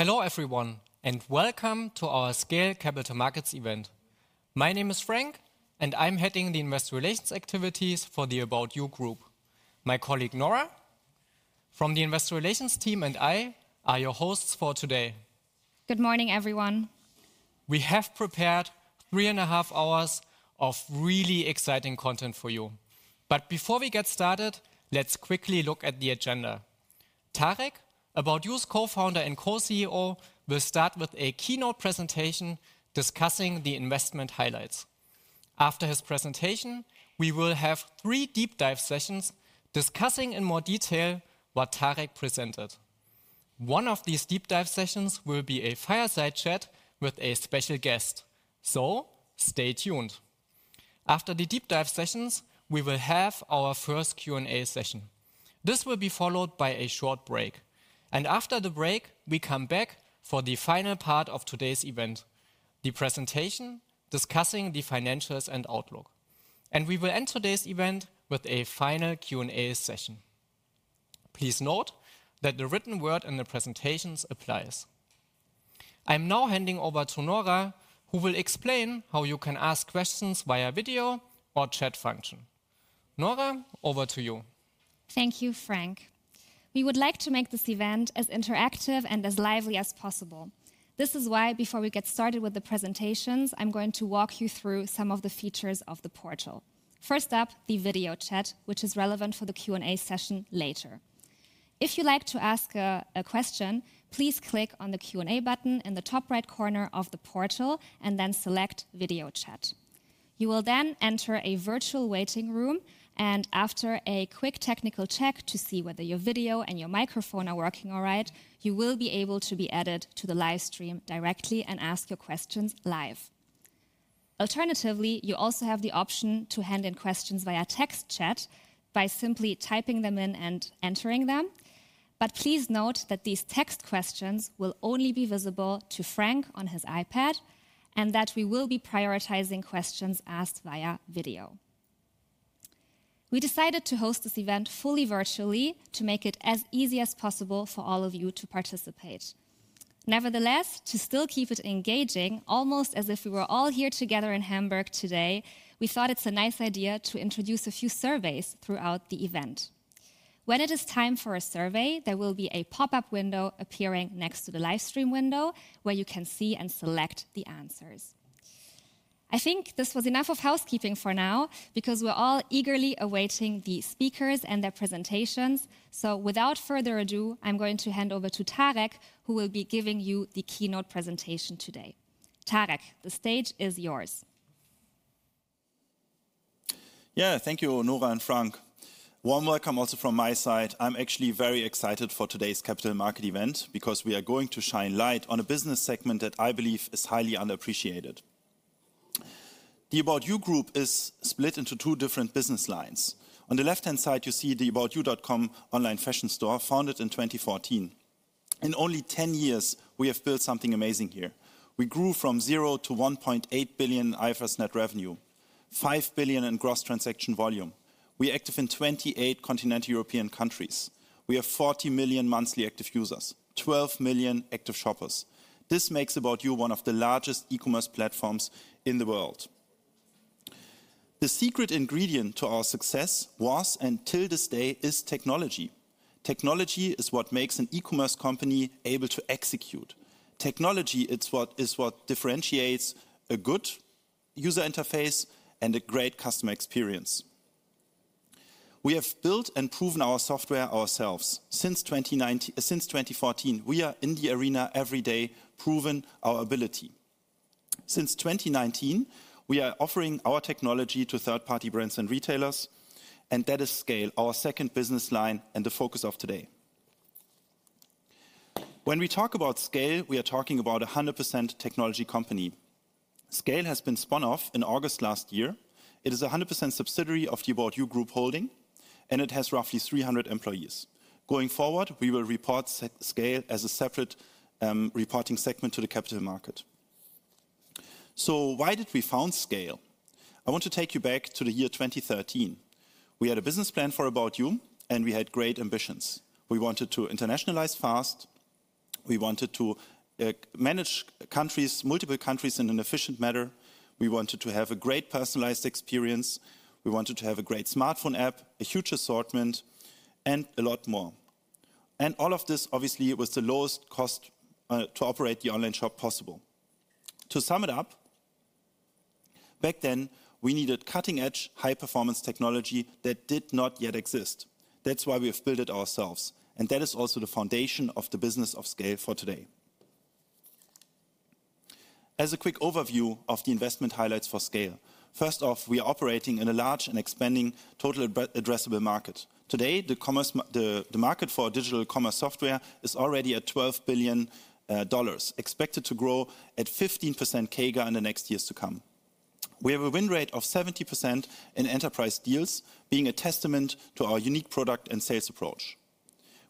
Hello everyone, and welcome to our SCAYLE Capital Markets event. My name is Frank, and I'm heading the Investor Relations activities for the ABOUT YOU Group. My colleague Nora from the Investor Relations team and I are your hosts for today. Good morning, everyone. We have prepared three and a half hours of really exciting content for you. But before we get started, let's quickly look at the agenda. Tarek, ABOUT YOU's Co-founder and Co-CEO, will start with a keynote presentation discussing the investment highlights. After his presentation, we will have three deep-dive sessions discussing in more detail what Tarek presented. One of these deep-dive sessions will be a fireside chat with a special guest. So stay tuned. After the deep-dive sessions, we will have our first Q&A session. This will be followed by a short break. And after the break, we come back for the final part of today's event, the presentation discussing the financials and outlook. And we will end today's event with a final Q&A session. Please note that the written word in the presentations applies. I'm now handing over to Nora, who will explain how you can ask questions via video or chat function. Nora, over to you. Thank you, Frank. We would like to make this event as interactive and as lively as possible. This is why, before we get started with the presentations, I'm going to walk you through some of the features of the portal. First up, the video chat, which is relevant for the Q&A session later. If you'd like to ask a question, please click on the Q&A button in the top right corner of the portal and then select video chat. You will then enter a virtual waiting room, and after a quick technical check to see whether your video and your microphone are working all right, you will be able to be added to the livestream directly and ask your questions live. Alternatively, you also have the option to hand in questions via text chat by simply typing them in and entering them. But please note that these text questions will only be visible to Frank on his iPad and that we will be prioritizing questions asked via video. We decided to host this event fully virtually to make it as easy as possible for all of you to participate. Nevertheless, to still keep it engaging, almost as if we were all here together in Hamburg today, we thought it's a nice idea to introduce a few surveys throughout the event. When it is time for a survey, there will be a pop-up window appearing next to the livestream window where you can see and select the answers. I think this was enough of housekeeping for now because we're all eagerly awaiting the speakers and their presentations. So without further ado, I'm going to hand over to Tarek, who will be giving you the keynote presentation today. Tarek, the stage is yours. Yeah, thank you, Nora and Frank. Warm welcome also from my side. I'm actually very excited for today's Capital Markets event because we are going to shine light on a business segment that I believe is highly underappreciated. The ABOUT YOU Group is split into two different business lines. On the left-hand side, you see the aboutyou.com online fashion store founded in 2014. In only 10 years, we have built something amazing here. We grew from 0 to 1.8 billion IFRS net revenue, 5 billion in gross transaction volume. We're active in 28 continental European countries. We have 40 million monthly active users, 12 million active shoppers. This makes ABOUT YOU one of the largest e-commerce platforms in the world. The secret ingredient to our success was, and till this day, is technology. Technology is what makes an e-commerce company able to execute. Technology is what differentiates a good user interface and a great customer experience. We have built and proven our software ourselves. Since 2014, we are in the arena every day proving our ability. Since 2019, we are offering our technology to third-party brands and retailers, and that is SCAYLE, our second business line and the focus of today. When we talk about SCAYLE, we are talking about a 100% technology company. SCAYLE has been spun off in August last year. It is a 100% subsidiary of the ABOUT YOU Group Holding, and it has roughly 300 employees. Going forward, we will report SCAYLE as a separate reporting segment to the capital market. So why did we found SCAYLE? I want to take you back to the year 2013. We had a business plan for ABOUT YOU, and we had great ambitions. We wanted to internationalize fast. We wanted to manage multiple countries in an efficient manner. We wanted to have a great personalized experience. We wanted to have a great smartphone app, a huge assortment, and a lot more. And all of this, obviously, with the lowest cost to operate the online shop possible. To sum it up, back then, we needed cutting-edge, high-performance technology that did not yet exist. That's why we have built it ourselves. And that is also the foundation of the business of SCAYLE for today. As a quick overview of the investment highlights for SCAYLE, first off, we are operating in a large and expanding total addressable market. Today, the market for digital commerce software is already at $12 billion, expected to grow at 15% CAGR in the next years to come. We have a win rate of 70% in enterprise deals, being a testament to our unique product and sales approach.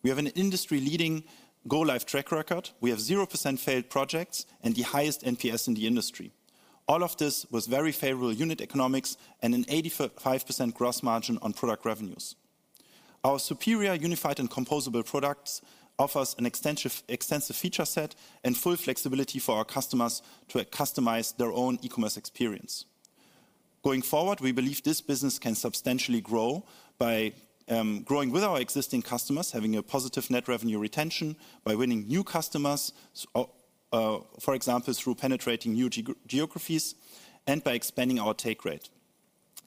We have an industry-leading go-live track record. We have 0% failed projects and the highest NPS in the industry. All of this with very favorable unit economics and an 85% gross margin on product revenues. Our superior unified and composable products offer an extensive feature set and full flexibility for our customers to customize their own e-commerce experience. Going forward, we believe this business can substantially grow by growing with our existing customers, having a positive net revenue retention, by winning new customers, for example, through penetrating new geographies, and by expanding our take rate.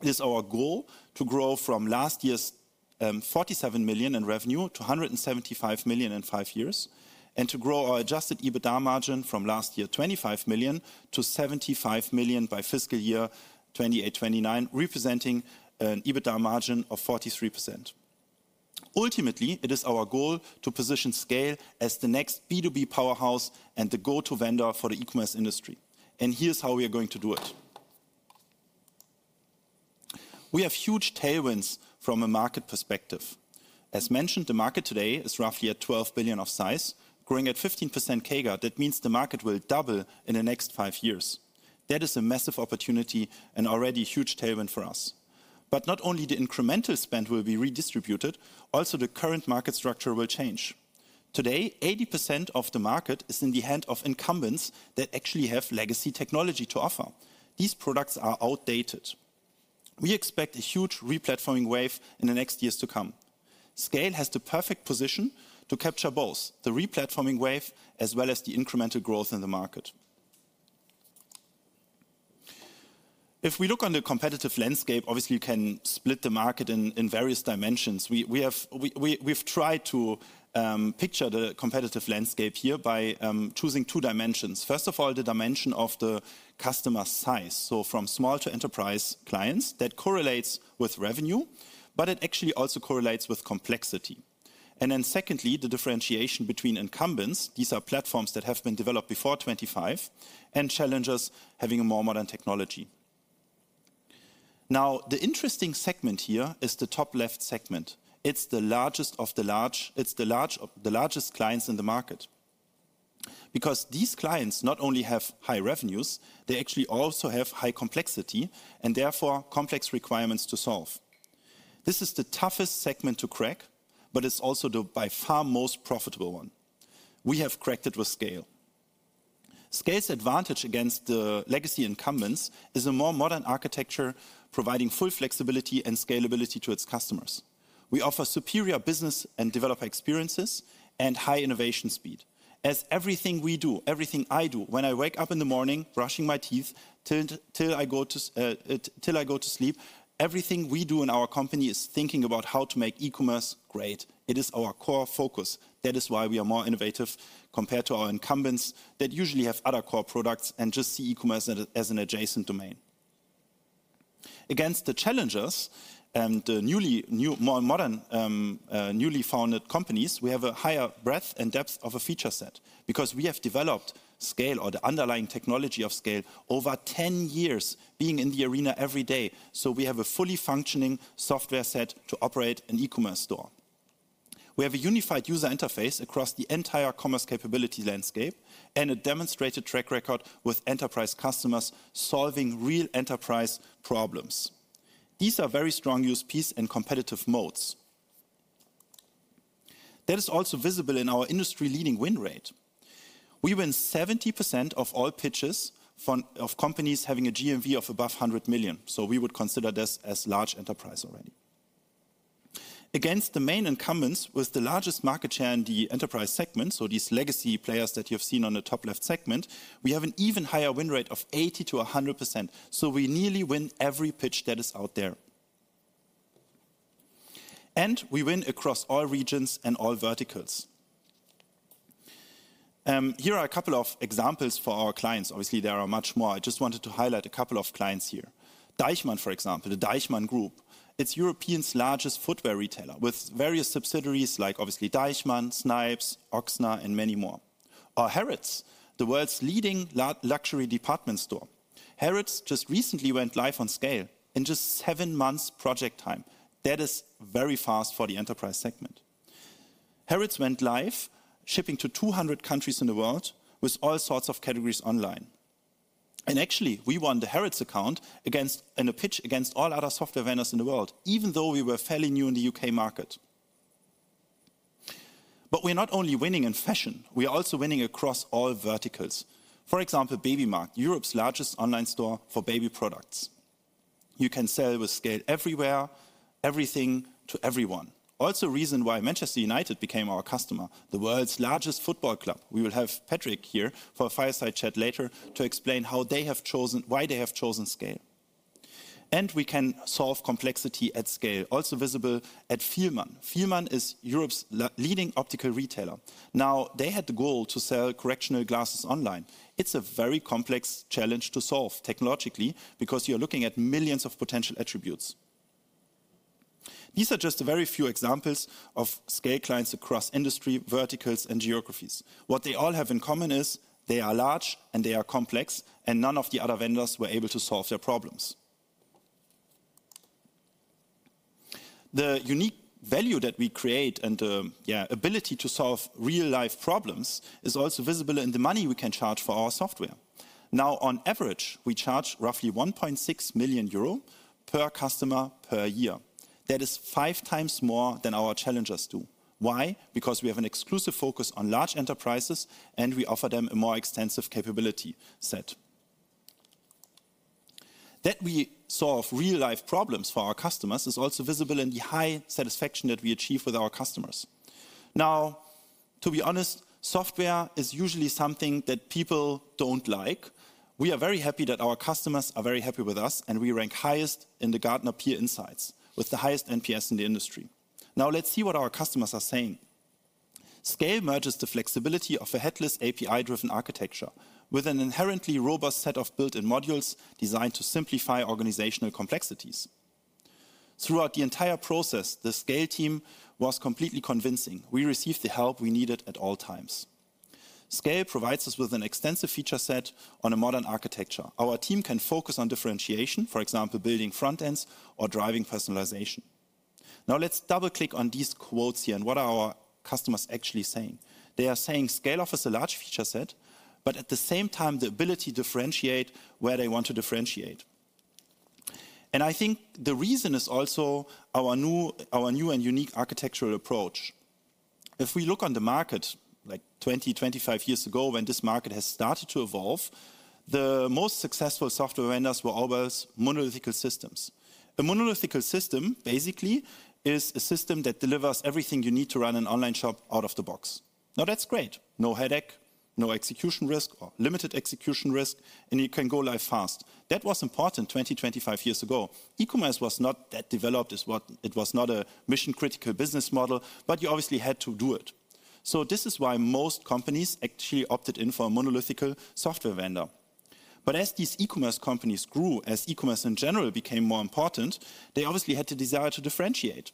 It is our goal to grow from last year's 47 million in revenue to 175 million in five years and to grow our adjusted EBITDA margin from last year's 25 million to 75 million by fiscal year 2028-2029, representing an EBITDA margin of 43%. Ultimately, it is our goal to position SCAYLE as the next B2B powerhouse and the go-to vendor for the e-commerce industry. And here's how we are going to do it. We have huge tailwinds from a market perspective. As mentioned, the market today is roughly at 12 billion of size, growing at 15% CAGR. That means the market will double in the next five years. That is a massive opportunity and already a huge tailwind for us. But not only the incremental spend will be redistributed, also the current market structure will change. Today, 80% of the market is in the hands of incumbents that actually have legacy technology to offer. These products are outdated. We expect a huge replatforming wave in the next years to come. SCAYLE has the perfect position to capture both the replatforming wave as well as the incremental growth in the market. If we look on the competitive landscape, obviously, you can split the market in various dimensions. We've tried to picture the competitive landscape here by choosing two dimensions. First of all, the dimension of the customer size. So from small to enterprise clients, that correlates with revenue, but it actually also correlates with complexity. And then secondly, the differentiation between incumbents, these are platforms that have been developed before 2025, and challengers having a more modern technology. Now, the interesting segment here is the top left segment. It's the largest of the large. It's the largest clients in the market. Because these clients not only have high revenues, they actually also have high complexity and therefore complex requirements to solve. This is the toughest segment to crack, but it's also the by far most profitable one. We have cracked it with SCAYLE. SCAYLE's advantage against the legacy incumbents is a more modern architecture providing full flexibility and scalability to its customers. We offer superior business and developer experiences and high innovation speed. As everything we do, everything I do, when I wake up in the morning brushing my teeth till I go to sleep, everything we do in our company is thinking about how to make e-commerce great. It is our core focus. That is why we are more innovative compared to our incumbents that usually have other core products and just see e-commerce as an adjacent domain. Against the challengers of the newly founded companies, we have a higher breadth and depth of a feature set because we have developed SCAYLE or the underlying technology of SCAYLE over 10 years, being in the arena every day. So we have a fully functioning software set to operate an e-commerce store. We have a unified user interface across the entire commerce capability landscape and a demonstrated track record with enterprise customers solving real enterprise problems. These are very strong use cases and competitive moats. That is also visible in our industry-leading win rate. We win 70% of all pitches of companies having a GMV of above 100 million. So we would consider this as large enterprise already. Against the main incumbents, with the largest market share in the enterprise segment, so these legacy players that you have seen on the top left segment, we have an even higher win rate of 80%-100%. So we nearly win every pitch that is out there. And we win across all regions and all verticals. Here are a couple of examples for our clients. Obviously, there are much more. I just wanted to highlight a couple of clients here. DEICHMANN, for example, the DEICHMANN Group. It's Europe's largest footwear retailer with various subsidiaries like obviously DEICHMANN, SNIPES, Ochsner and many more. Or Harrods, the world's leading luxury department store. Harrods just recently went live on SCAYLE in just seven months' project time. That is very fast for the enterprise segment. Harrods went live, shipping to 200 countries in the world with all sorts of categories online. Actually, we won the Harrods account in a pitch against all other software vendors in the world, even though we were fairly new in the U.K. market. But we are not only winning in fashion. We are also winning across all verticals. For example, Babymarkt, Europe's largest online store for baby products. You can sell with SCAYLE everywhere, everything to everyone. Also a reason why Manchester United became our customer, the world's largest football club. We will have Patrick here for a fireside chat later to explain how they have chosen, why they have chosen SCAYLE. We can solve complexity at SCAYLE, also visible at Fielmann. Fielmann is Europe's leading optical retailer. Now, they had the goal to sell prescription glasses online. It's a very complex challenge to solve technologically because you are looking at millions of potential attributes. These are just very few examples of SCAYLE clients across industry verticals and geographies. What they all have in common is they are large and they are complex, and none of the other vendors were able to solve their problems. The unique value that we create and the ability to solve real-life problems is also visible in the money we can charge for our software. Now, on average, we charge roughly 1.6 million euro per customer per year. That is five times more than our challengers do. Why? Because we have an exclusive focus on large enterprises, and we offer them a more extensive capability set. That we solve real-life problems for our customers is also visible in the high satisfaction that we achieve with our customers. Now, to be honest, software is usually something that people don't like. We are very happy that our customers are very happy with us, and we rank highest in the Gartner Peer Insights with the highest NPS in the industry. Now, let's see what our customers are saying. SCAYLE merges the flexibility of a headless API-driven architecture with an inherently robust set of built-in modules designed to simplify organizational complexities. Throughout the entire process, the SCAYLE team was completely convincing. We received the help we needed at all times. SCAYLE provides us with an extensive feature set on a modern architecture. Our team can focus on differentiation, for example, building front ends or driving personalization. Now, let's double-click on these quotes here and what are our customers actually saying. They are saying SCAYLE offers a large feature set, but at the same time, the ability to differentiate where they want to differentiate. And I think the reason is also our new and unique architectural approach. If we look on the market like 20-25 years ago when this market has started to evolve, the most successful software vendors were all those monolithic systems. A monolithic system basically is a system that delivers everything you need to run an online shop out of the box. Now, that's great. No headache, no execution risk, or limited execution risk, and you can go live fast. That was important 20-25 years ago. E-commerce was not that developed as what it was, not a mission-critical business model, but you obviously had to do it. So this is why most companies actually opted in for a monolithic software vendor. But as these e-commerce companies grew, as e-commerce in general became more important, they obviously had the desire to differentiate.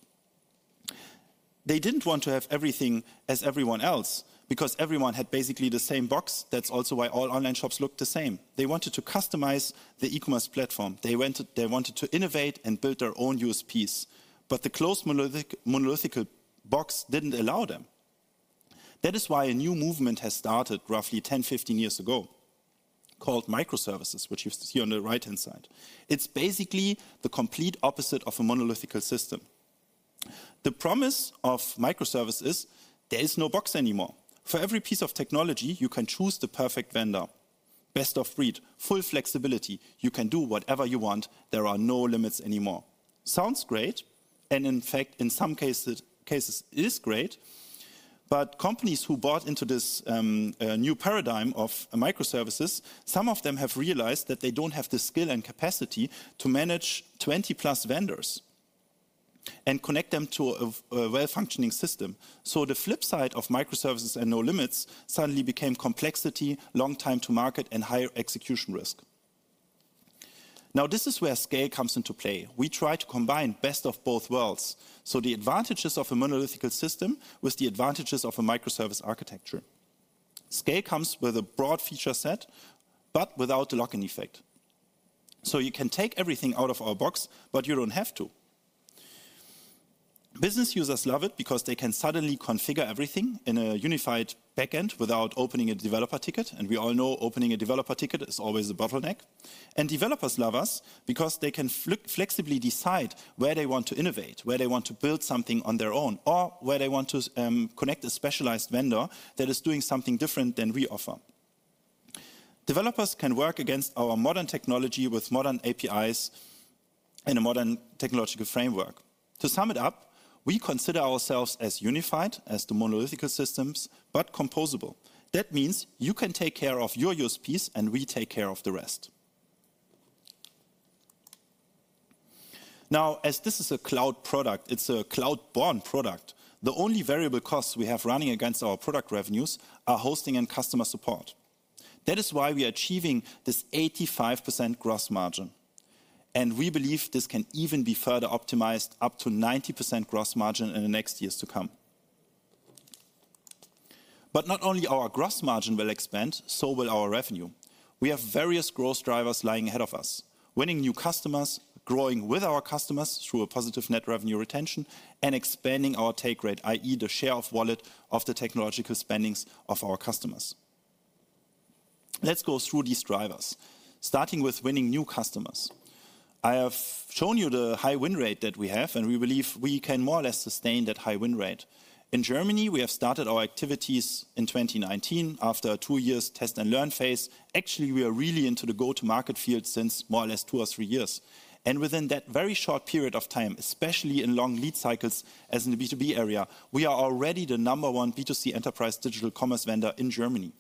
They didn't want to have everything as everyone else because everyone had basically the same box. That's also why all online shops look the same. They wanted to customize the e-commerce platform. They wanted to innovate and build their own use case. But the closed monolithic box didn't allow them. That is why a new movement has started roughly 10,-15 years ago called microservices, which you see on the right-hand side. It's basically the complete opposite of a monolithic system. The promise of microservices is there is no box anymore. For every piece of technology, you can choose the perfect vendor. Best of breed, full flexibility. You can do whatever you want. There are no limits anymore. Sounds great. And in fact, in some cases, it is great. But companies who bought into this new paradigm of microservices, some of them have realized that they don't have the skill and capacity to manage 20+ vendors and connect them to a well-functioning system. So the flip side of microservices and no limits suddenly became complexity, long time to market, and higher execution risk. Now, this is where SCAYLE comes into play. We try to combine best of both worlds. So the advantages of a monolithic system with the advantages of a microservice architecture. SCAYLE comes with a broad feature set, but without the lock-in effect. So you can take everything out of our box, but you don't have to. Business users love it because they can suddenly configure everything in a unified backend without opening a developer ticket. And we all know opening a developer ticket is always a bottleneck. And developers love us because they can flexibly decide where they want to innovate, where they want to build something on their own, or where they want to connect a specialized vendor that is doing something different than we offer. Developers can work against our modern technology with modern APIs and a modern technological framework. To sum it up, we consider ourselves as unified as the monolithic systems, but composable. That means you can take care of your use case and we take care of the rest. Now, as this is a cloud product, it's a cloud-native product. The only variable costs we have running against our product revenues are hosting and customer support. That is why we are achieving this 85% gross margin. And we believe this can even be further optimized up to 90% gross margin in the next years to come. But not only our gross margin will expand, so will our revenue. We have various growth drivers lying ahead of us, winning new customers, growing with our customers through a positive net revenue retention, and expanding our take rate, i.e., the share of wallet of the technological spendings of our customers. Let's go through these drivers, starting with winning new customers. I have shown you the high win rate that we have, and we believe we can more or less sustain that high win rate. In Germany, we have started our activities in 2019 after a two-year test and learn phase. Actually, we are really into the go-to-market field since more or less two or three years. And within that very short period of time, especially in long lead cycles as in the B2B area, we are already the number one B2C enterprise digital commerce vendor in Germany.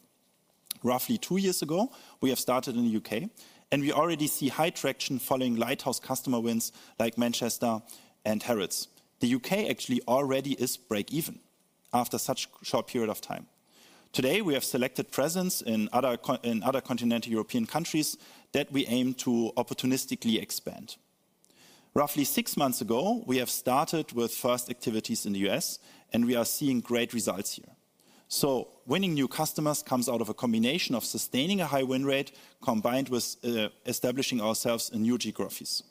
Roughly two years ago, we have started in the U.K., and we already see high traction following lighthouse customer wins like Manchester and Harrods. The U.K. actually already is break-even after such a short period of time. Today, we have selected presence in other continental European countries that we aim to opportunistically expand. Roughly six months ago, we have started with first activities in the U.S., and we are seeing great results here. So winning new customers comes out of a combination of sustaining a high win rate combined with establishing ourselves in new geographies.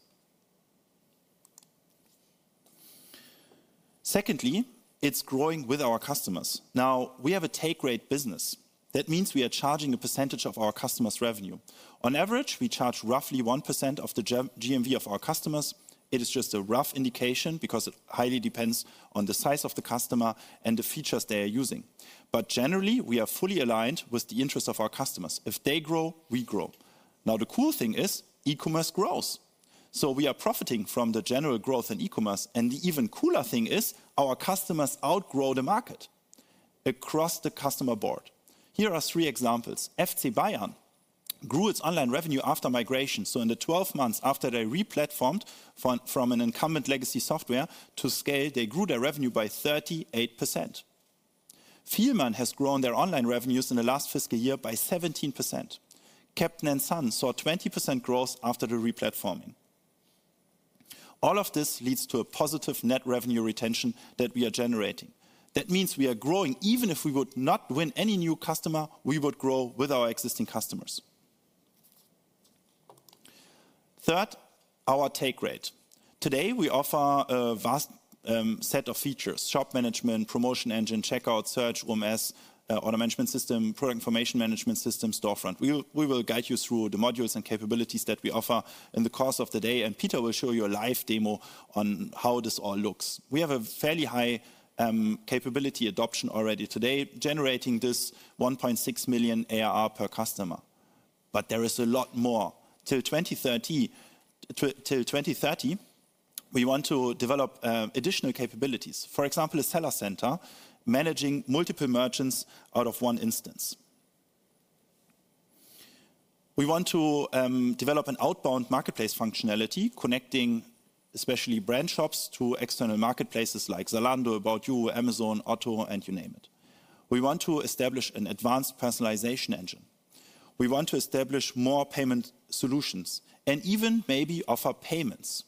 Secondly, it's growing with our customers. Now, we have a take-rate business. That means we are charging a percentage of our customers' revenue. On average, we charge roughly 1% of the GMV of our customers. It is just a rough indication because it highly depends on the size of the customer and the features they are using. But generally, we are fully aligned with the interests of our customers. If they grow, we grow. Now, the cool thing is e-commerce grows. So we are profiting from the general growth in e-commerce. And the even cooler thing is our customers outgrow the market across the customer board. Here are three examples. FC Bayern grew its online revenue after migration. So in the 12 months after they replatformed from an incumbent legacy software to SCAYLE, they grew their revenue by 38%. Fielmann has grown their online revenues in the last fiscal year by 17%. Kapten & Son saw 20% growth after the replatforming. All of this leads to a positive net revenue retention that we are generating. That means we are growing. Even if we would not win any new customer, we would grow with our existing customers. Third, our take rate. Today, we offer a vast set of features: shop management, promotion engine, checkout, search, OMS, order management system, product information management system, storefront. We will guide you through the modules and capabilities that we offer in the course of the day, and Peter will show you a live demo on how this all looks. We have a fairly high capability adoption already today, generating this 1.6 million ARR per customer, but there is a lot more. Till 2030, we want to develop additional capabilities, for example, a seller center managing multiple merchants out of one instance. We want to develop an outbound marketplace functionality, connecting especially brand shops to external marketplaces like Zalando, ABOUT YOU, Amazon, Otto, and you name it. We want to establish an advanced personalization engine. We want to establish more payment solutions and even maybe offer payments.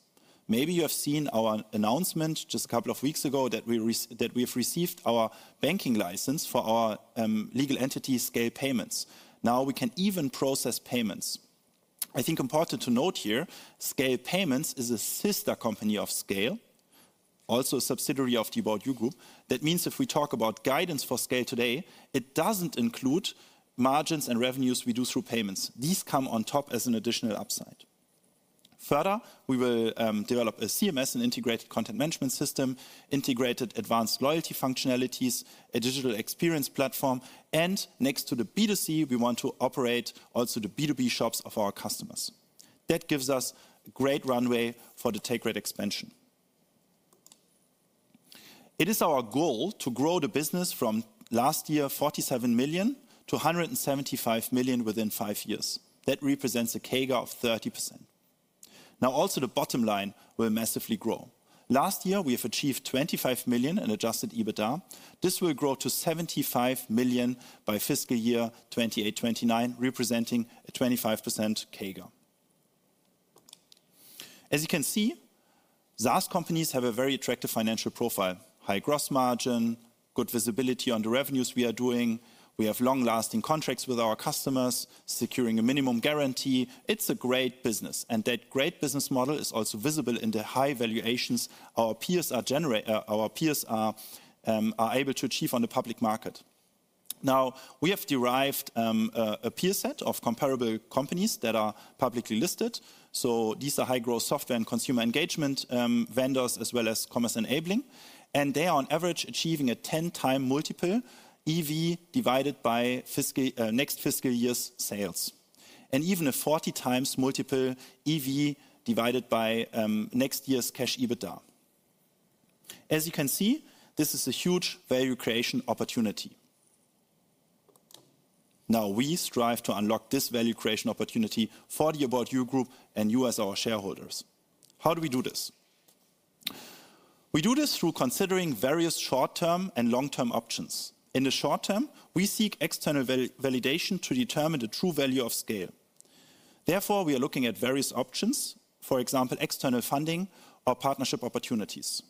Maybe you have seen our announcement just a couple of weeks ago that we have received our banking license for our legal entity SCAYLE Payments. Now we can even process payments. I think it's important to note here, SCAYLE Payments is a sister company of SCAYLE, also a subsidiary of the ABOUT YOU Group. That means if we talk about guidance for SCAYLE today, it doesn't include margins and revenues we do through payments. These come on top as an additional upside. Further, we will develop a CMS, an integrated content management system, integrated advanced loyalty functionalities, a digital experience platform. Next to the B2C, we want to operate also the B2B shops of our customers. That gives us a great runway for the take-rate expansion. It is our goal to grow the business from last year's 47 million to 175 million within five years. That represents a CAGR of 30%. Now, also the bottom line will massively grow. Last year, we have achieved 25 million in adjusted EBITDA. This will grow to 75 million by fiscal year 2028-2029, representing a 25% CAGR. As you can see, SaaS companies have a very attractive financial profile, high gross margin, good visibility on the revenues we are doing. We have long-lasting contracts with our customers, securing a minimum guarantee. It's a great business. And that great business model is also visible in the high valuations our peers are able to achieve on the public market. Now, we have derived a peer set of comparable companies that are publicly listed. So these are high-growth software and consumer engagement vendors as well as commerce enabling. And they are on average achieving a 10-time multiple EV divided by next fiscal year's sales, and even a 40-times multiple EV divided by next year's cash EBITDA. As you can see, this is a huge value creation opportunity. Now, we strive to unlock this value creation opportunity for the ABOUT YOU Group and you as our shareholders. How do we do this? We do this through considering various short-term and long-term options. In the short term, we seek external validation to determine the true value of SCAYLE. Therefore, we are looking at various options, for example, external funding or partnership opportunities.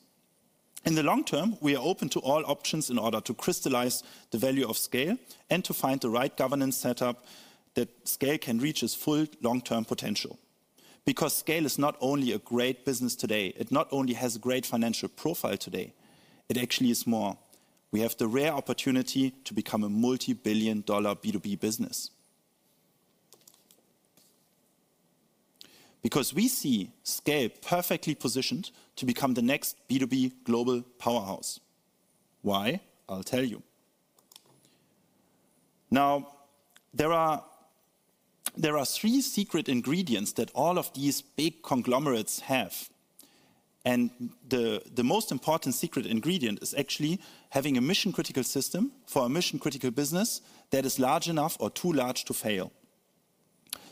In the long term, we are open to all options in order to crystallize the value of SCAYLE and to find the right governance setup that SCAYLE can reach its full long-term potential. Because SCAYLE is not only a great business today, it not only has a great financial profile today, it actually is more. We have the rare opportunity to become a multi-billion dollar B2B business. Because we see SCAYLE perfectly positioned to become the next B2B global powerhouse. Why? I'll tell you. Now, there are three secret ingredients that all of these big conglomerates have. And the most important secret ingredient is actually having a mission-critical system for a mission-critical business that is large enough or too large to fail.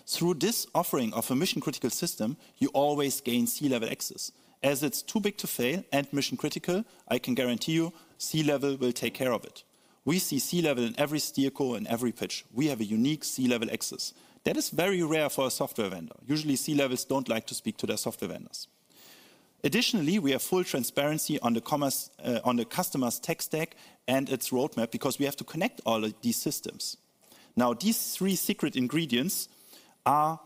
Through this offering of a mission-critical system, you always gain C-level access. As it's too big to fail and mission-critical, I can guarantee you C-level will take care of it. We see C-level in every steer call and every pitch. We have a unique C-level access. That is very rare for a software vendor. Usually, C-levels don't like to speak to their software vendors. Additionally, we have full transparency on the customer's tech stack and its roadmap because we have to connect all of these systems. Now, these three secret ingredients are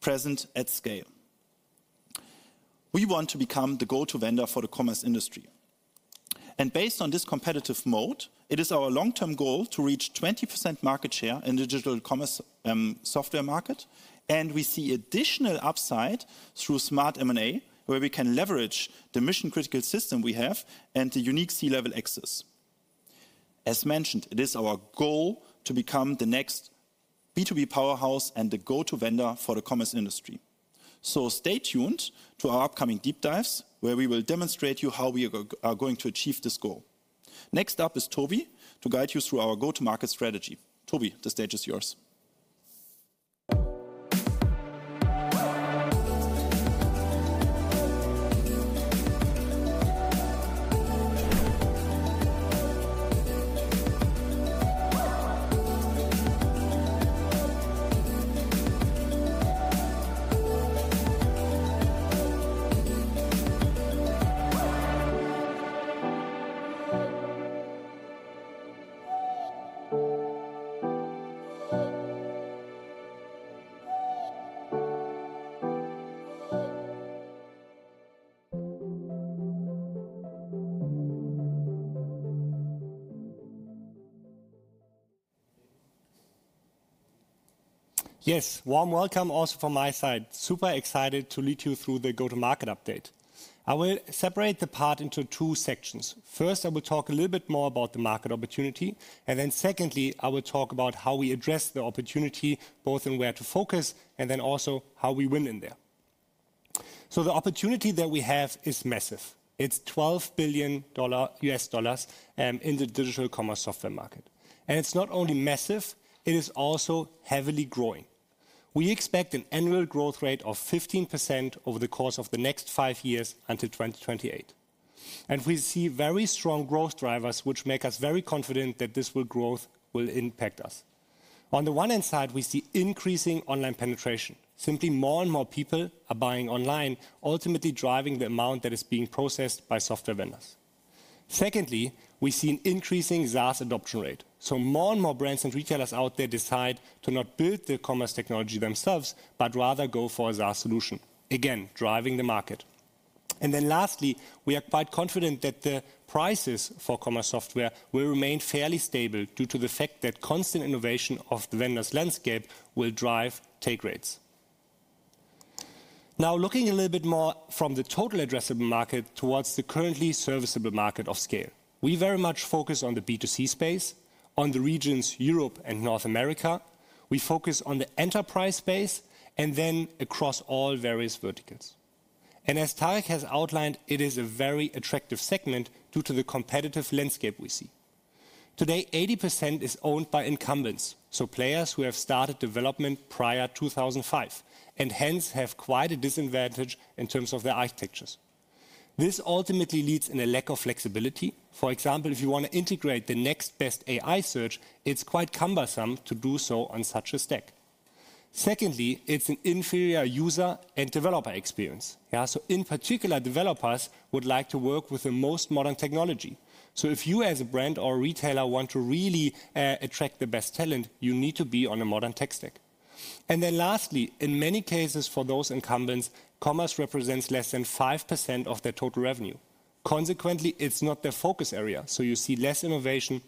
present at SCAYLE. We want to become the go-to vendor for the commerce industry, and based on this competitive mode, it is our long-term goal to reach 20% market share in the digital commerce software market. And we see additional upside through smart M&A, where we can leverage the mission-critical system we have and the unique C-level access. As mentioned, it is our goal to become the next B2B powerhouse and the go-to vendor for the commerce industry, so stay tuned to our upcoming deep dives, where we will demonstrate to you how we are going to achieve this goal. Next up is Tobi to guide you through our go-to-market strategy. Tobi, the stage is yours. Yes, warm welcome also from my side. Super excited to lead you through the go-to-market update. I will separate the part into two sections. First, I will talk a little bit more about the market opportunity, and then secondly, I will talk about how we address the opportunity, both in where to focus and then also how we win in there, so the opportunity that we have is massive. It's $12 billion in the digital commerce software market, and it's not only massive, it is also heavily growing. We expect an annual growth rate of 15% over the course of the next five years until 2028, and we see very strong growth drivers, which make us very confident that this growth will impact us. On the one hand side, we see increasing online penetration. Simply more and more people are buying online, ultimately driving the amount that is being processed by software vendors. Secondly, we see an increasing SaaS adoption rate. So more and more brands and retailers out there decide to not build the commerce technology themselves, but rather go for a SaaS solution, again, driving the market. And then lastly, we are quite confident that the prices for commerce software will remain fairly stable due to the fact that constant innovation of the vendors' landscape will drive take rates. Now, looking a little bit more from the total addressable market towards the currently serviceable market of SCAYLE, we very much focus on the B2C space, on the regions Europe and North America. We focus on the enterprise space, and then across all various verticals. And as Tarek has outlined, it is a very attractive segment due to the competitive landscape we see. Today, 80% is owned by incumbents, so players who have started development prior to 2005, and hence have quite a disadvantage in terms of their architectures. This ultimately leads to a lack of flexibility. For example, if you want to integrate the next best AI search, it's quite cumbersome to do so on such a stack. Secondly, it's an inferior user and developer experience. So in particular, developers would like to work with the most modern technology. So if you as a brand or retailer want to really attract the best talent, you need to be on a modern tech stack. And then lastly, in many cases for those incumbents, commerce represents less than 5% of their total revenue. Consequently, it's not their focus area. So you see less innovation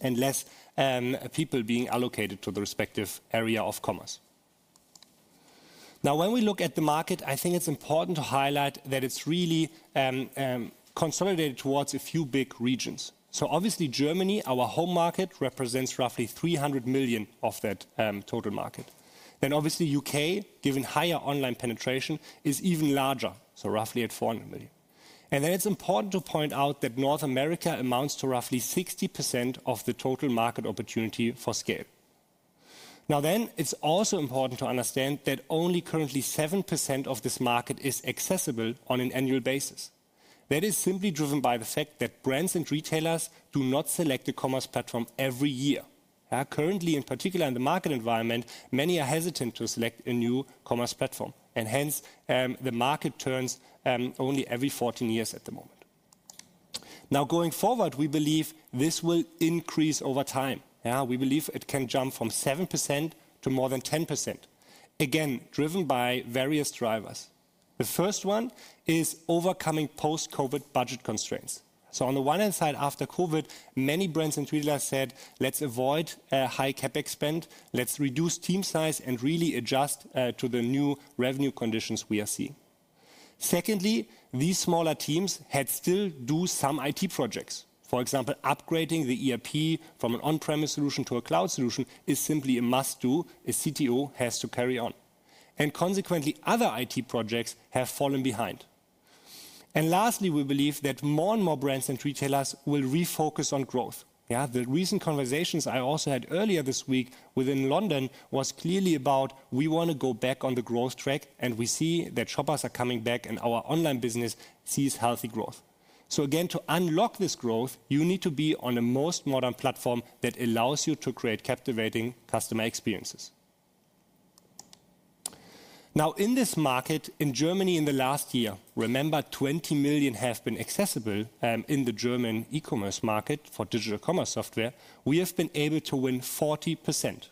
and less people being allocated to the respective area of commerce. Now, when we look at the market, I think it's important to highlight that it's really consolidated towards a few big regions. So obviously, Germany, our home market, represents roughly 300 million of that total market. Then obviously, the U.K., given higher online penetration, is even larger, so roughly 400 million. And then it's important to point out that North America amounts to roughly 60% of the total market opportunity for SCAYLE. Now then, it's also important to understand that only currently 7% of this market is accessible on an annual basis. That is simply driven by the fact that brands and retailers do not select a commerce platform every year. Currently, in particular, in the market environment, many are hesitant to select a new commerce platform, and hence, the market turns only every 14 years at the moment. Now, going forward, we believe this will increase over time. We believe it can jump from 7% to more than 10%, again, driven by various drivers. The first one is overcoming post-COVID budget constraints. So on the one hand side, after COVID, many brands and retailers said, "Let's avoid a high CapEx. Let's reduce team size and really adjust to the new revenue conditions we are seeing." Secondly, these smaller teams had still to do some IT projects. For example, upgrading the ERP from an on-premise solution to a cloud solution is simply a must-do. A CTO has to carry on. And consequently, other IT projects have fallen behind. And lastly, we believe that more and more brands and retailers will refocus on growth. The recent conversations I also had earlier this week in London were clearly about, "We want to go back on the growth track, and we see that shoppers are coming back, and our online business sees healthy growth." Again, to unlock this growth, you need to be on the most modern platform that allows you to create captivating customer experiences. Now, in this market, in Germany in the last year, remember, 20 million have been accessible in the German e-commerce market for digital commerce software. We have been able to win 40%.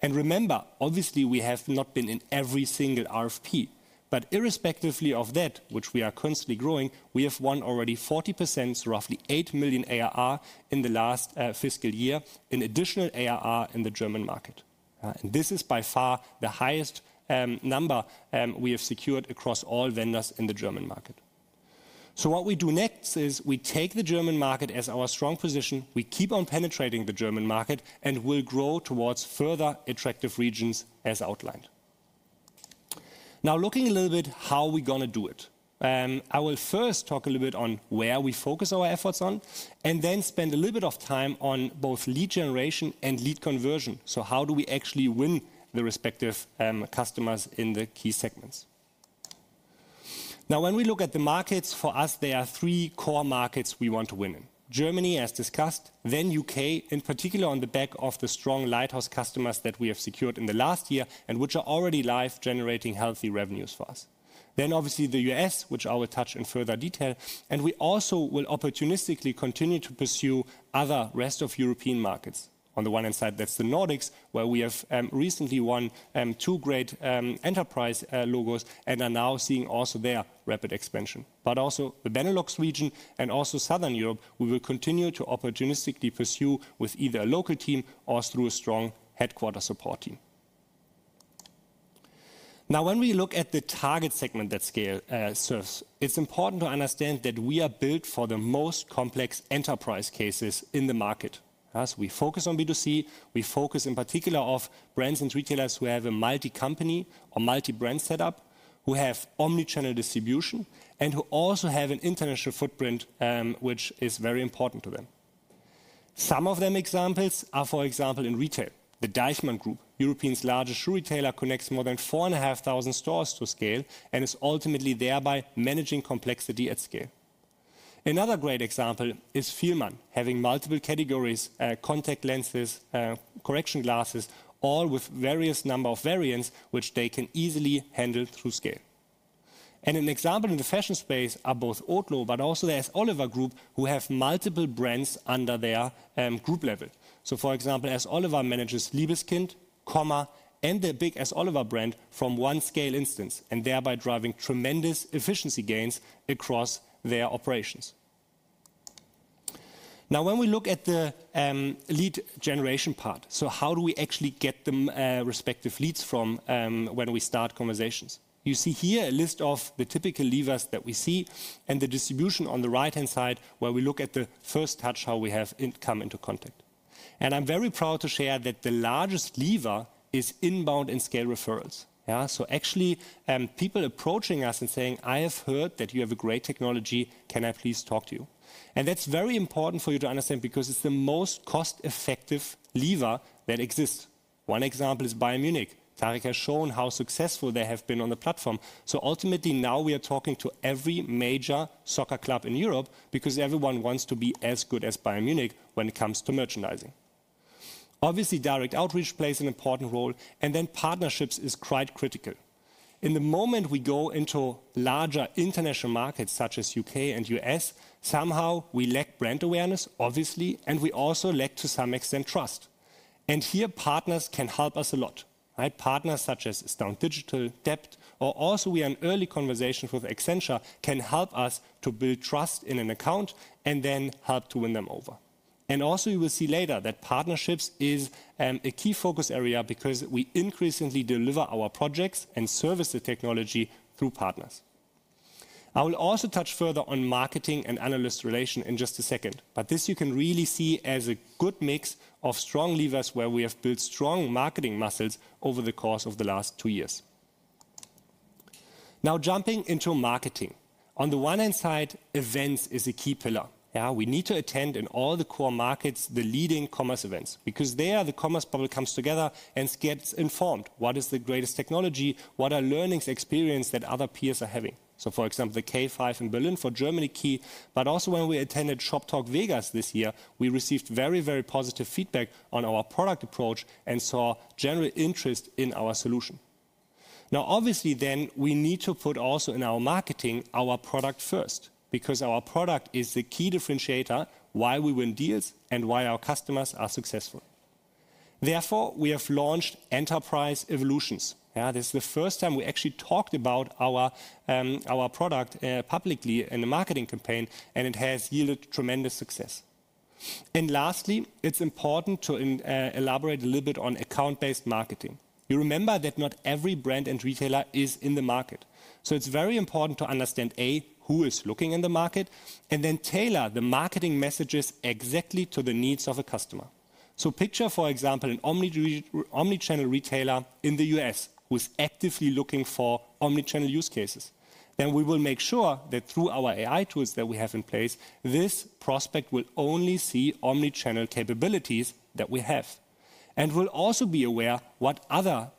And remember, obviously, we have not been in every single RFP. But irrespective of that, which we are constantly growing, we have won already 40%, so roughly 8 million ARR in the last fiscal year, in additional ARR in the German market. And this is by far the highest number we have secured across all vendors in the German market. So what we do next is we take the German market as our strong position. We keep on penetrating the German market and will grow towards further attractive regions as outlined. Now, looking a little bit at how we're going to do it, I will first talk a little bit on where we focus our efforts on and then spend a little bit of time on both lead generation and lead conversion. So how do we actually win the respective customers in the key segments? Now, when we look at the markets, for us, there are three core markets we want to win in: Germany, as discussed, then U.K., in particular on the back of the strong lighthouse customers that we have secured in the last year and which are already live generating healthy revenues for us, then obviously the U.S., which I will touch in further detail, and we also will opportunistically continue to pursue other rest of European markets. On the one hand side, that's the Nordics, where we have recently won two great enterprise logos and are now seeing also their rapid expansion, but also the Benelux region and also Southern Europe, we will continue to opportunistically pursue with either a local team or through a strong headquarters support team. Now, when we look at the target segment that SCAYLE serves, it's important to understand that we are built for the most complex enterprise cases in the market. We focus on B2C. We focus in particular on brands and retailers who have a multi-company or multi-brand setup, who have omnichannel distribution, and who also have an international footprint, which is very important to them. Some of them examples are, for example, in retail. The DEICHMANN Group, Europe's largest shoe retailer, connects more than 4,500 stores to SCAYLE and is ultimately thereby managing complexity at SCAYLE. Another great example is Fielmann, having multiple categories: contact lenses, correction glasses, all with various number of variants, which they can easily handle through SCAYLE. And an example in the fashion space are both Otto but also the s.Oliver Group, who have multiple brands under their group level. So, for example, s.Oliver manages Liebeskind, Comma, and their big s.Oliver brand from one SCAYLE instance, and thereby driving tremendous efficiency gains across their operations. Now, when we look at the lead generation part, so how do we actually get the respective leads from when we start conversations? You see here a list of the typical levers that we see and the distribution on the right-hand side where we look at the first touch how we have come into contact. I'm very proud to share that the largest lever is inbound and SCAYLE referrals. So actually, people approaching us and saying, "I have heard that you have a great technology. Can I please talk to you?" That's very important for you to understand because it's the most cost-effective lever that exists. One example is Bayern Munich. Tarek has shown how successful they have been on the platform. So ultimately, now we are talking to every major soccer club in Europe because everyone wants to be as good as Bayern Munich when it comes to merchandising. Obviously, direct outreach plays an important role. And then partnerships is quite critical. In the moment we go into larger international markets such as U.K. and U.S., somehow we lack brand awareness, obviously, and we also lack to some extent trust. And here partners can help us a lot. Partners such as Stone Digital, DEPT, or also we have early conversations with Accenture can help us to build trust in an account and then help to win them over. And also you will see later that partnerships is a key focus area because we increasingly deliver our projects and service the technology through partners. I will also touch further on marketing and analyst relation in just a second. But this you can really see as a good mix of strong levers where we have built strong marketing muscles over the course of the last two years. Now, jumping into marketing. On the one hand, events is a key pillar. We need to attend in all the core markets the leading commerce events because there the commerce public comes together and gets informed what is the greatest technology, what are learning experiences that other peers are having. So, for example, the K5 in Berlin for Germany, key. But also when we attended Shoptalk Las Vegas this year, we received very, very positive feedback on our product approach and saw general interest in our solution. Now, obviously then we need to put also in our marketing our product first because our product is the key differentiator why we win deals and why our customers are successful. Therefore, we have launched Enterprise Evolutions. This is the first time we actually talked about our product publicly in a marketing campaign, and it has yielded tremendous success. And lastly, it's important to elaborate a little bit on account-based marketing. You remember that not every brand and retailer is in the market. So it's very important to understand, A, who is looking in the market, and then tailor the marketing messages exactly to the needs of a customer. So picture, for example, an omnichannel retailer in the U.S. who is actively looking for omnichannel use cases. Then we will make sure that through our AI tools that we have in place, this prospect will only see omnichannel capabilities that we have. We'll also be aware what other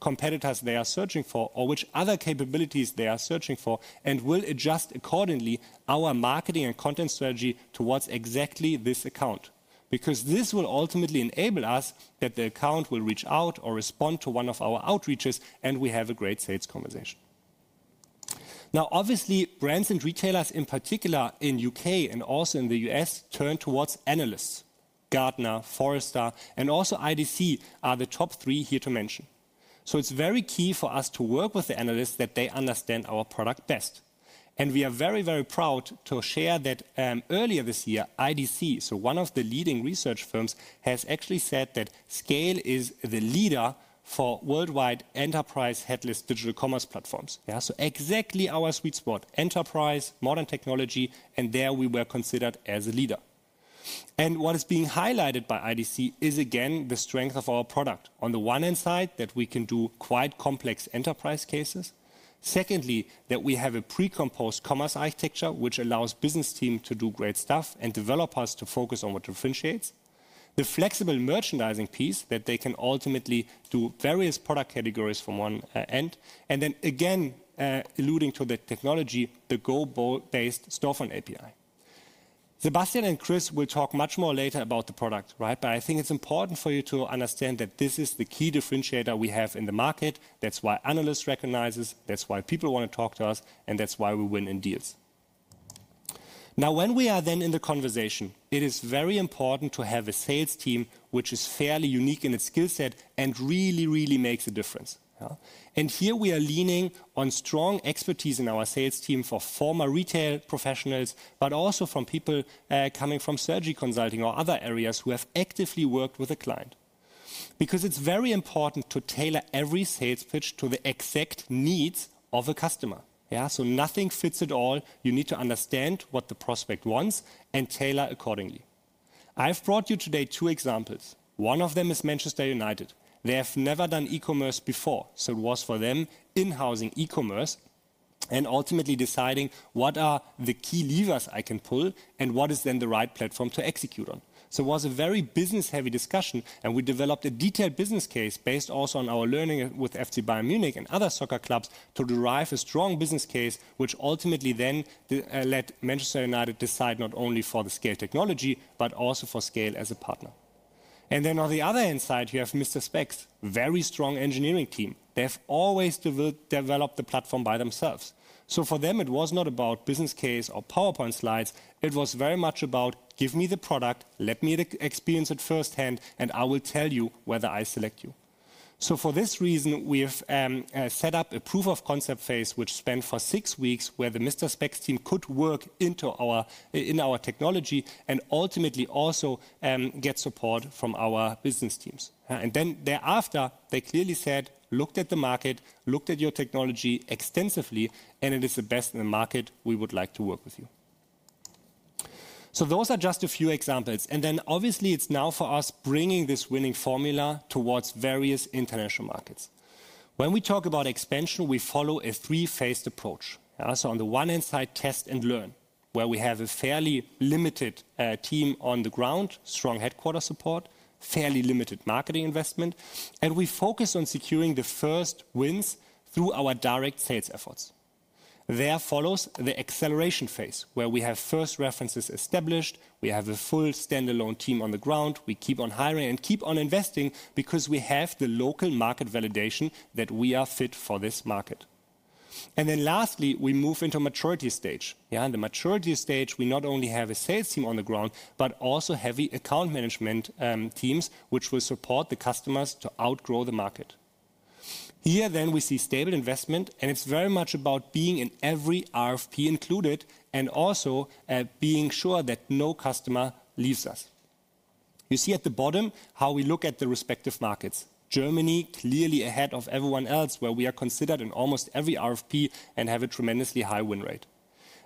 competitors they are searching for or which other capabilities they are searching for, and we'll adjust accordingly our marketing and content strategy towards exactly this account because this will ultimately enable us that the account will reach out or respond to one of our outreaches, and we have a great sales conversation. Now, obviously, brands and retailers in particular in U.K. and also in the U.S. turn towards analysts. Gartner, Forrester, and also IDC are the top three here to mention. So it's very key for us to work with the analysts that they understand our product best. And we are very, very proud to share that earlier this year, IDC, so one of the leading research firms, has actually said that SCAYLE is the leader for worldwide enterprise headless digital commerce platforms. Exactly our sweet spot, enterprise, modern technology, and there we were considered as a leader. What is being highlighted by IDC is, again, the strength of our product. On the one hand, that we can do quite complex enterprise cases. Secondly, that we have a composable commerce architecture which allows business teams to do great stuff and developers to focus on what differentiates. The flexible merchandising piece that they can ultimately do various product categories from one end. Then again, alluding to the technology, the composable based Storefront API. Sebastian and Chris will talk much more later about the product, but I think it is important for you to understand that this is the key differentiator we have in the market. That is why analysts recognize us. That is why people want to talk to us, and that is why we win in deals. Now, when we are then in the conversation, it is very important to have a sales team which is fairly unique in its skill set and really, really makes a difference. And here we are leaning on strong expertise in our sales team for former retail professionals, but also from people coming from strategy consulting or other areas who have actively worked with a client. Because it's very important to tailor every sales pitch to the exact needs of a customer. So nothing fits it all. You need to understand what the prospect wants and tailor accordingly. I've brought you today two examples. One of them is Manchester United. They have never done e-commerce before, so it was for them in-housing e-commerce and ultimately deciding what are the key levers I can pull and what is then the right platform to execute on. So it was a very business-heavy discussion, and we developed a detailed business case based also on our learning with FC Bayern Munich and other soccer clubs to derive a strong business case, which ultimately then led Manchester United to decide not only for the SCAYLE technology, but also for SCAYLE as a partner. And then on the other hand side, you have Mister Spex's very strong engineering team. They have always developed the platform by themselves. So for them, it was not about business case or PowerPoint slides. It was very much about, "Give me the product. Let me experience it firsthand, and I will tell you whether I select you." So for this reason, we have set up a proof of concept phase which spanned for six weeks where the Mister Spex's team could work in our technology and ultimately also get support from our business teams. And then thereafter, they clearly said, "Looked at the market, looked at your technology extensively, and it is the best in the market. We would like to work with you." So those are just a few examples. And then obviously, it's now for us bringing this winning formula towards various international markets. When we talk about expansion, we follow a three-phased approach. So on the one hand side, test and learn, where we have a fairly limited team on the ground, strong headquarters support, fairly limited marketing investment, and we focus on securing the first wins through our direct sales efforts. There follows the acceleration phase where we have first references established. We have a full standalone team on the ground. We keep on hiring and keep on investing because we have the local market validation that we are fit for this market. And then lastly, we move into maturity stage. In the maturity stage, we not only have a sales team on the ground, but also heavy account management teams which will support the customers to outgrow the market. Here then we see stable investment, and it's very much about being in every RFP included and also being sure that no customer leaves us. You see at the bottom how we look at the respective markets. Germany clearly ahead of everyone else where we are considered in almost every RFP and have a tremendously high win rate.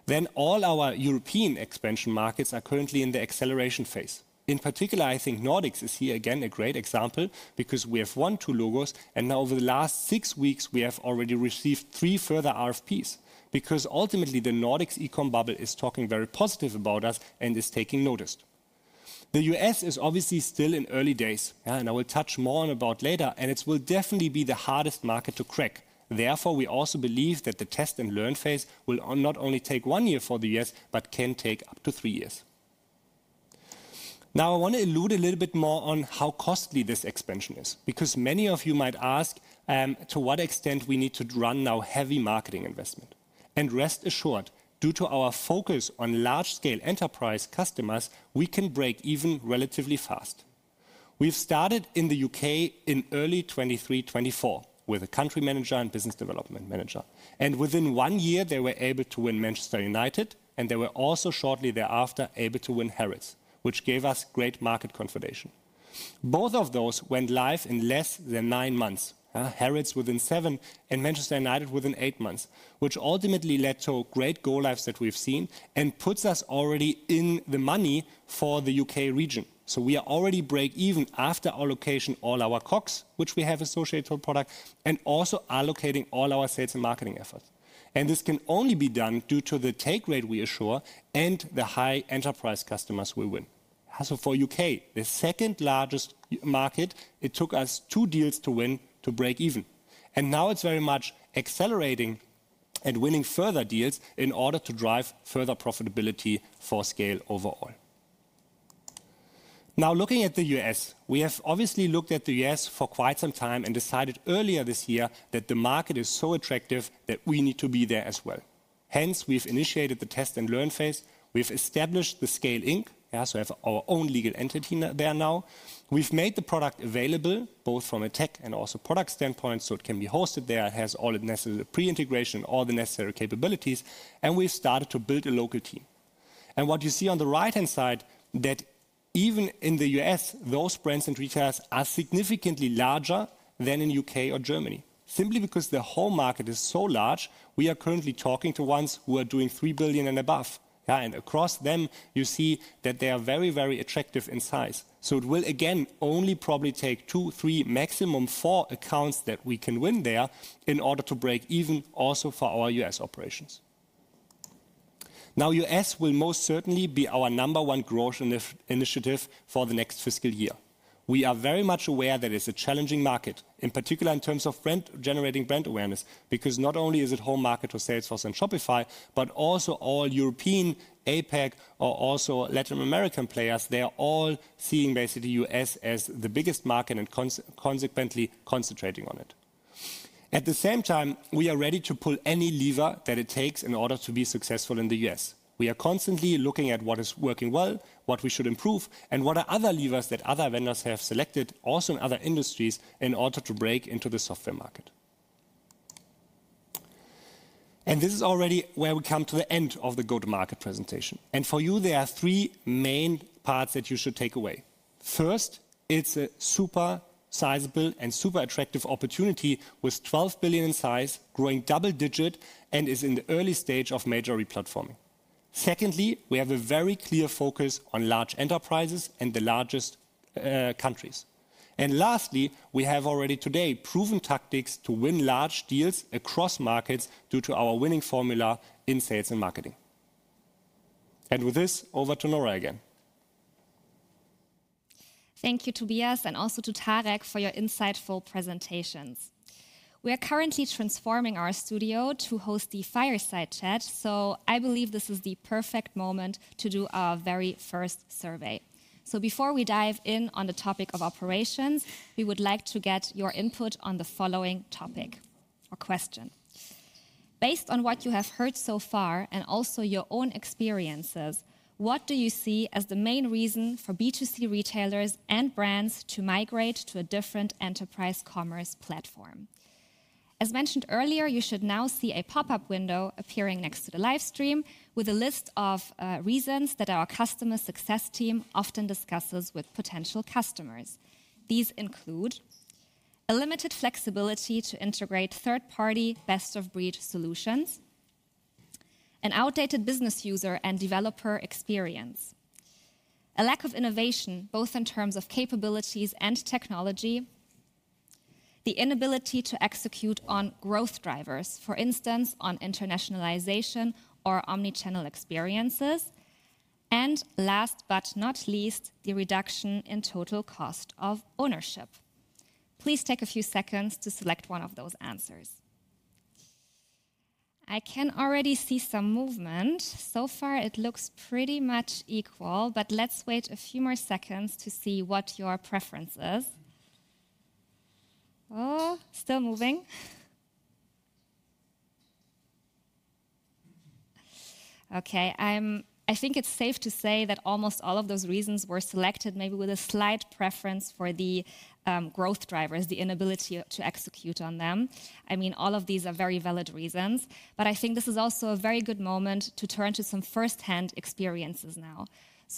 Then all our European expansion markets are currently in the acceleration phase. In particular, I think Nordics is here again a great example because we have won two logos, and now over the last six weeks, we have already received three further RFPs because ultimately the Nordics e-com bubble is talking very positive about us and is taking notice. The U.S. is obviously still in early days, and I will touch more on that later, and it will definitely be the hardest market to crack. Therefore, we also believe that the test and learn phase will not only take one year for the U.S., but can take up to three years. Now, I want to allude a little bit more on how costly this expansion is because many of you might ask to what extent we need to run now heavy marketing investment, and rest assured, due to our focus on large-scale enterprise customers, we can break even relatively fast. We've started in the U.K. in early 2023-2024 with a country manager and business development manager. Within one year, they were able to win Manchester United, and they were also shortly thereafter able to win Harrods, which gave us great market confirmation. Both of those went live in less than nine months, Harrods within seven and Manchester United within eight months, which ultimately led to great go-lives that we've seen and puts us already in the money for the U.K. region. We are already break even after allocating all our COGS, which we have associated with product, and also allocating all our sales and marketing efforts. This can only be done due to the take rate we assure and the high enterprise customers we win. For U.K., the second largest market, it took us two deals to win to break even. Now it's very much accelerating and winning further deals in order to drive further profitability for SCAYLE overall. Now, looking at the U.S., we have obviously looked at the U.S. for quite some time and decided earlier this year that the market is so attractive that we need to be there as well. Hence, we've initiated the test and learn phase. We've established the SCAYLE Inc. So we have our own legal entity there now. We've made the product available both from a tech and also product standpoint, so it can be hosted there. It has all the necessary pre-integration, all the necessary capabilities, and we've started to build a local team. What you see on the right-hand side, that even in the U.S., those brands and retailers are significantly larger than in U.K. or Germany. Simply because the whole market is so large, we are currently talking to ones who are doing $3 billion and above. And across them, you see that they are very, very attractive in size. So it will again only probably take two, three, maximum four accounts that we can win there in order to break even also for our U.S. operations. Now, U.S. will most certainly be our number one growth initiative for the next fiscal year. We are very much aware that it's a challenging market, in particular in terms of generating brand awareness, because not only is it whole market or Salesforce and Shopify, but also all European APAC or also Latin American players, they are all seeing basically U.S. as the biggest market and consequently concentrating on it. At the same time, we are ready to pull any lever that it takes in order to be successful in the U.S. We are constantly looking at what is working well, what we should improve, and what are other levers that other vendors have selected also in other industries in order to break into the software market. And this is already where we come to the end of the go-to-market presentation. And for you, there are three main parts that you should take away. First, it's a super sizable and super attractive opportunity with 12 billion in size, growing double digit, and is in the early stage of major re-platforming. Secondly, we have a very clear focus on large enterprises and the largest countries. And lastly, we have already today proven tactics to win large deals across markets due to our winning formula in sales and marketing. With this, over to Nora again. Thank you to Tobias and also to Tarek for your insightful presentations. We are currently transforming our studio to host the Fireside Chat, so I believe this is the perfect moment to do our very first survey. So before we dive in on the topic of operations, we would like to get your input on the following topic or question. Based on what you have heard so far and also your own experiences, what do you see as the main reason for B2C retailers and brands to migrate to a different enterprise commerce platform? As mentioned earlier, you should now see a pop-up window appearing next to the live stream with a list of reasons that our customer success team often discusses with potential customers. These include a limited flexibility to integrate third-party best-of-breed solutions, an outdated business user and developer experience, a lack of innovation both in terms of capabilities and technology, the inability to execute on growth drivers, for instance, on internationalization or omnichannel experiences, and last but not least, the reduction in total cost of ownership. Please take a few seconds to select one of those answers. I can already see some movement. So far, it looks pretty much equal, but let's wait a few more seconds to see what your preference is. Oh, still moving. Okay, I think it's safe to say that almost all of those reasons were selected maybe with a slight preference for the growth drivers, the inability to execute on them. I mean, all of these are very valid reasons, but I think this is also a very good moment to turn to some first-hand experiences now.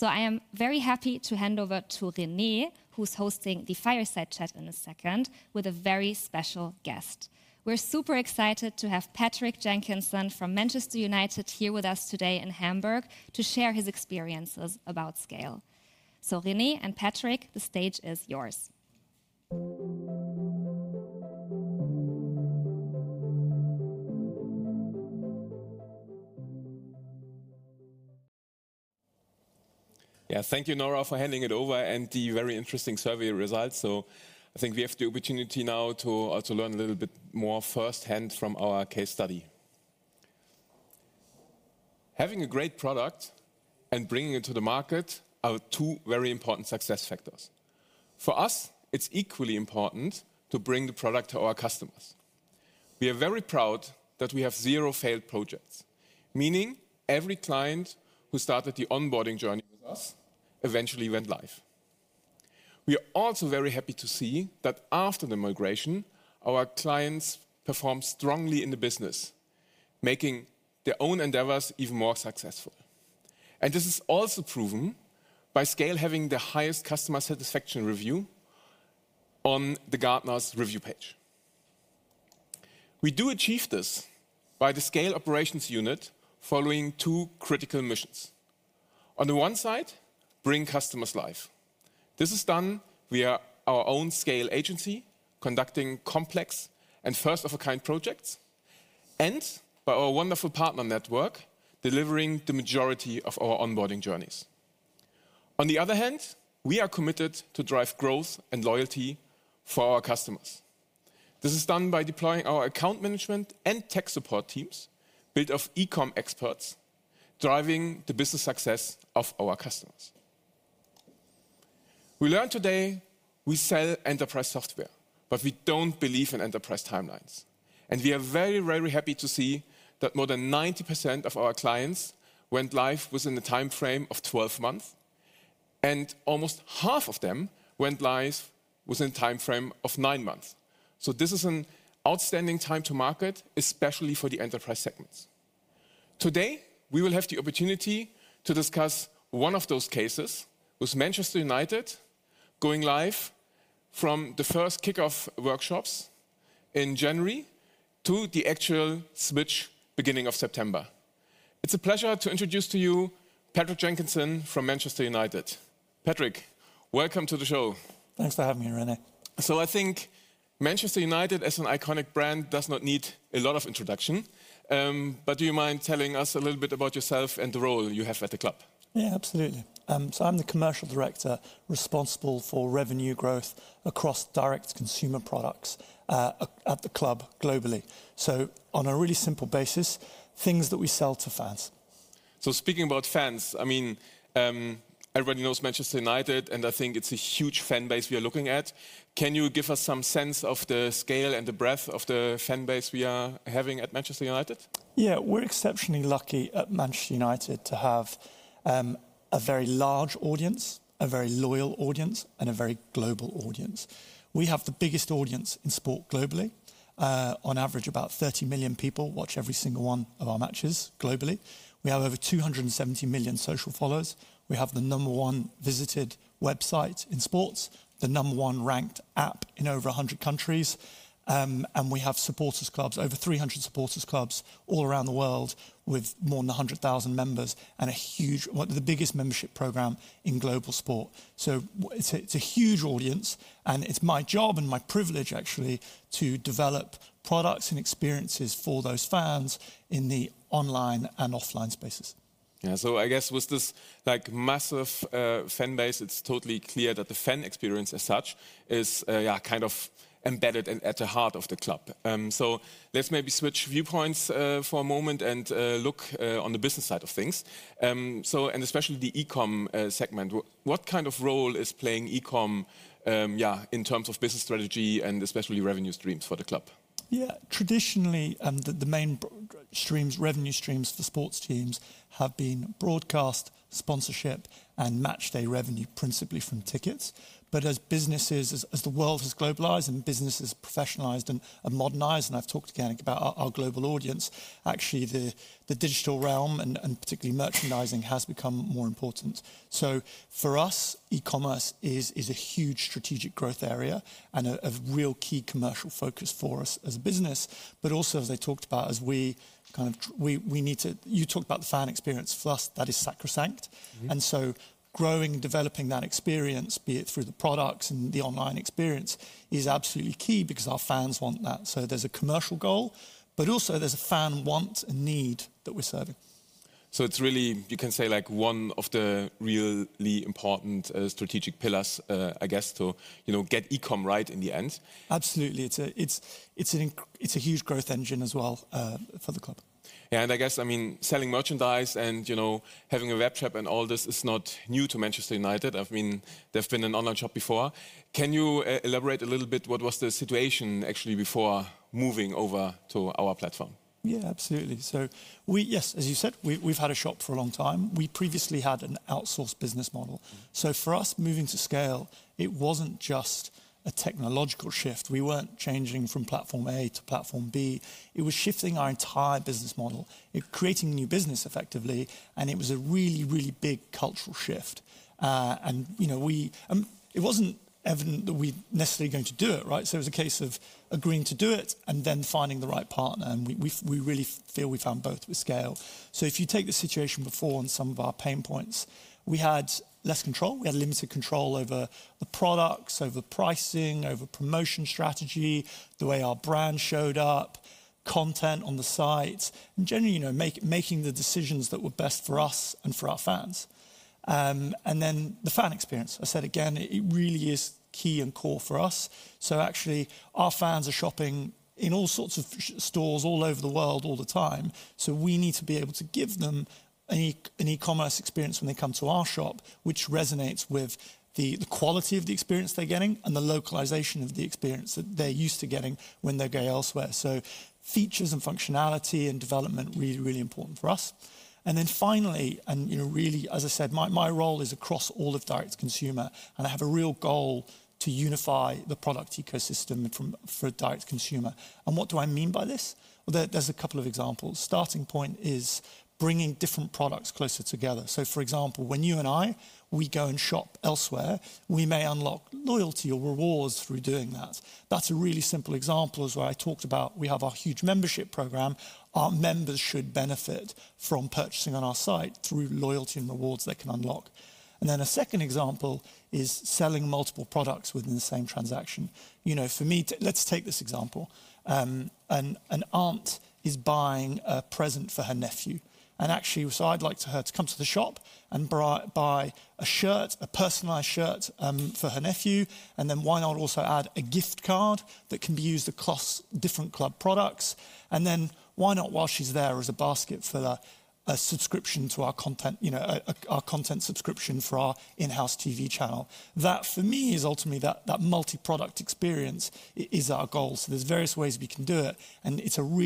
I am very happy to hand over to René, who's hosting the Fireside Chat in a second with a very special guest. We're super excited to have Patrick Jenkinson from Manchester United here with us today in Hamburg to share his experiences about SCAYLE. So René and Patrick, the stage is yours. Yeah, thank you, Nora, for handing it over and the very interesting survey results. So I think we have the opportunity now to learn a little bit more firsthand from our case study. Having a great product and bringing it to the market are two very important success factors. For us, it's equally important to bring the product to our customers. We are very proud that we have zero failed projects, meaning every client who started the onboarding journey with us eventually went live. We are also very happy to see that after the migration, our clients perform strongly in the business, making their own endeavors even more successful. And this is also proven by SCAYLE having the highest customer satisfaction review on the Gartner's review page. We do achieve this by the SCAYLE Operations Unit following two critical missions. On the one side, bring customers live. This is done via our own SCAYLE Agency conducting complex and first-of-its-kind projects and by our wonderful partner network delivering the majority of our onboarding journeys. On the other hand, we are committed to drive growth and loyalty for our customers. This is done by deploying our account management and tech support teams built of e-com experts driving the business success of our customers. We learned today we sell enterprise software, but we don't believe in enterprise timelines, and we are very, very happy to see that more than 90% of our clients went live within the timeframe of 12 months, and almost half of them went live within the timeframe of nine months, so this is an outstanding time to market, especially for the enterprise segments. Today, we will have the opportunity to discuss one of those cases with Manchester United going live from the first kickoff workshops in January to the actual switch beginning of September. It's a pleasure to introduce to you Patrick Jenkinson from Manchester United. Patrick, welcome to the show. Thanks for having me, René. So I think Manchester United as an iconic brand does not need a lot of introduction, but do you mind telling us a little bit about yourself and the role you have at the club? Yeah, absolutely. So I'm the Commercial Director responsible for revenue growth across direct consumer products at the club globally. So on a really simple basis, things that we sell to fans. Speaking about fans, I mean, everybody knows Manchester United, and I think it's a huge fan base we are looking at. Can you give us some sense of the scale and the breadth of the fan base we are having at Manchester United? Yeah, we're exceptionally lucky at Manchester United to have a very large audience, a very loyal audience, and a very global audience. We have the biggest audience in sport globally. On average, about 30 million people watch every single one of our matches globally. We have over 270 million social followers. We have the number one visited website in sports, the number one ranked app in over 100 countries, and we have supporters' clubs, over 300 supporters' clubs all around the world with more than 100,000 members and a huge, one of the biggest membership programs in global sport. So it's a huge audience, and it's my job and my privilege actually to develop products and experiences for those fans in the online and offline spaces. Yeah, so I guess with this massive fan base, it's totally clear that the fan experience as such is kind of embedded and at the heart of the club. So let's maybe switch viewpoints for a moment and look on the business side of things, and especially the e-com segment. What kind of role is playing e-com in terms of business strategy and especially revenue streams for the club? Yeah, traditionally, the main streams, revenue streams for sports teams have been broadcast, sponsorship, and matchday revenue principally from tickets. But as businesses, as the world has globalized and businesses have professionalized and modernized, and I've talked to Tarek about our global audience, actually the digital realm and particularly merchandising has become more important. So for us, e-commerce is a huge strategic growth area and a real key commercial focus for us as a business, but also, as I talked about, as we kind of, you talked about the fan experience for us, that is sacrosanct. And so growing and developing that experience, be it through the products and the online experience, is absolutely key because our fans want that. So there's a commercial goal, but also there's a fan want and need that we're serving. It's really, you can say, like one of the really important strategic pillars, I guess, to get e-com right in the end. Absolutely. It's a huge growth engine as well for the club. Yeah, and I guess, I mean, selling merchandise and having a web shop and all this is not new to Manchester United. I mean, they've been an online shop before. Can you elaborate a little bit? What was the situation actually before moving over to our platform? Yeah, absolutely. So yes, as you said, we've had a shop for a long time. We previously had an outsourced business model. So for us, moving to SCAYLE, it wasn't just a technological shift. We weren't changing from platform A to platform B. It was shifting our entire business model, creating new business effectively, and it was a really, really big cultural shift. And it wasn't evident that we'd necessarily going to do it, right? So it was a case of agreeing to do it and then finding the right partner. And we really feel we found both with SCAYLE. So if you take the situation before on some of our pain points, we had less control. We had limited control over the products, over pricing, over promotion strategy, the way our brand showed up, content on the site, and generally making the decisions that were best for us and for our fans, and then the fan experience, I said again, it really is key and core for us, so actually, our fans are shopping in all sorts of stores all over the world all the time, so we need to be able to give them an e-commerce experience when they come to our shop, which resonates with the quality of the experience they're getting and the localization of the experience that they're used to getting when they go elsewhere, so features and functionality and development are really, really important for us. Then finally, and really, as I said, my role is across all of direct consumer, and I have a real goal to unify the product ecosystem for direct consumer. What do I mean by this? Well, there's a couple of examples. Starting point is bringing different products closer together. So for example, when you and I, we go and shop elsewhere, we may unlock loyalty or rewards through doing that. That's a really simple example as well. I talked about we have our huge membership program. Our members should benefit from purchasing on our site through loyalty and rewards they can unlock. And then a second example is selling multiple products within the same transaction. For me, let's take this example. An aunt is buying a present for her nephew. Actually, so I'd like her to come to the shop and buy a shirt, a personalized shirt for her nephew. And then why not also add a gift card that can be used across different club products? And then why not, while she's there, as a basket for a subscription to our content subscription for our in-house TV channel? That for me is ultimately that multi-product experience is our goal. So there's various ways we can do it, and it's of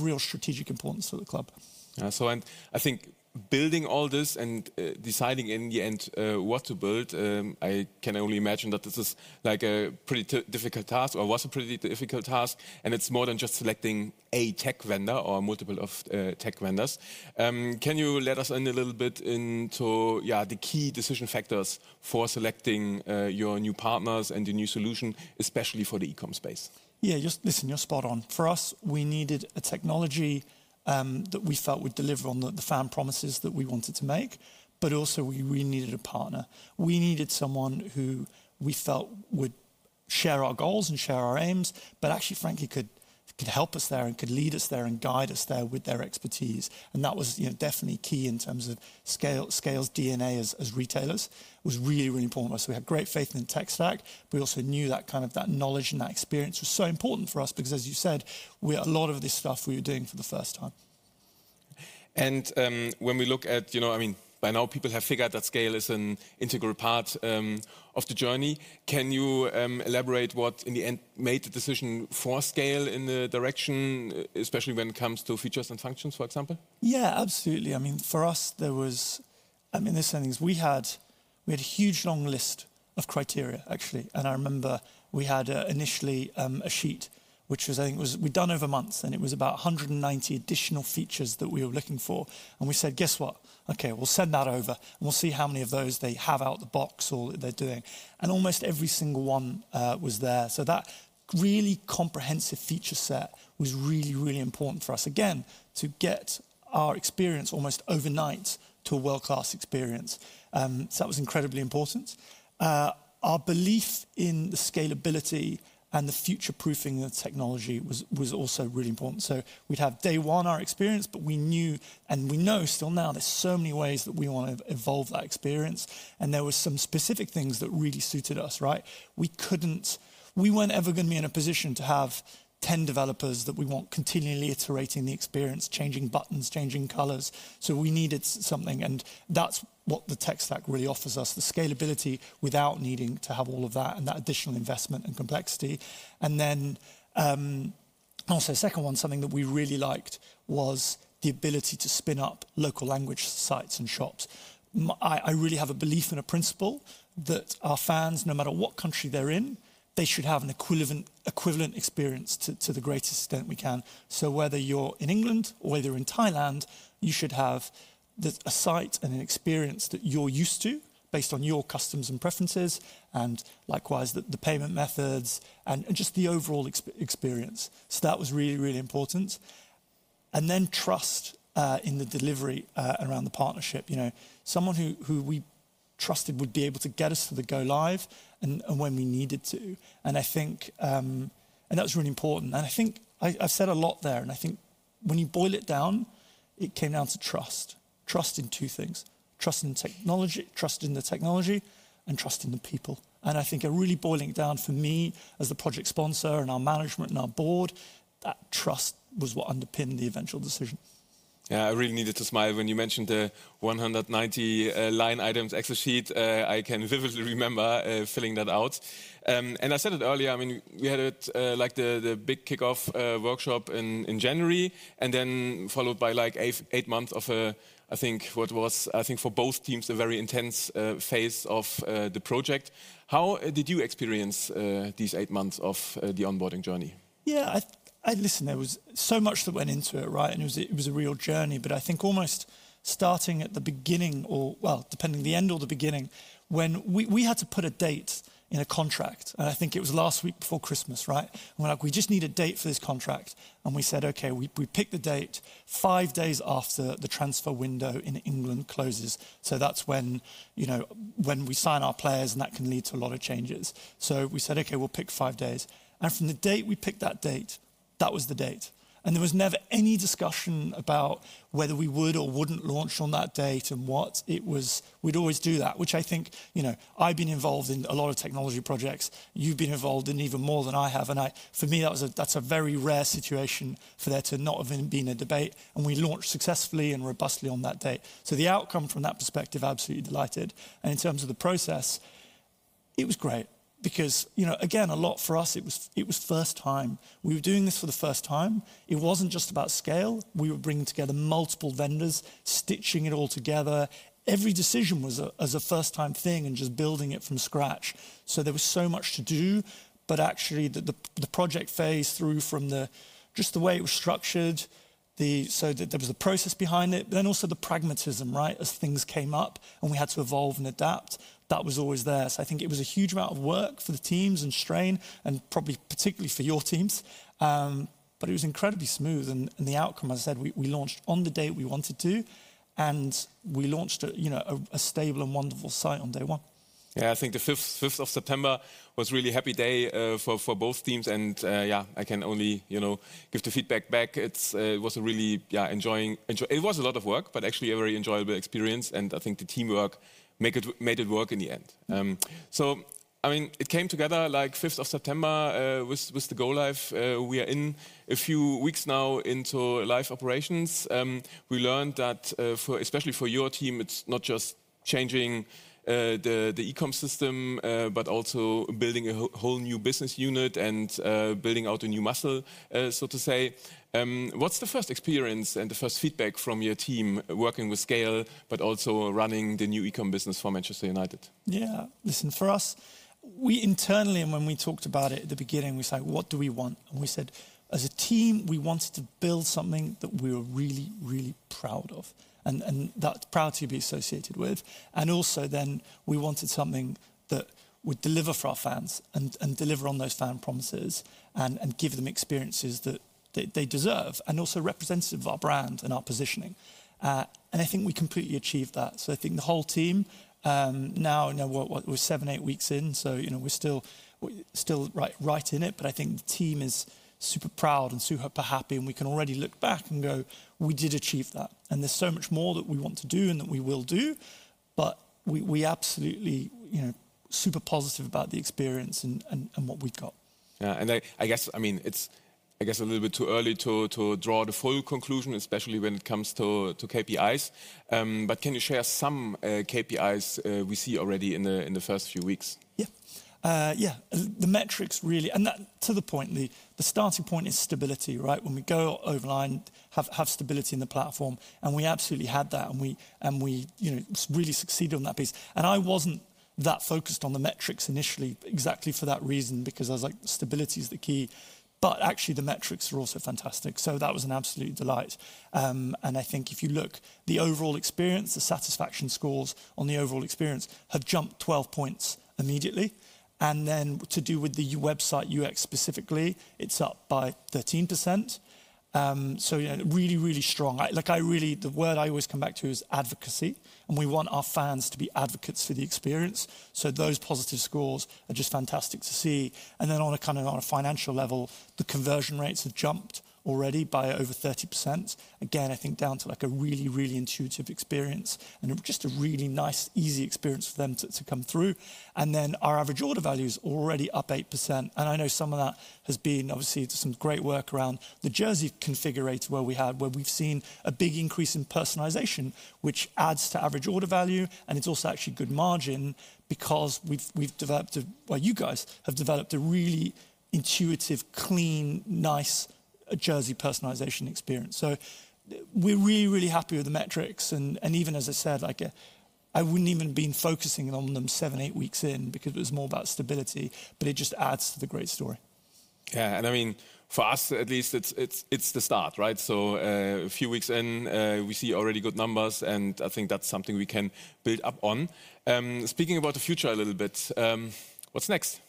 real strategic importance for the club. Yeah, so I think building all this and deciding in the end what to build, I can only imagine that this is like a pretty difficult task or was a pretty difficult task, and it's more than just selecting a tech vendor or multiple tech vendors. Can you let us in a little bit into the key decision factors for selecting your new partners and your new solution, especially for the e-com space? Yeah, listen, you're spot on. For us, we needed a technology that we felt would deliver on the fan promises that we wanted to make, but also we really needed a partner. We needed someone who we felt would share our goals and share our aims, but actually, frankly, could help us there and could lead us there and guide us there with their expertise. And that was definitely key in terms of SCAYLE's DNA as retailers was really, really important for us. We had great faith in tech stack. We also knew that kind of knowledge and that experience was so important for us because, as you said, a lot of this stuff we were doing for the first time. When we look at, I mean, by now, people have figured that SCAYLE is an integral part of the journey. Can you elaborate what in the end made the decision for SCAYLE in the direction, especially when it comes to features and functions, for example? Yeah, absolutely. I mean, for us, there was, I mean, these things, we had a huge long list of criteria, actually, and I remember we had initially a sheet, which was, I think, we'd done over months, and it was about 190 additional features that we were looking for, and we said, "Guess what? Okay, we'll send that over, and we'll see how many of those they have out of the box or they're doing," and almost every single one was there, so that really comprehensive feature set was really, really important for us, again, to get our experience almost overnight to a world-class experience, so that was incredibly important. Our belief in the scalability and the future-proofing of the technology was also really important. So we'd have day one, our experience, but we knew and we know still now there's so many ways that we want to evolve that experience. And there were some specific things that really suited us, right? We weren't ever going to be in a position to have 10 developers that we want continually iterating the experience, changing buttons, changing colors. So we needed something. And that's what the Tech Stack really offers us, the scalability without needing to have all of that and that additional investment and complexity. And then also second one, something that we really liked was the ability to spin up local language sites and shops. I really have a belief and a principle that our fans, no matter what country they're in, they should have an equivalent experience to the greatest extent we can. So whether you're in England or whether you're in Thailand, you should have a site and an experience that you're used to based on your customs and preferences and likewise the payment methods and just the overall experience. So that was really, really important. And then trust in the delivery around the partnership. Someone who we trusted would be able to get us to the go live and when we needed to. And that was really important. And I think I've said a lot there. And I think when you boil it down, it came down to trust. Trust in two things. Trust in the technology and trust in the people. And I think really boiling it down for me as the project sponsor and our management and our board, that trust was what underpinned the eventual decision. Yeah, I really needed to smile when you mentioned the 190 line items Excel sheet. I can vividly remember filling that out. And I said it earlier, I mean, we had the big kickoff workshop in January and then followed by like eight months of, I think, what was, I think, for both teams, a very intense phase of the project. How did you experience these eight months of the onboarding journey? Yeah, listen, there was so much that went into it, right, and it was a real journey, but I think almost starting at the beginning, or well, depending on the end or the beginning, when we had to put a date in a contract, and I think it was last week before Christmas, right, and we're like, "We just need a date for this contract," and we said, "Okay, we pick the date five days after the transfer window in England closes," so that's when we sign our players, and that can lead to a lot of changes, so we said, "Okay, we'll pick five days," and from the date we picked that date, that was the date, and there was never any discussion about whether we would or wouldn't launch on that date and what. We'd always do that, which I think I've been involved in a lot of technology projects. You've been involved in even more than I have. And for me, that's a very rare situation for there to not have been a debate. And we launched successfully and robustly on that date. So the outcome from that perspective, absolutely delighted. And in terms of the process, it was great because, again, a lot for us, it was first time. We were doing this for the first time. It wasn't just about SCAYLE. We were bringing together multiple vendors, stitching it all together. Every decision was a first-time thing and just building it from scratch. So there was so much to do, but actually the project phase through from just the way it was structured, so that there was a process behind it, but then also the pragmatism, right? As things came up and we had to evolve and adapt, that was always there. So I think it was a huge amount of work for the teams and strain and probably particularly for your teams. But it was incredibly smooth. And the outcome, as I said, we launched on the date we wanted to, and we launched a stable and wonderful site on day one. Yeah, I think the 5th of September was really a happy day for both teams. And yeah, I can only give the feedback back. It was a really enjoyable, it was a lot of work, but actually a very enjoyable experience. And I think the teamwork made it work in the end. So I mean, it came together like 5th of September with the go-live. We are in a few weeks now into live operations. We learned that especially for your team, it's not just changing the e-comm system, but also building a whole new business unit and building out a new muscle, so to say. What's the first experience and the first feedback from your team working with SCAYLE, but also running the new e-comm business for Manchester United? Yeah, listen, for us, we internally, and when we talked about it at the beginning, we said, "What do we want?" And we said, "As a team, we wanted to build something that we were really, really proud of and that proud to be associated with." And also then we wanted something that would deliver for our fans and deliver on those fan promises and give them experiences that they deserve and also representative of our brand and our positioning. And I think we completely achieved that. So I think the whole team now, we're seven, eight weeks in, so we're still right in it, but I think the team is super proud and super happy. We can already look back and go, "We did achieve that." There's so much more that we want to do and that we will do, but we absolutely super positive about the experience and what we've got. Yeah, and I guess, I mean, it's I guess a little bit too early to draw the full conclusion, especially when it comes to KPIs. But can you share some KPIs we see already in the first few weeks? Yeah, yeah, the metrics really, and to the point, the starting point is stability, right? When we go online, have stability in the platform, and we absolutely had that, and we really succeeded on that piece, and I wasn't that focused on the metrics initially exactly for that reason because I was like, "Stability is the key," but actually, the metrics are also fantastic. So that was an absolute delight, and I think if you look, the overall experience, the satisfaction scores on the overall experience have jumped 12 points immediately, and then to do with the website UX specifically, it's up by 13%, so really, really strong. The word I always come back to is advocacy, and we want our fans to be advocates for the experience, so those positive scores are just fantastic to see. And then on a kind of financial level, the conversion rates have jumped already by over 30%. Again, I think down to like a really, really intuitive experience and just a really nice, easy experience for them to come through. And then our average order value is already up 8%. And I know some of that has been obviously some great work around the jersey configurator where we've seen a big increase in personalization, which adds to average order value. And it's also actually good margin because we've developed, well, you guys have developed a really intuitive, clean, nice jersey personalization experience. So we're really, really happy with the metrics. And even as I said, I wouldn't even have been focusing on them seven, eight weeks in because it was more about stability, but it just adds to the great story. Yeah, and I mean, for us at least, it's the start, right? So a few weeks in, we see already good numbers, and I think that's something we can build up on. Speaking about the future a little bit, what's next?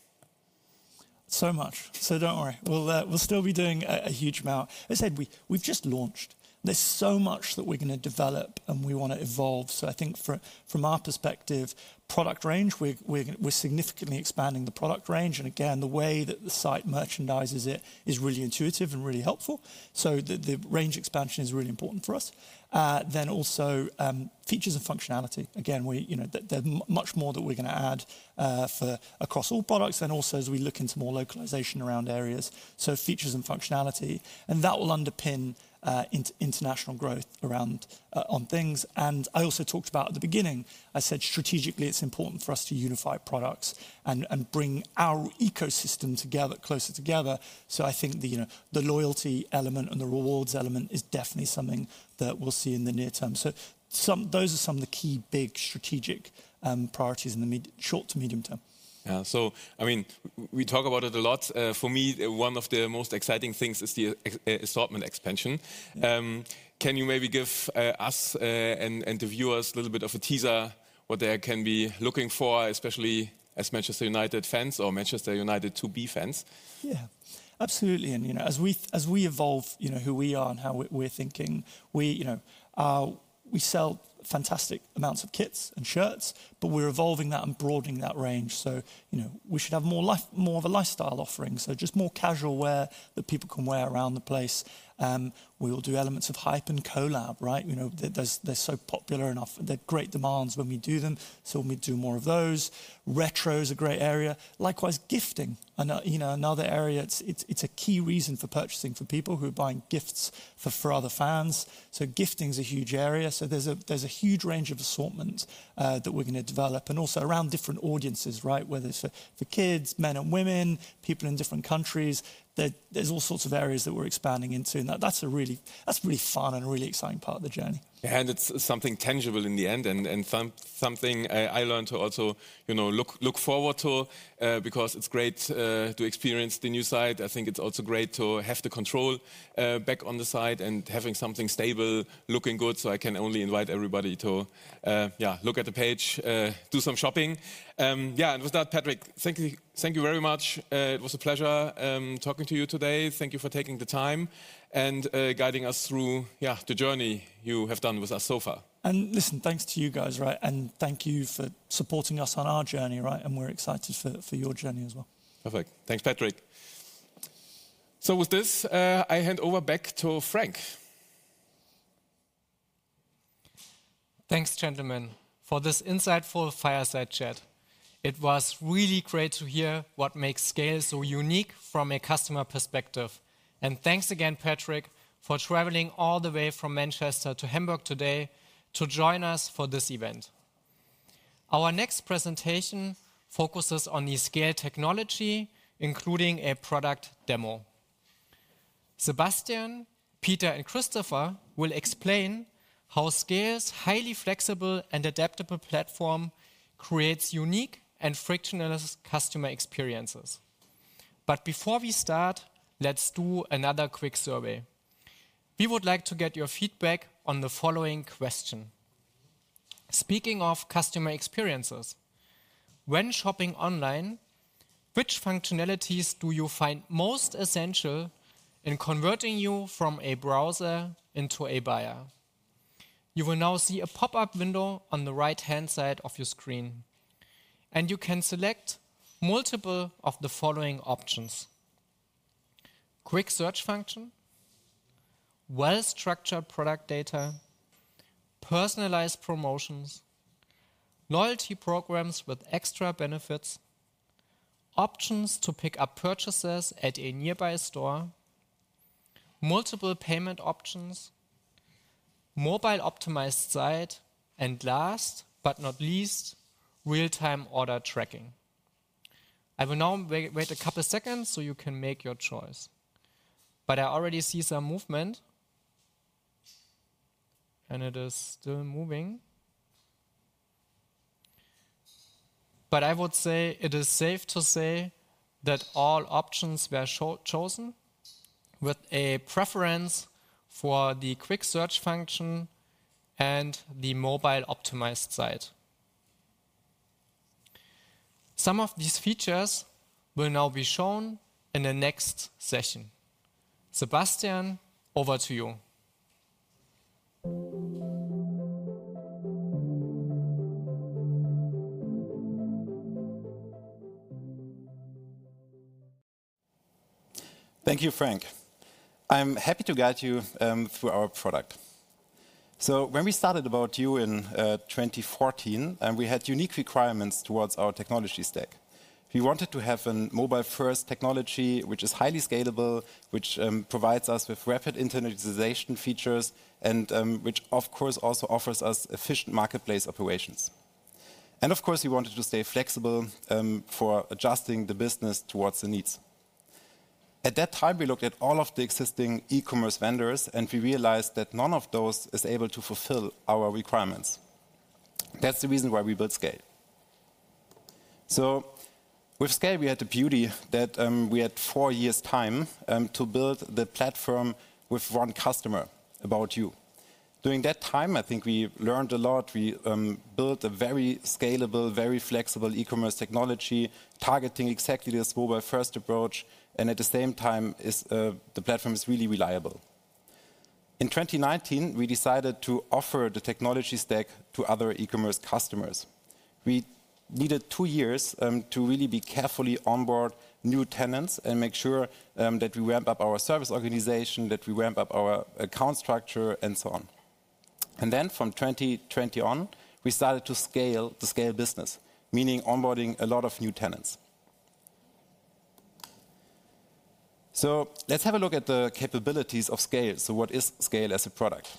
So much. So don't worry. We'll still be doing a huge amount. As I said, we've just launched. There's so much that we're going to develop, and we want to evolve. So I think from our perspective, product range, we're significantly expanding the product range. And again, the way that the site merchandises it is really intuitive and really helpful. So the range expansion is really important for us. Then also features and functionality. Again, there's much more that we're going to add across all products and also as we look into more localization around areas. So features and functionality, and that will underpin international growth around on things. And I also talked about at the beginning. I said strategically it's important for us to unify products and bring our ecosystem together, closer together. I think the loyalty element and the rewards element is definitely something that we'll see in the near term. Those are some of the key big strategic priorities in the short to medium term. Yeah, so I mean, we talk about it a lot. For me, one of the most exciting things is the assortment expansion. Can you maybe give us and the viewers a little bit of a teaser what they can be looking for, especially as Manchester United fans or Manchester United B2B fans? Yeah, absolutely. And as we evolve who we are and how we're thinking, we sell fantastic amounts of kits and shirts, but we're evolving that and broadening that range. So we should have more of a lifestyle offering. So just more casual wear that people can wear around the place. We will do elements of hype and collab, right? They're so popular and they're great demands when we do them. So we'll do more of those. Retro is a great area. Likewise, gifting, another area. It's a key reason for purchasing for people who are buying gifts for other fans. So gifting is a huge area. So there's a huge range of assortment that we're going to develop and also around different audiences, right? Whether it's for kids, men and women, people in different countries. There's all sorts of areas that we're expanding into. That's a really fun and really exciting part of the journey. It's something tangible in the end and something I learned to also look forward to because it's great to experience the new site. I think it's also great to have the control back on the site and having something stable, looking good. So I can only invite everybody to look at the page, do some shopping. Yeah, and with that, Patrick, thank you very much. It was a pleasure talking to you today. Thank you for taking the time and guiding us through the journey you have done with us so far. And listen, thanks to you guys, right? And thank you for supporting us on our journey, right? And we're excited for your journey as well. Perfect. Thanks, Patrick. So with this, I hand over back to Frank. Thanks, gentlemen, for this insightful fireside chat. It was really great to hear what makes SCAYLE so unique from a customer perspective, and thanks again, Patrick, for traveling all the way from Manchester to Hamburg today to join us for this event. Our next presentation focuses on the SCAYLE technology, including a product demo. Sebastian, Peter, and Christopher will explain how SCAYLE's highly flexible and adaptable platform creates unique and frictionless customer experiences, but before we start, let's do another quick survey. We would like to get your feedback on the following question. Speaking of customer experiences, when shopping online, which functionalities do you find most essential in converting you from a browser into a buyer? You will now see a pop-up window on the right-hand side of your screen. You can select multiple of the following options: quick search function, well-structured product data, personalized promotions, loyalty programs with extra benefits, options to pick up purchases at a nearby store, multiple payment options, mobile-optimized site, and last but not least, real-time order tracking. I will now wait a couple of seconds so you can make your choice. I already see some movement. It is still moving. I would say it is safe to say that all options were chosen with a preference for the quick search function and the mobile-optimized site. Some of these features will now be shown in the next session. Sebastian, over to you. Thank you, Frank. I'm happy to guide you through our product. So when we started ABOUT YOU in 2014, we had unique requirements toward our technology stack. We wanted to have a mobile-first technology, which is highly scalable, which provides us with rapid internationalization features, and which, of course, also offers us efficient marketplace operations. And of course, we wanted to stay flexible for adjusting the business toward the needs. At that time, we looked at all of the existing e-commerce vendors, and we realized that none of those is able to fulfill our requirements. That's the reason why we built SCAYLE. So with SCAYLE, we had the beauty that we had four years' time to build the platform with one customer ABOUT YOU. During that time, I think we learned a lot. We built a very scalable, very flexible e-commerce technology, targeting exactly this mobile-first approach, and at the same time, the platform is really reliable. In 2019, we decided to offer the technology stack to other e-commerce customers. We needed two years to really be carefully onboard new tenants and make sure that we ramp up our service organization, that we ramp up our account structure, and so on and then from 2020 on, we started to scale the SCAYLE business, meaning onboarding a lot of new tenants, so let's have a look at the capabilities of SCAYLE, so what is SCAYLE as a product?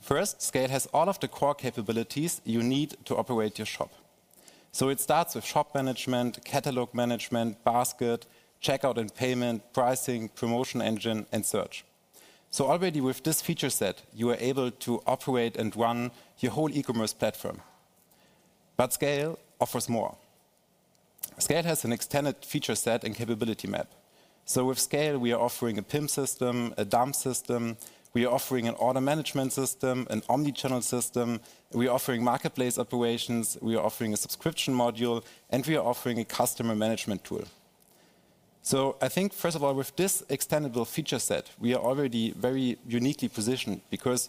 First, SCAYLE has all of the core capabilities you need to operate your shop. So it starts with shop management, catalog management, basket, checkout and payment, pricing, promotion engine, and search. Already with this feature set, you are able to operate and run your whole e-commerce platform. But SCAYLE offers more. SCAYLE has an extended feature set and capability map. With SCAYLE, we are offering a PIM system, a DAM system. We are offering an order management system, an omnichannel system. We are offering marketplace operations. We are offering a subscription module, and we are offering a customer management tool. I think, first of all, with this extended feature set, we are already very uniquely positioned because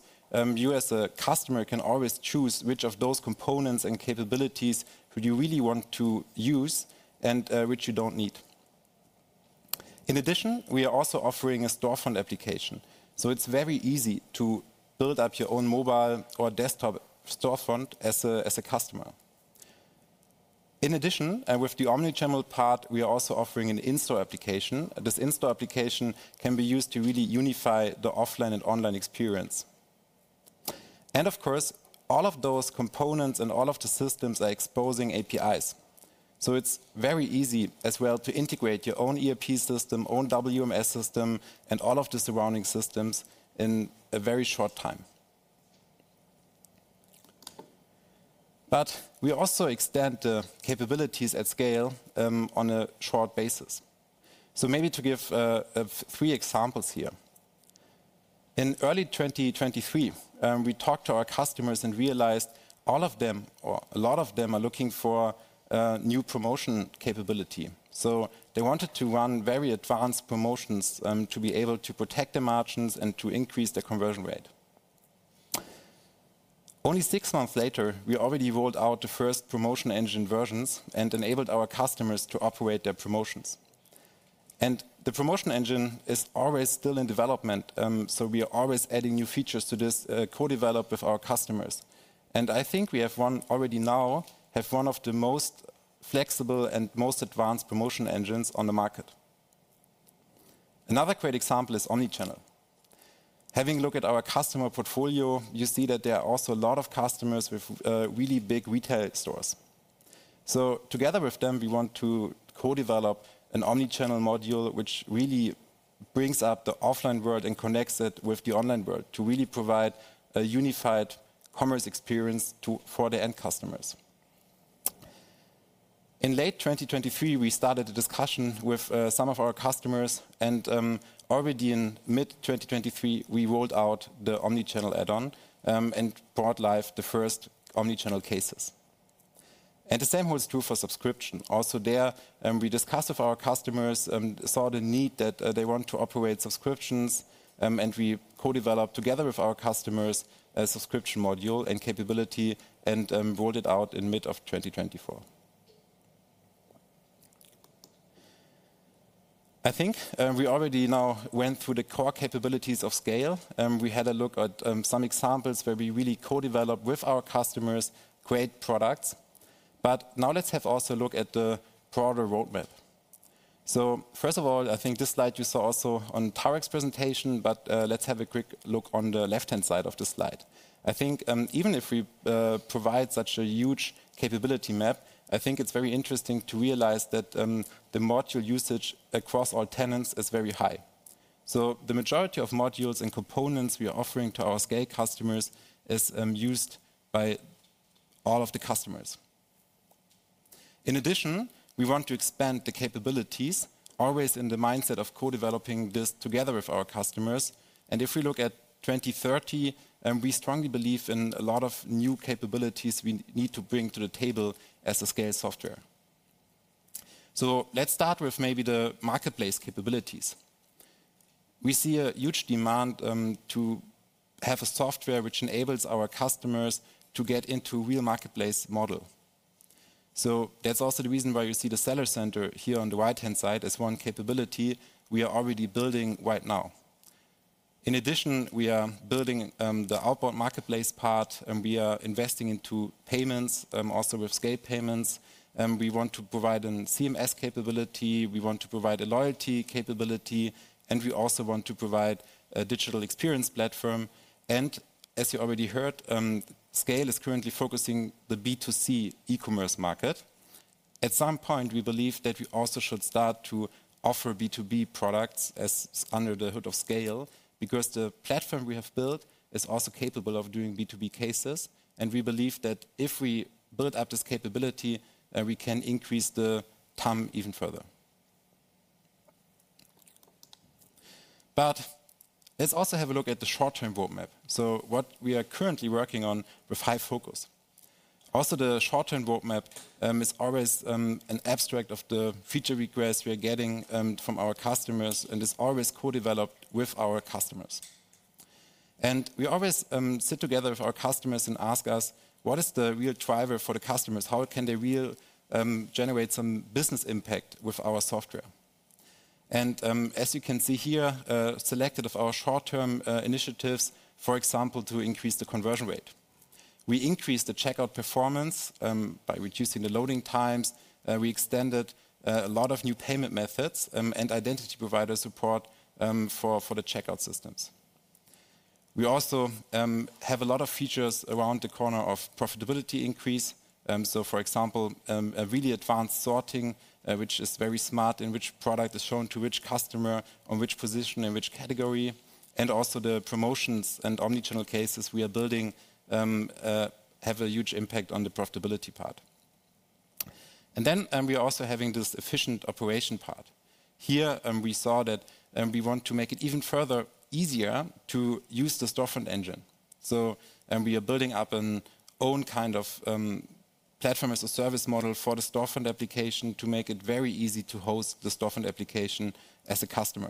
you as a customer can always choose which of those components and capabilities you really want to use and which you don't need. In addition, we are also offering a storefront application. It's very easy to build up your own mobile or desktop storefront as a customer. In addition, with the omnichannel part, we are also offering an in-store application. This in-store application can be used to really unify the offline and online experience, and of course, all of those components and all of the systems are exposing APIs, so it's very easy as well to integrate your own ERP system, own WMS system, and all of the surrounding systems in a very short time, but we also extend the capabilities at SCAYLE on a short basis, so maybe to give three examples here. In early 2023, we talked to our customers and realized all of them, or a lot of them, are looking for new promotion capability, so they wanted to run very advanced promotions to be able to protect their margins and to increase their conversion rate. Only six months later, we already rolled out the first promotion engine versions and enabled our customers to operate their promotions, and the promotion engine is always still in development. We are always adding new features to this, co-developed with our customers. I think we have one of the most flexible and most advanced promotion engines on the market. Another great example is omnichannel. Having a look at our customer portfolio, you see that there are also a lot of customers with really big retail stores. Together with them, we want to co-develop an omnichannel module, which really brings up the offline world and connects it with the online world to really provide a unified commerce experience for the end customers. In late 2023, we started a discussion with some of our customers. Already in mid-2023, we rolled out the omnichannel add-on and brought live the first omnichannel cases. The same holds true for subscription. Also there, we discussed with our customers and saw the need that they want to operate subscriptions. And we co-developed together with our customers a subscription module and capability and rolled it out in mid-2024. I think we already now went through the core capabilities of SCAYLE. We had a look at some examples where we really co-developed with our customers great products. But now let's have also a look at the broader roadmap. So first of all, I think this slide you saw also on Tarek's presentation, but let's have a quick look on the left-hand side of the slide. I think even if we provide such a huge capability map, I think it's very interesting to realize that the module usage across all tenants is very high. So the majority of modules and components we are offering to our SCAYLE customers is used by all of the customers. In addition, we want to expand the capabilities, always in the mindset of co-developing this together with our customers, and if we look at 2030, we strongly believe in a lot of new capabilities we need to bring to the table as a SCAYLE software, so let's start with maybe the marketplace capabilities. We see a huge demand to have a software which enables our customers to get into a real marketplace model, so that's also the reason why you see the Seller Center here on the right-hand side as one capability we are already building right now. In addition, we are building the outbound marketplace part. We are investing into payments, also with SCAYLE Payments. We want to provide a CMS capability. We want to provide a loyalty capability, and we also want to provide a digital experience platform. And as you already heard, SCAYLE is currently focusing on the B2C e-commerce market. At some point, we believe that we also should start to offer B2B products under the hood of SCAYLE because the platform we have built is also capable of doing B2B cases. And we believe that if we build up this capability, we can increase the TAM even further. But let's also have a look at the short-term roadmap. So what we are currently working on with high focus. Also, the short-term roadmap is always an abstract of the feature requests we are getting from our customers and is always co-developed with our customers. And we always sit together with our customers and ask us, what is the real driver for the customers? How can they really generate some business impact with our software? As you can see here, selected of our short-term initiatives, for example, to increase the conversion rate. We increased the checkout performance by reducing the loading times. We extended a lot of new payment methods and identity provider support for the checkout systems. We also have a lot of features around the corner of profitability increase, so for example, a really advanced sorting, which is very smart in which product is shown to which customer, on which position, in which category, and also the promotions and omnichannel cases we are building have a huge impact on the profitability part. Then we are also having this efficient operation part. Here, we saw that we want to make it even further easier to use the storefront engine. We are building up an own kind of platform as a service model for the storefront application to make it very easy to host the storefront application as a customer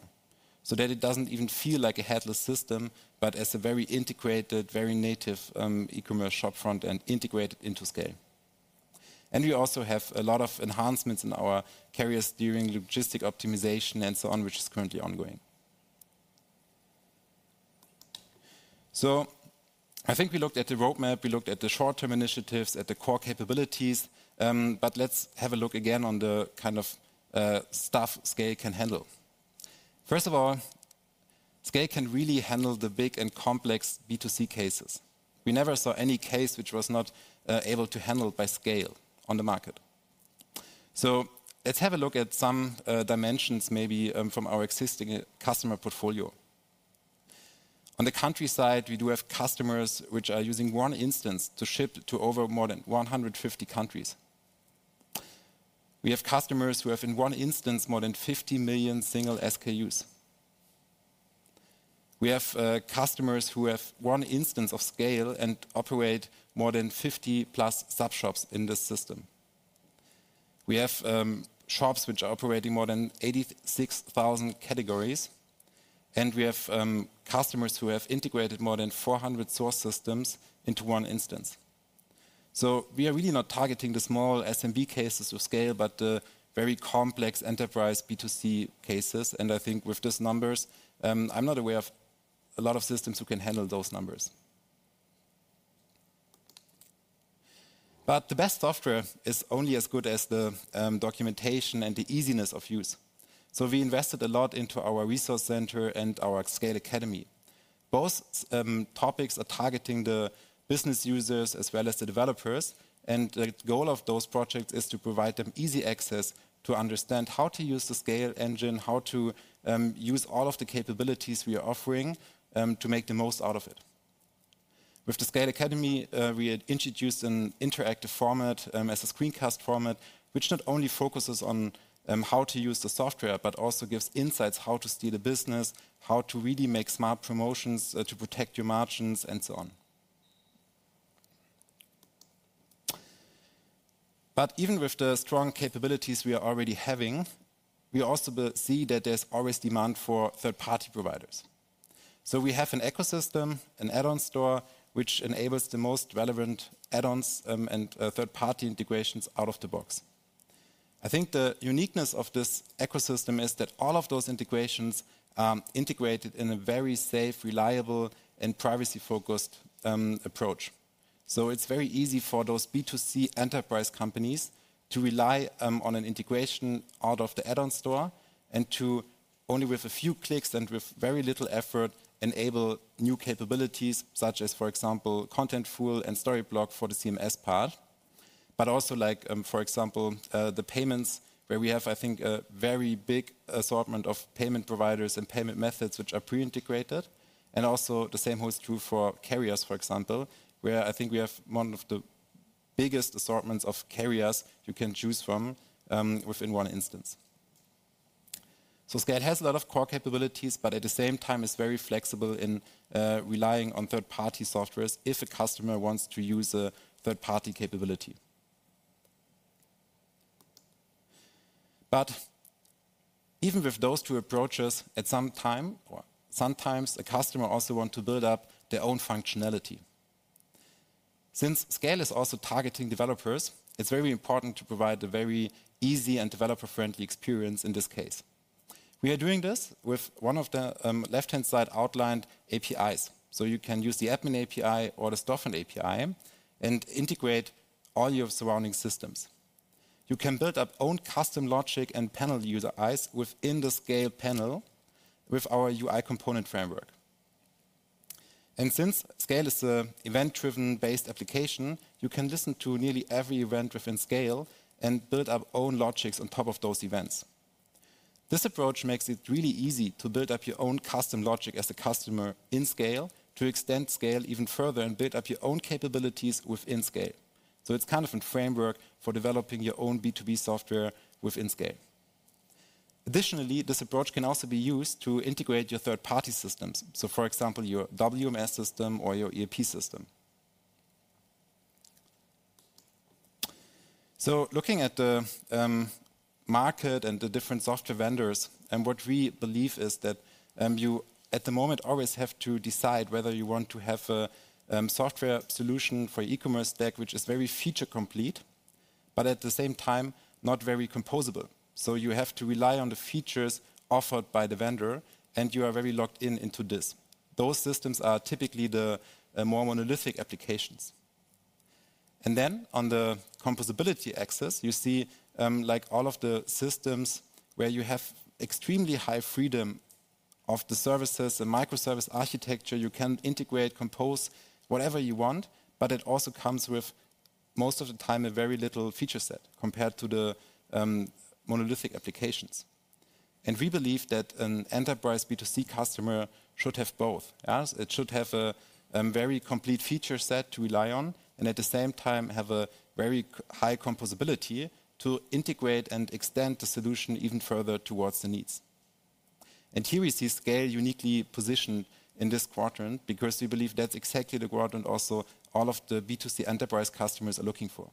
so that it doesn't even feel like a headless system, but as a very integrated, very native e-commerce shopfront and integrated into SCAYLE. And we also have a lot of enhancements in our carrier steering, logistic optimization, and so on, which is currently ongoing. I think we looked at the roadmap, we looked at the short-term initiatives, at the core capabilities, but let's have a look again on the kind of stuff SCAYLE can handle. First of all, SCAYLE can really handle the big and complex B2C cases. We never saw any case which was not able to handle by SCAYLE on the market. Let's have a look at some dimensions maybe from our existing customer portfolio. On the country side, we do have customers which are using one instance to ship to over more than 150 countries. We have customers who have in one instance more than 50 million single SKUs. We have customers who have one instance of SCAYLE and operate more than 50 plus subshops in this system. We have shops which are operating more than 86,000 categories, and we have customers who have integrated more than 400 source systems into one instance, so we are really not targeting the small SMB cases of SCAYLE, but the very complex enterprise B2C cases, and I think with these numbers, I'm not aware of a lot of systems who can handle those numbers, but the best software is only as good as the documentation and the easiness of use, so we invested a lot into our resource center and our SCAYLE Academy. Both topics are targeting the business users as well as the developers, and the goal of those projects is to provide them easy access to understand how to use the SCAYLE engine, how to use all of the capabilities we are offering to make the most out of it. With the SCAYLE Academy, we introduced an interactive format as a screencast format, which not only focuses on how to use the software, but also gives insights how to scale a business, how to really make smart promotions to protect your margins, and so on, but even with the strong capabilities we are already having, we also see that there's always demand for third-party providers, so we have an ecosystem, an add-on store, which enables the most relevant add-ons and third-party integrations out of the box. I think the uniqueness of this ecosystem is that all of those integrations are integrated in a very safe, reliable, and privacy-focused approach. So it's very easy for those B2C enterprise companies to rely on an integration out of the add-on store and to, only with a few clicks and with very little effort, enable new capabilities such as, for example, Contentful and Storyblok for the CMS part. But also, for example, the payments, where we have, I think, a very big assortment of payment providers and payment methods which are pre-integrated. And also the same holds true for carriers, for example, where I think we have one of the biggest assortments of carriers you can choose from within one instance. SCAYLE has a lot of core capabilities, but at the same time, it's very flexible in relying on third-party softwares if a customer wants to use a third-party capability. Even with those two approaches, at some time, sometimes a customer also wants to build up their own functionality. Since SCAYLE is also targeting developers, it's very important to provide a very easy and developer-friendly experience in this case. We are doing this with one of the left-hand side outlined APIs. You can use the Admin API or the Storefront API and integrate all your surrounding systems. You can build up own custom logic and panel UIs within the SCAYLE panel with our UI component framework. Since SCAYLE is an event-driven-based application, you can listen to nearly every event within SCAYLE and build up own logics on top of those events. This approach makes it really easy to build up your own custom logic as a customer in SCAYLE to extend SCAYLE even further and build up your own capabilities within SCAYLE. It's kind of a framework for developing your own B2B software within SCAYLE. Additionally, this approach can also be used to integrate your third-party systems. For example, your WMS system or your ERP system. Looking at the market and the different software vendors, what we believe is that you at the moment always have to decide whether you want to have a software solution for e-commerce tech which is very feature complete, but at the same time, not very composable. You have to rely on the features offered by the vendor, and you are very locked into this. Those systems are typically the more monolithic applications. And then on the composability axis, you see all of the systems where you have extremely high freedom of the services, the microservice architecture. You can integrate, compose whatever you want, but it also comes with, most of the time, a very little feature set compared to the monolithic applications. And we believe that an enterprise B2C customer should have both. It should have a very complete feature set to rely on and at the same time have a very high composability to integrate and extend the solution even further towards the needs. And here we see SCAYLE uniquely positioned in this quadrant because we believe that's exactly the quadrant also all of the B2C enterprise customers are looking for.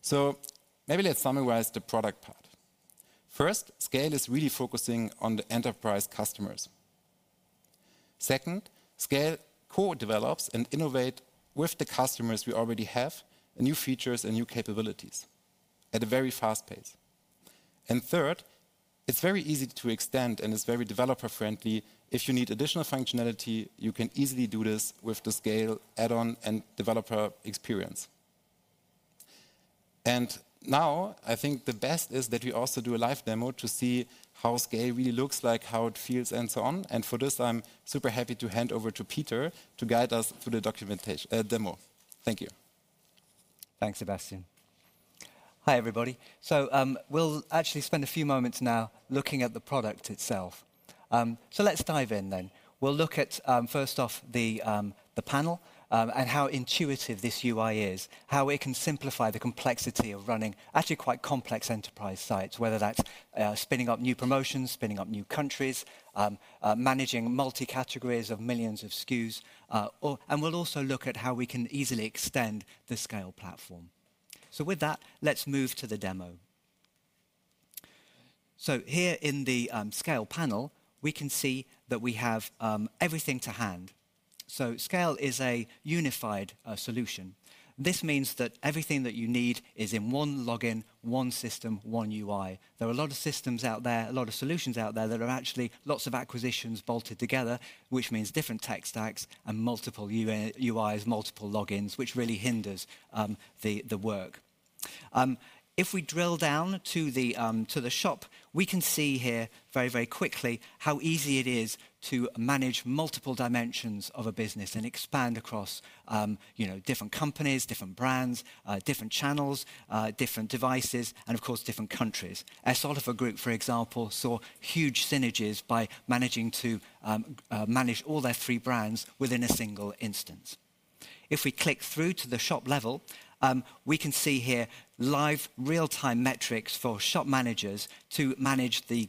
So maybe let's summarize the product part. First, SCAYLE is really focusing on the enterprise customers. Second, SCAYLE co-develops and innovates with the customers we already have new features and new capabilities at a very fast pace. And third, it's very easy to extend and it's very developer-friendly. If you need additional functionality, you can easily do this with the SCAYLE add-on and developer experience. And now I think the best is that we also do a live demo to see how SCAYLE really looks like, how it feels, and so on. And for this, I'm super happy to hand over to Peter to guide us through the live demo. Thank you. Thanks, Sebastian. Hi everybody. So we'll actually spend a few moments now looking at the product itself. So let's dive in then. We'll look at, first off, the panel and how intuitive this UI is, how it can simplify the complexity of running actually quite complex enterprise sites, whether that's spinning up new promotions, spinning up new countries, managing multi-categories of millions of SKUs. And we'll also look at how we can easily extend the SCAYLE platform. So with that, let's move to the demo. So here in the SCAYLE panel, we can see that we have everything to hand. So SCAYLE is a unified solution. This means that everything that you need is in one login, one system, one UI. There are a lot of systems out there, a lot of solutions out there that are actually lots of acquisitions bolted together, which means different tech stacks and multiple UIs, multiple logins, which really hinders the work. If we drill down to the shop, we can see here very, very quickly how easy it is to manage multiple dimensions of a business and expand across different companies, different brands, different channels, different devices, and of course, different countries. s.Oliver Group, for example, saw huge synergies by managing to manage all their three brands within a single instance. If we click through to the shop level, we can see here live real-time metrics for shop managers to manage the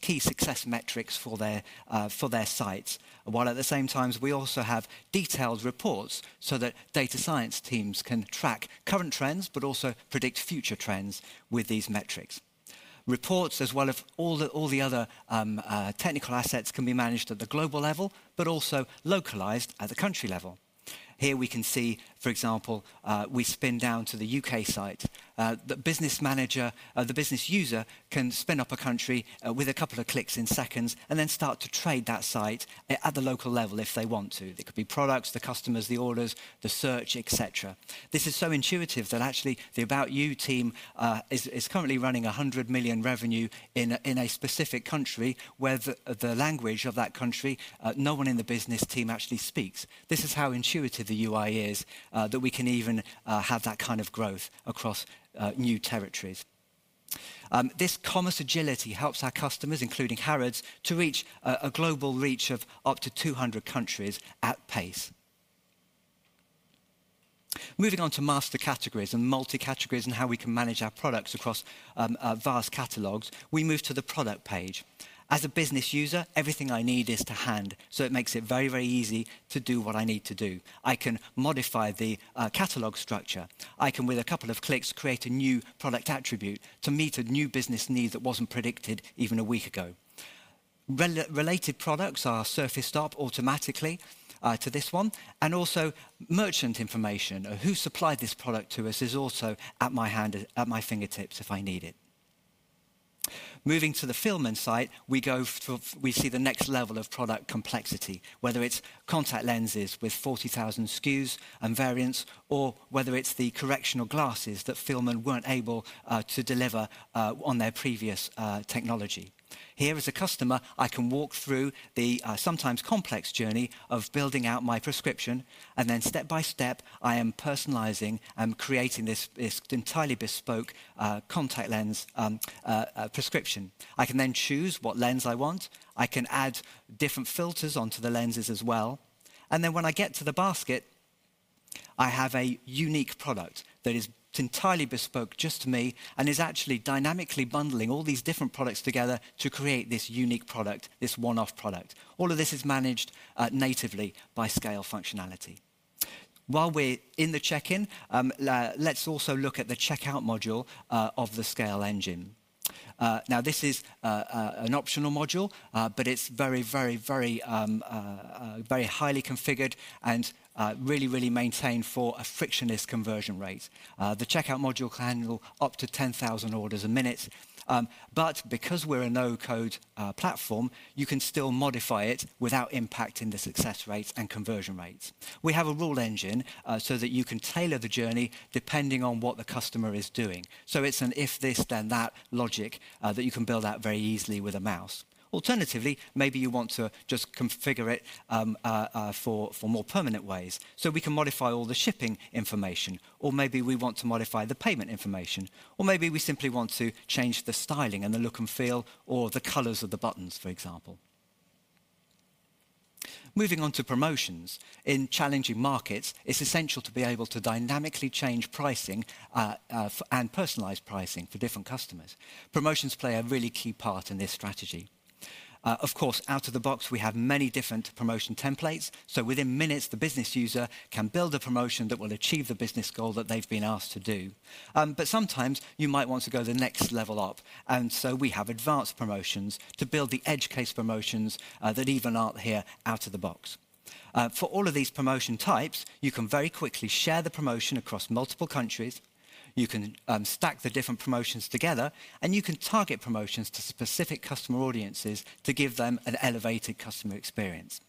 key success metrics for their sites. While at the same time, we also have detailed reports so that data science teams can track current trends, but also predict future trends with these metrics. Reports, as well as all the other technical assets, can be managed at the global level, but also localized at the country level. Here we can see, for example, we spin down to the U.K. site. The business manager, the business user, can spin up a country with a couple of clicks in seconds and then start to trade that site at the local level if they want to. It could be products, the customers, the orders, the search, etc. This is so intuitive that actually the ABOUT YOU team is currently running 100 million revenue in a specific country where the language of that country no one in the business team actually speaks. This is how intuitive the UI is that we can even have that kind of growth across new territories. This commerce agility helps our customers, including Harrods, to reach a global reach of up to 200 countries at pace. Moving on to master categories and multi-categories and how we can manage our products across vast catalogs, we move to the product page. As a business user, everything I need is to hand, so it makes it very, very easy to do what I need to do. I can modify the catalog structure. I can, with a couple of clicks, create a new product attribute to meet a new business need that wasn't predicted even a week ago. Related products are surfaced up automatically to this one, and also merchant information, who supplied this product to us, is also at my hand, at my fingertips if I need it. Moving to the Fielmann site, we see the next level of product complexity, whether it's contact lenses with 40,000 SKUs and variants, or whether it's the corrective glasses that Fielmann weren't able to deliver on their previous technology. Here as a customer, I can walk through the sometimes complex journey of building out my prescription, and then step by step, I am personalizing and creating this entirely bespoke contact lens prescription. I can then choose what lens I want. I can add different filters onto the lenses as well. And then when I get to the basket, I have a unique product that is entirely bespoke just to me and is actually dynamically bundling all these different products together to create this unique product, this one-off product. All of this is managed natively by SCAYLE functionality. While we're in the checkout, let's also look at the checkout module of the SCAYLE engine. Now, this is an optional module, but it's very, very, very highly configured and really, really maintained for a frictionless conversion rate. The checkout module can handle up to 10,000 orders a minute. But because we're a no-code platform, you can still modify it without impacting the success rates and conversion rates. We have a rule engine so that you can tailor the journey depending on what the customer is doing. So it's an if this, then that logic that you can build out very easily with a mouse. Alternatively, maybe you want to just configure it for more permanent ways. We can modify all the shipping information, or maybe we want to modify the payment information, or maybe we simply want to change the styling and the look and feel or the colors of the buttons, for example. Moving on to promotions. In challenging markets, it's essential to be able to dynamically change pricing and personalize pricing for different customers. Promotions play a really key part in this strategy. Of course, out of the box, we have many different promotion templates. So within minutes, the business user can build a promotion that will achieve the business goal that they've been asked to do. But sometimes you might want to go the next level up. And so we have advanced promotions to build the edge case promotions that even aren't here out of the box. For all of these promotion types, you can very quickly share the promotion across multiple countries. You can stack the different promotions together, and you can target promotions to specific customer audiences to give them an elevated customer experience.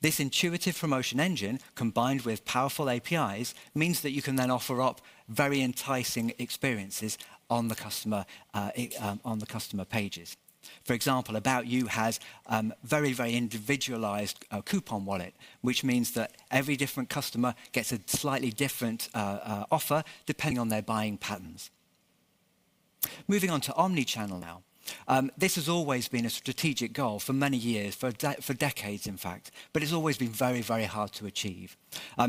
This intuitive promotion engine, combined with powerful APIs, means that you can then offer up very enticing experiences on the customer pages. For example, ABOUT YOU has a very, very individualized coupon wallet, which means that every different customer gets a slightly different offer depending on their buying patterns. Moving on to omnichannel now. This has always been a strategic goal for many years, for decades, in fact, but it's always been very, very hard to achieve.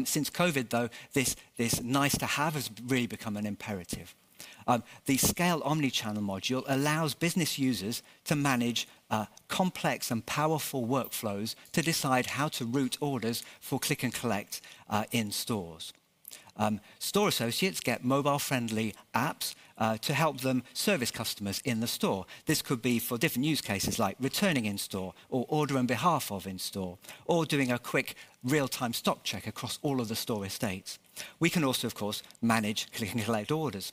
Since COVID, though, this nice to have has really become an imperative. The SCAYLE omnichannel module allows business users to manage complex and powerful workflows to decide how to route orders for click and collect in stores. Store associates get mobile-friendly apps to help them service customers in the store. This could be for different use cases like returning in store or order on behalf of in store or doing a quick real-time stock check across all of the store estates. We can also, of course, manage click and collect orders.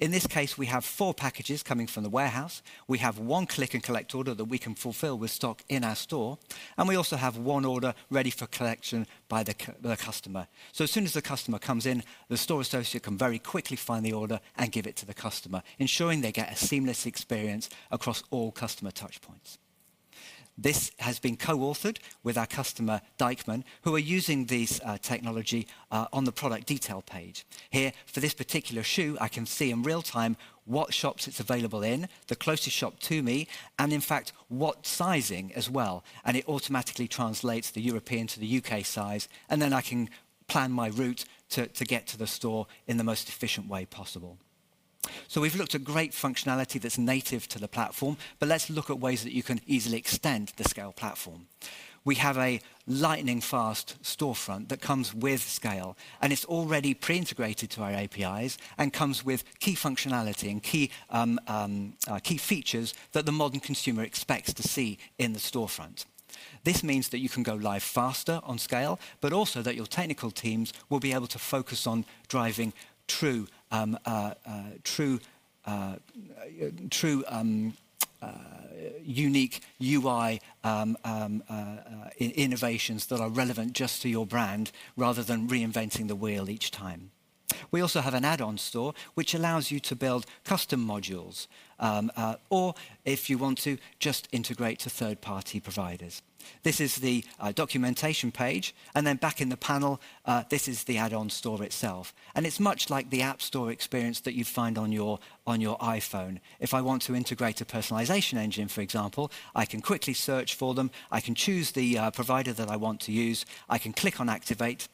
In this case, we have four packages coming from the warehouse. We have one click and collect order that we can fulfill with stock in our store, and we also have one order ready for collection by the customer. So as soon as the customer comes in, the store associate can very quickly find the order and give it to the customer, ensuring they get a seamless experience across all customer touchpoints. This has been co-authored with our customer, DEICHMANN, who are using this technology on the product detail page. Here, for this particular shoe, I can see in real time what shops it's available in, the closest shop to me, and in fact, what sizing as well. And it automatically translates the European to the U.K. size, and then I can plan my route to get to the store in the most efficient way possible. So we've looked at great functionality that's native to the platform, but let's look at ways that you can easily extend the SCAYLE platform. We have a lightning-fast storefront that comes with SCAYLE, and it's already pre-integrated to our APIs and comes with key functionality and key features that the modern consumer expects to see in the storefront. This means that you can go live faster on SCAYLE, but also that your technical teams will be able to focus on driving true unique UI innovations that are relevant just to your brand rather than reinventing the wheel each time. We also have an add-on store, which allows you to build custom modules or, if you want to, just integrate to third-party providers. This is the documentation page, and then back in the panel, this is the add-on store itself, and it's much like the App Store experience that you find on your iPhone. If I want to integrate a personalization engine, for example, I can quickly search for them. I can choose the provider that I want to use. I can click on activate,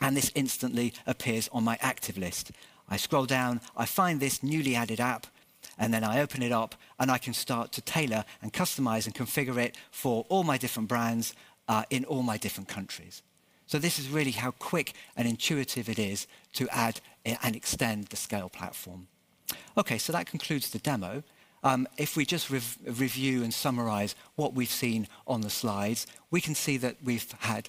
and this instantly appears on my active list. I scroll down, I find this newly added app, and then I open it up, and I can start to tailor and customize and configure it for all my different brands in all my different countries. So this is really how quick and intuitive it is to add and extend the SCAYLE platform. Okay, so that concludes the demo. If we just review and summarize what we've seen on the slides, we can see that we've had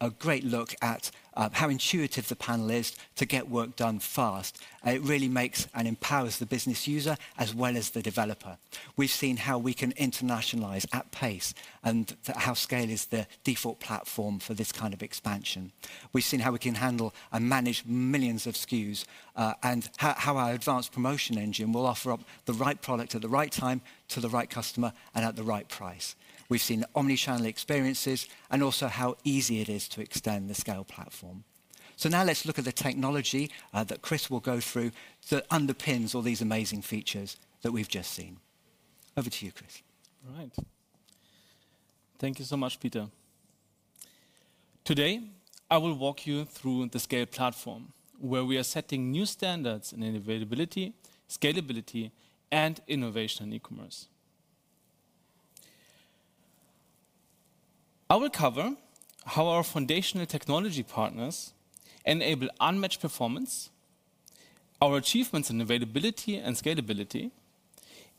a great look at how intuitive the panel is to get work done fast. It really makes and empowers the business user as well as the developer. We've seen how we can internationalize at pace and how SCAYLE is the default platform for this kind of expansion. We've seen how we can handle and manage millions of SKUs and how our advanced promotion engine will offer up the right product at the right time to the right customer and at the right price. We've seen omnichannel experiences and also how easy it is to extend the SCAYLE platform. So now let's look at the technology that Chris will go through that underpins all these amazing features that we've just seen. Over to you, Chris. All right. Thank you so much, Peter. Today, I will walk you through the SCAYLE platform, where we are setting new standards in availability, scalability, and innovation in e-commerce. I will cover how our foundational technology partners enable unmatched performance, our achievements in availability and scalability,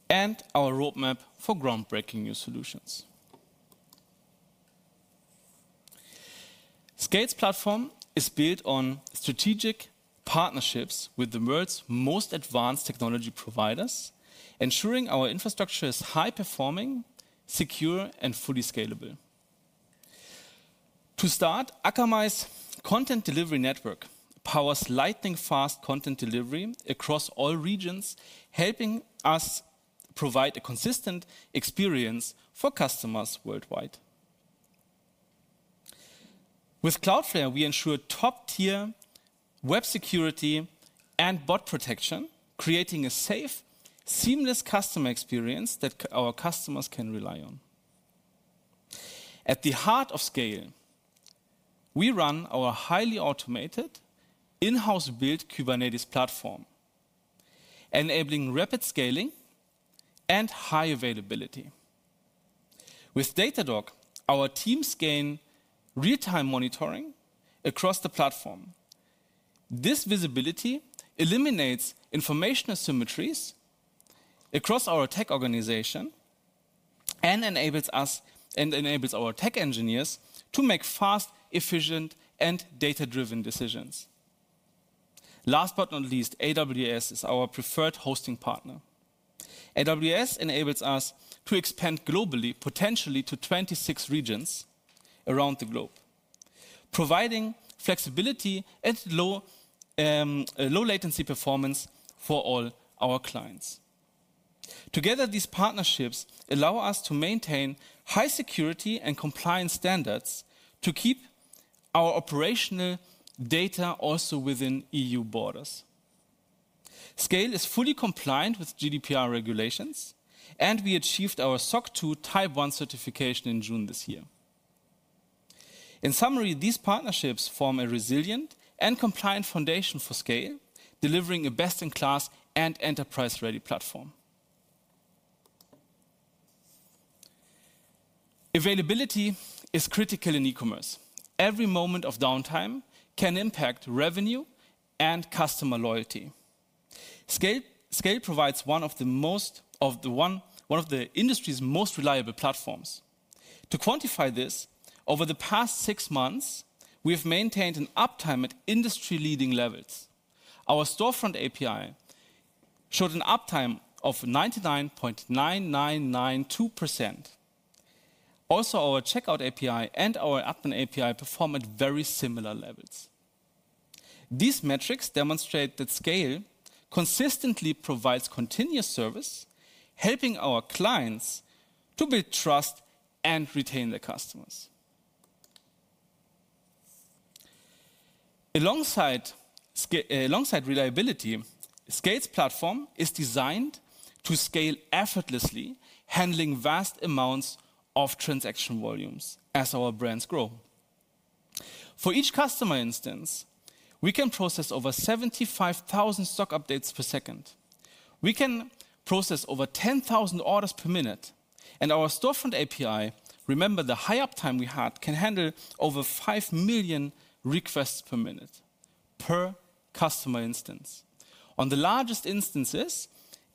and our roadmap for groundbreaking new solutions. SCAYLE's platform is built on strategic partnerships with the world's most advanced technology providers, ensuring our infrastructure is high-performing, secure, and fully scalable. To start, Akamai's content delivery network powers lightning-fast content delivery across all regions, helping us provide a consistent experience for customers worldwide. With Cloudflare, we ensure top-tier web security and bot protection, creating a safe, seamless customer experience that our customers can rely on. At the heart of SCAYLE, we run our highly automated, in-house-built Kubernetes platform, enabling rapid scaling and high availability. With Datadog, our teams gain real-time monitoring across the platform. This visibility eliminates information asymmetries across our tech organization and enables our tech engineers to make fast, efficient, and data-driven decisions. Last but not least, AWS is our preferred hosting partner. AWS enables us to expand globally, potentially to 26 regions around the globe, providing flexibility and low-latency performance for all our clients. Together, these partnerships allow us to maintain high security and compliance standards to keep our operational data also within EU borders. SCAYLE is fully compliant with GDPR regulations, and we achieved our SOC 2 Type 1 certification in June this year. In summary, these partnerships form a resilient and compliant foundation for SCAYLE, delivering a best-in-class and enterprise-ready platform. Availability is critical in e-commerce. Every moment of downtime can impact revenue and customer loyalty. SCAYLE provides one of the industry's most reliable platforms. To quantify this, over the past six months, we have maintained an uptime at industry-leading levels. Our storefront API showed an uptime of 99.9992%. Also, our Checkout API and our Admin API perform at very similar levels. These metrics demonstrate that SCAYLE consistently provides continuous service, helping our clients to build trust and retain their customers. Alongside reliability, SCAYLE's platform is designed to scale effortlessly, handling vast amounts of transaction volumes as our brands grow. For each customer instance, we can process over 75,000 stock updates per second. We can process over 10,000 orders per minute, and our storefront API, remember the high uptime we had, can handle over 5 million requests per minute per customer instance. On the largest instances,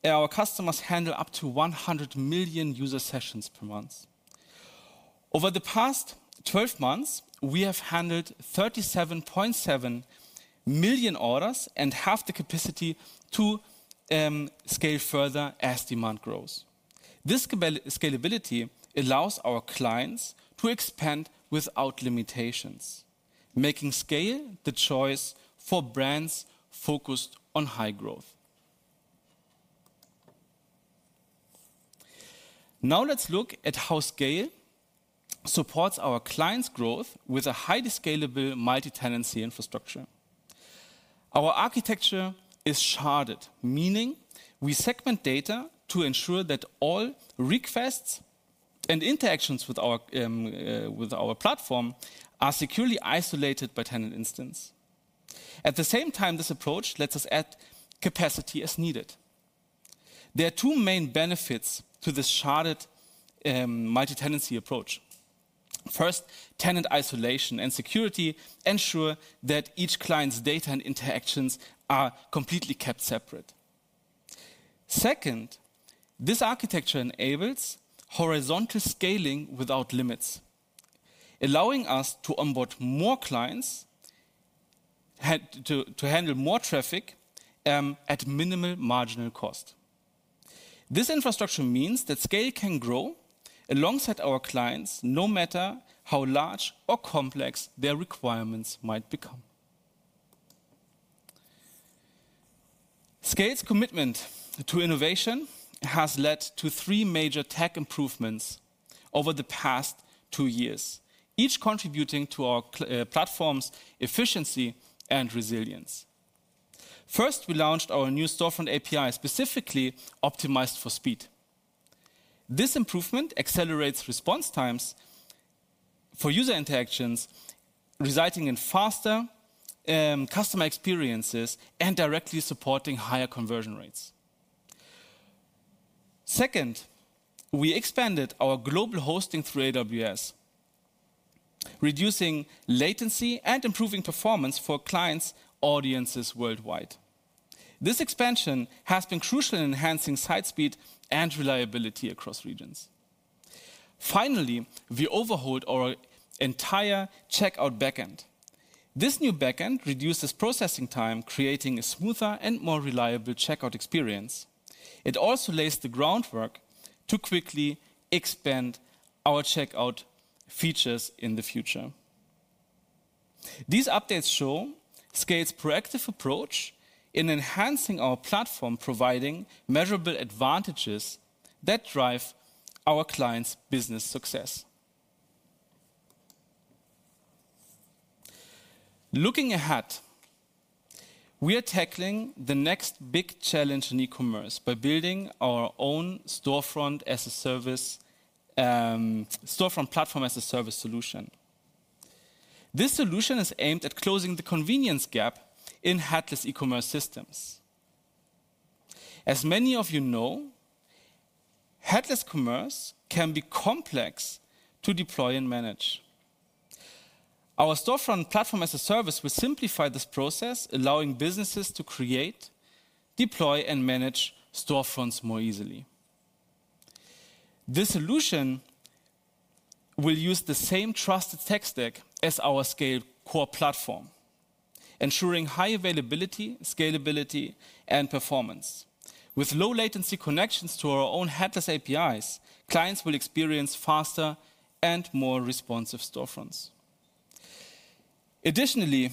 our customers handle up to 100 million user sessions per month. Over the past 12 months, we have handled 37.7 million orders and half the capacity to scale further as demand grows. This scalability allows our clients to expand without limitations, making SCAYLE the choice for brands focused on high growth. Now let's look at how SCAYLE supports our clients' growth with a highly scalable multi-tenancy infrastructure. Our architecture is sharded, meaning we segment data to ensure that all requests and interactions with our platform are securely isolated by tenant instance. At the same time, this approach lets us add capacity as needed. There are two main benefits to this sharded multi-tenancy approach. First, tenant isolation and security ensure that each client's data and interactions are completely kept separate. Second, this architecture enables horizontal scaling without limits, allowing us to onboard more clients to handle more traffic at minimal marginal cost. This infrastructure means that SCAYLE can grow alongside our clients, no matter how large or complex their requirements might become. SCAYLE's commitment to innovation has led to three major tech improvements over the past two years, each contributing to our platform's efficiency and resilience. First, we launched our new storefront API, specifically optimized for speed. This improvement accelerates response times for user interactions, resulting in faster customer experiences and directly supporting higher conversion rates. Second, we expanded our global hosting through AWS, reducing latency and improving performance for clients' audiences worldwide. This expansion has been crucial in enhancing site speed and reliability across regions. Finally, we overhauled our entire checkout backend. This new backend reduces processing time, creating a smoother and more reliable checkout experience. It also lays the groundwork to quickly expand our checkout features in the future. These updates show SCAYLE's proactive approach in enhancing our platform, providing measurable advantages that drive our clients' business success. Looking ahead, we are tackling the next big challenge in e-commerce by building our own storefront as a service, storefront platform as a service solution. This solution is aimed at closing the convenience gap in headless e-commerce systems. As many of you know, headless commerce can be complex to deploy and manage. Our storefront platform as a service will simplify this process, allowing businesses to create, deploy, and manage storefronts more easily. This solution will use the same trusted tech stack as our SCAYLE core platform, ensuring high availability, scalability, and performance. With low-latency connections to our own headless APIs, clients will experience faster and more responsive storefronts. Additionally,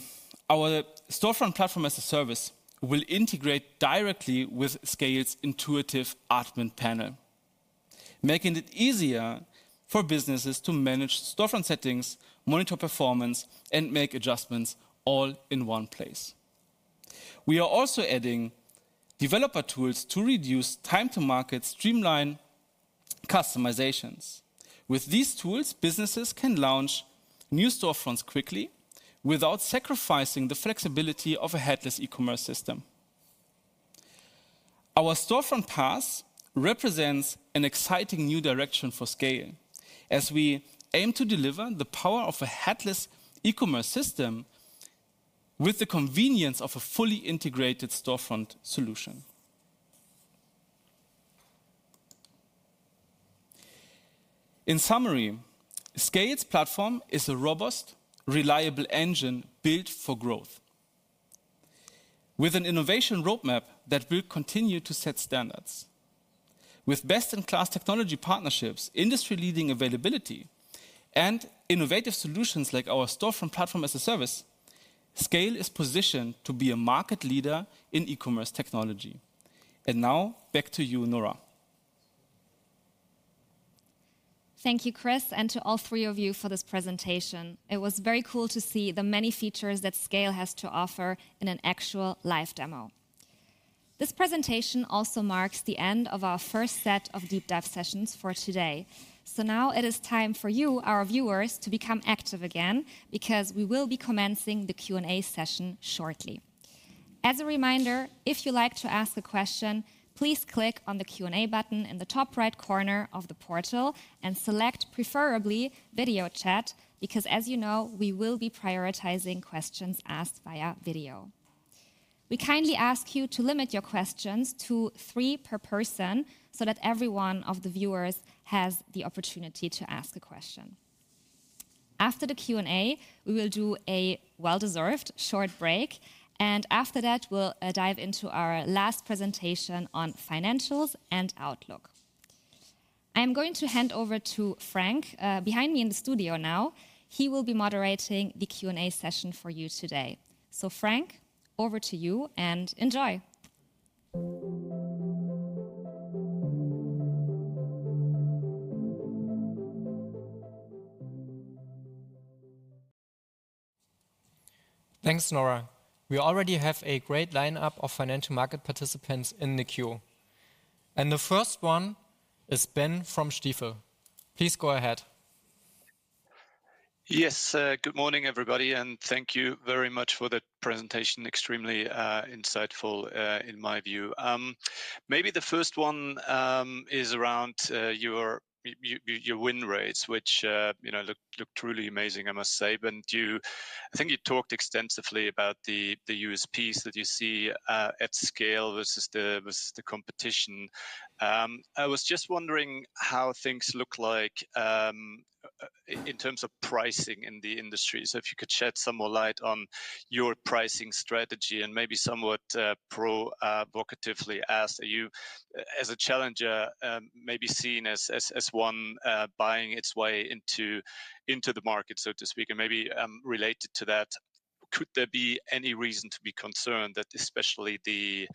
our storefront platform as a service will integrate directly with SCAYLE's intuitive admin panel, making it easier for businesses to manage storefront settings, monitor performance, and make adjustments all in one place. We are also adding developer tools to reduce time-to-market, streamline customizations. With these tools, businesses can launch new storefronts quickly without sacrificing the flexibility of a headless e-commerce system. Our storefront PaaS represents an exciting new direction for SCAYLE as we aim to deliver the power of a headless e-commerce system with the convenience of a fully integrated storefront solution. In summary, SCAYLE's platform is a robust, reliable engine built for growth, with an innovation roadmap that will continue to set standards. With best-in-class technology partnerships, industry-leading availability, and innovative solutions like our storefront platform as a service, SCAYLE is positioned to be a market leader in e-commerce technology, and now, back to you, Nora. Thank you, Chris, and to all three of you for this presentation. It was very cool to see the many features that SCAYLE has to offer in an actual live demo. This presentation also marks the end of our first set of deep dive sessions for today. So now it is time for you, our viewers, to become active again because we will be commencing the Q&A session shortly. As a reminder, if you'd like to ask a question, please click on the Q&A button in the top right corner of the portal and select preferably video chat because, as you know, we will be prioritizing questions asked via video. We kindly ask you to limit your questions to three per person so that every one of the viewers has the opportunity to ask a question. After the Q&A, we will do a well-deserved short break, and after that, we'll dive into our last presentation on financials and outlook. I'm going to hand over to Frank behind me in the studio now. He will be moderating the Q&A session for you today. So Frank, over to you, and enjoy. Thanks, Nora. We already have a great lineup of financial market participants in the queue. And the first one is Ben from Stifel. Please go ahead. Yes, good morning, everybody, and thank you very much for the presentation. Extremely insightful, in my view. Maybe the first one is around your win rates, which look truly amazing, I must say. I think you talked extensively about the USPs that you see at SCAYLE versus the competition. I was just wondering how things look like in terms of pricing in the industry. So if you could shed some more light on your pricing strategy and maybe somewhat provocatively ask, are you, as a challenger, maybe seen as one buying its way into the market, so to speak? And maybe related to that, could there be any reason to be concerned that especially the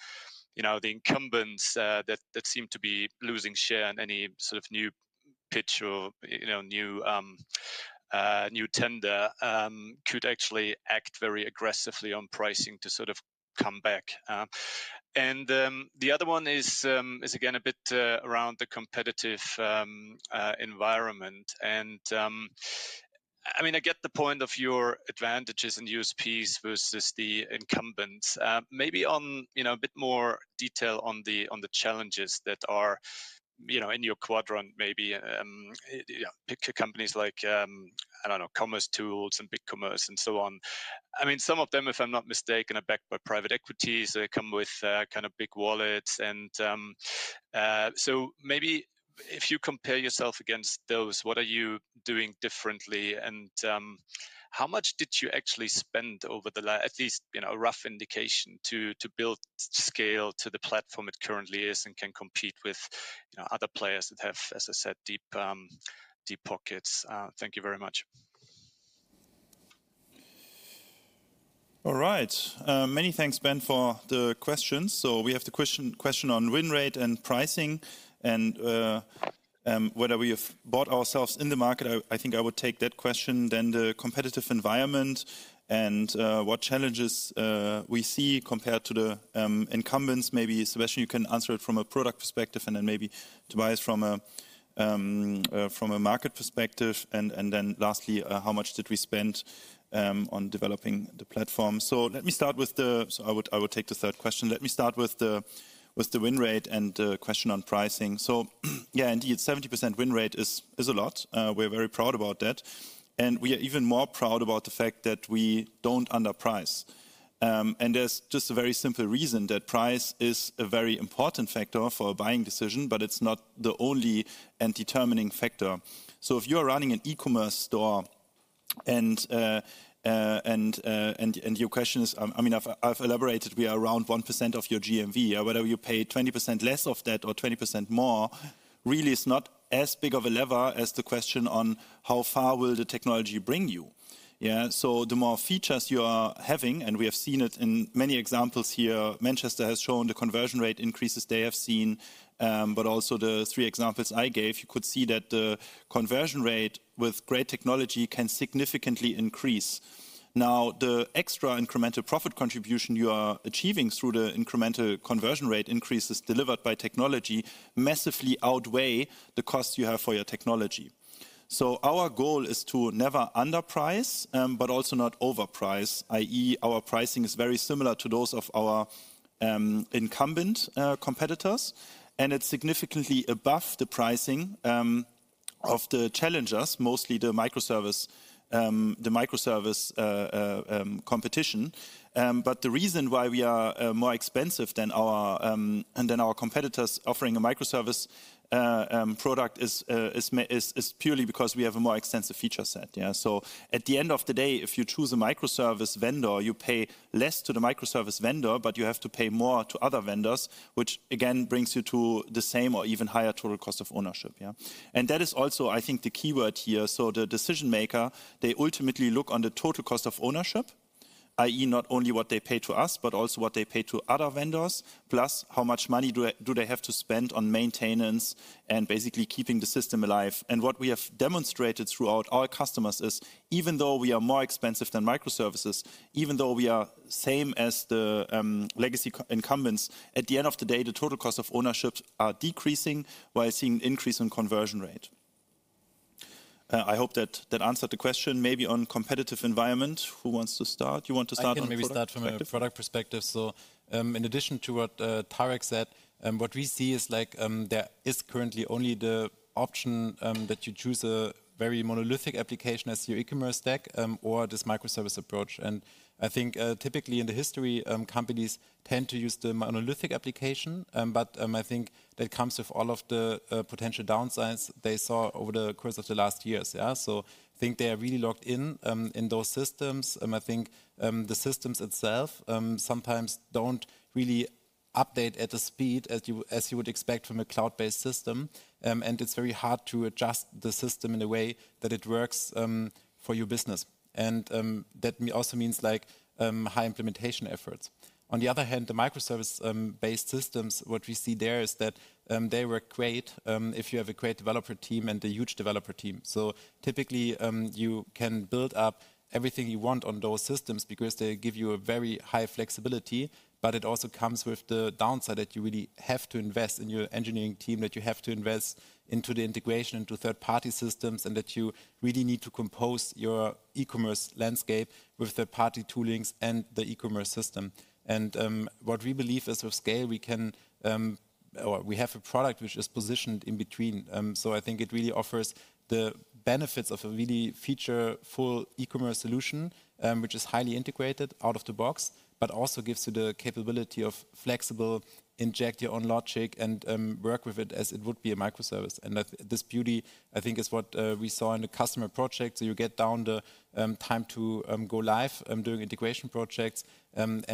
incumbents that seem to be losing share in any sort of new pitch or new tender could actually act very aggressively on pricing to sort of come back? The other one is, again, a bit around the competitive environment. I mean, I get the point of your advantages and USPs versus the incumbents. Maybe a bit more detail on the challenges that are in your quadrant, maybe companies like, I don't know, commercetools and BigCommerce and so on. I mean, some of them, if I'm not mistaken, are backed by private equities. They come with kind of big wallets. So maybe if you compare yourself against those, what are you doing differently? How much did you actually spend over the last, at least a rough indication, to build SCAYLE to the platform it currently is and can compete with other players that have, as I said, deep pockets? Thank you very much. All right. Many thanks, Ben, for the questions. So we have the question on win rate and pricing and whether we have bought ourselves in the market. I think I would take that question. Then the competitive environment and what challenges we see compared to the incumbents. Maybe Sebastian, you can answer it from a product perspective and then maybe Tobias from a market perspective. And then lastly, how much did we spend on developing the platform? So let me start with the, so I would take the third question. Let me start with the win rate and the question on pricing. So yeah, indeed, 70% win rate is a lot. We're very proud about that. And we are even more proud about the fact that we don't underprice. There's just a very simple reason that price is a very important factor for a buying decision, but it's not the only and determining factor. If you are running an e-commerce store and your question is, I mean, I've elaborated, we are around 1% of your GMV, whether you pay 20% less of that or 20% more, really is not as big of a lever as the question on how far will the technology bring you. The more features you are having, and we have seen it in many examples here, Manchester has shown the conversion rate increases they have seen, but also the three examples I gave, you could see that the conversion rate with great technology can significantly increase. Now, the extra incremental profit contribution you are achieving through the incremental conversion rate increases delivered by technology massively outweigh the cost you have for your technology, so our goal is to never underprice, but also not overprice, i.e., our pricing is very similar to those of our incumbent competitors, and it's significantly above the pricing of the challengers, mostly the microservice competition, but the reason why we are more expensive than our competitors offering a microservice product is purely because we have a more extensive feature set, so at the end of the day, if you choose a microservice vendor, you pay less to the microservice vendor, but you have to pay more to other vendors, which again brings you to the same or even higher total cost of ownership, and that is also, I think, the keyword here. So the decision maker, they ultimately look on the total cost of ownership, i.e., not only what they pay to us, but also what they pay to other vendors, plus how much money do they have to spend on maintenance and basically keeping the system alive. And what we have demonstrated throughout our customers is, even though we are more expensive than microservices, even though we are the same as the legacy incumbents, at the end of the day, the total cost of ownership are decreasing while seeing an increase in conversion rate. I hope that answered the question. Maybe on competitive environment, who wants to start? You want to start on the competitive? I can maybe start from a product perspective. So, in addition to what Tarek said, what we see is there is currently only the option that you choose a very monolithic application as your e-commerce stack or this microservice approach. And I think typically in the history, companies tend to use the monolithic application, but I think that comes with all of the potential downsides they saw over the course of the last years. So I think they are really locked in those systems. And I think the systems itself sometimes don't really update at the speed as you would expect from a cloud-based system. And that also means high implementation efforts. On the other hand, the microservice-based systems, what we see there is that they work great if you have a great developer team and a huge developer team. So typically, you can build up everything you want on those systems because they give you a very high flexibility, but it also comes with the downside that you really have to invest in your engineering team, that you have to invest into the integration into third-party systems, and that you really need to compose your e-commerce landscape with third-party toolings and the e-commerce system. And what we believe is with SCAYLE, we have a product which is positioned in between. So I think it really offers the benefits of a really feature-full e-commerce solution, which is highly integrated out of the box, but also gives you the capability of flexible, inject your own logic, and work with it as it would be a microservice. And this beauty, I think, is what we saw in the customer project. So you get down the time to go live during integration projects. And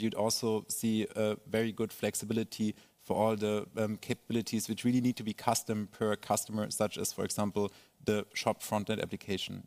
you'd also see very good flexibility for all the capabilities which really need to be custom per customer, such as, for example, the shop front-end application.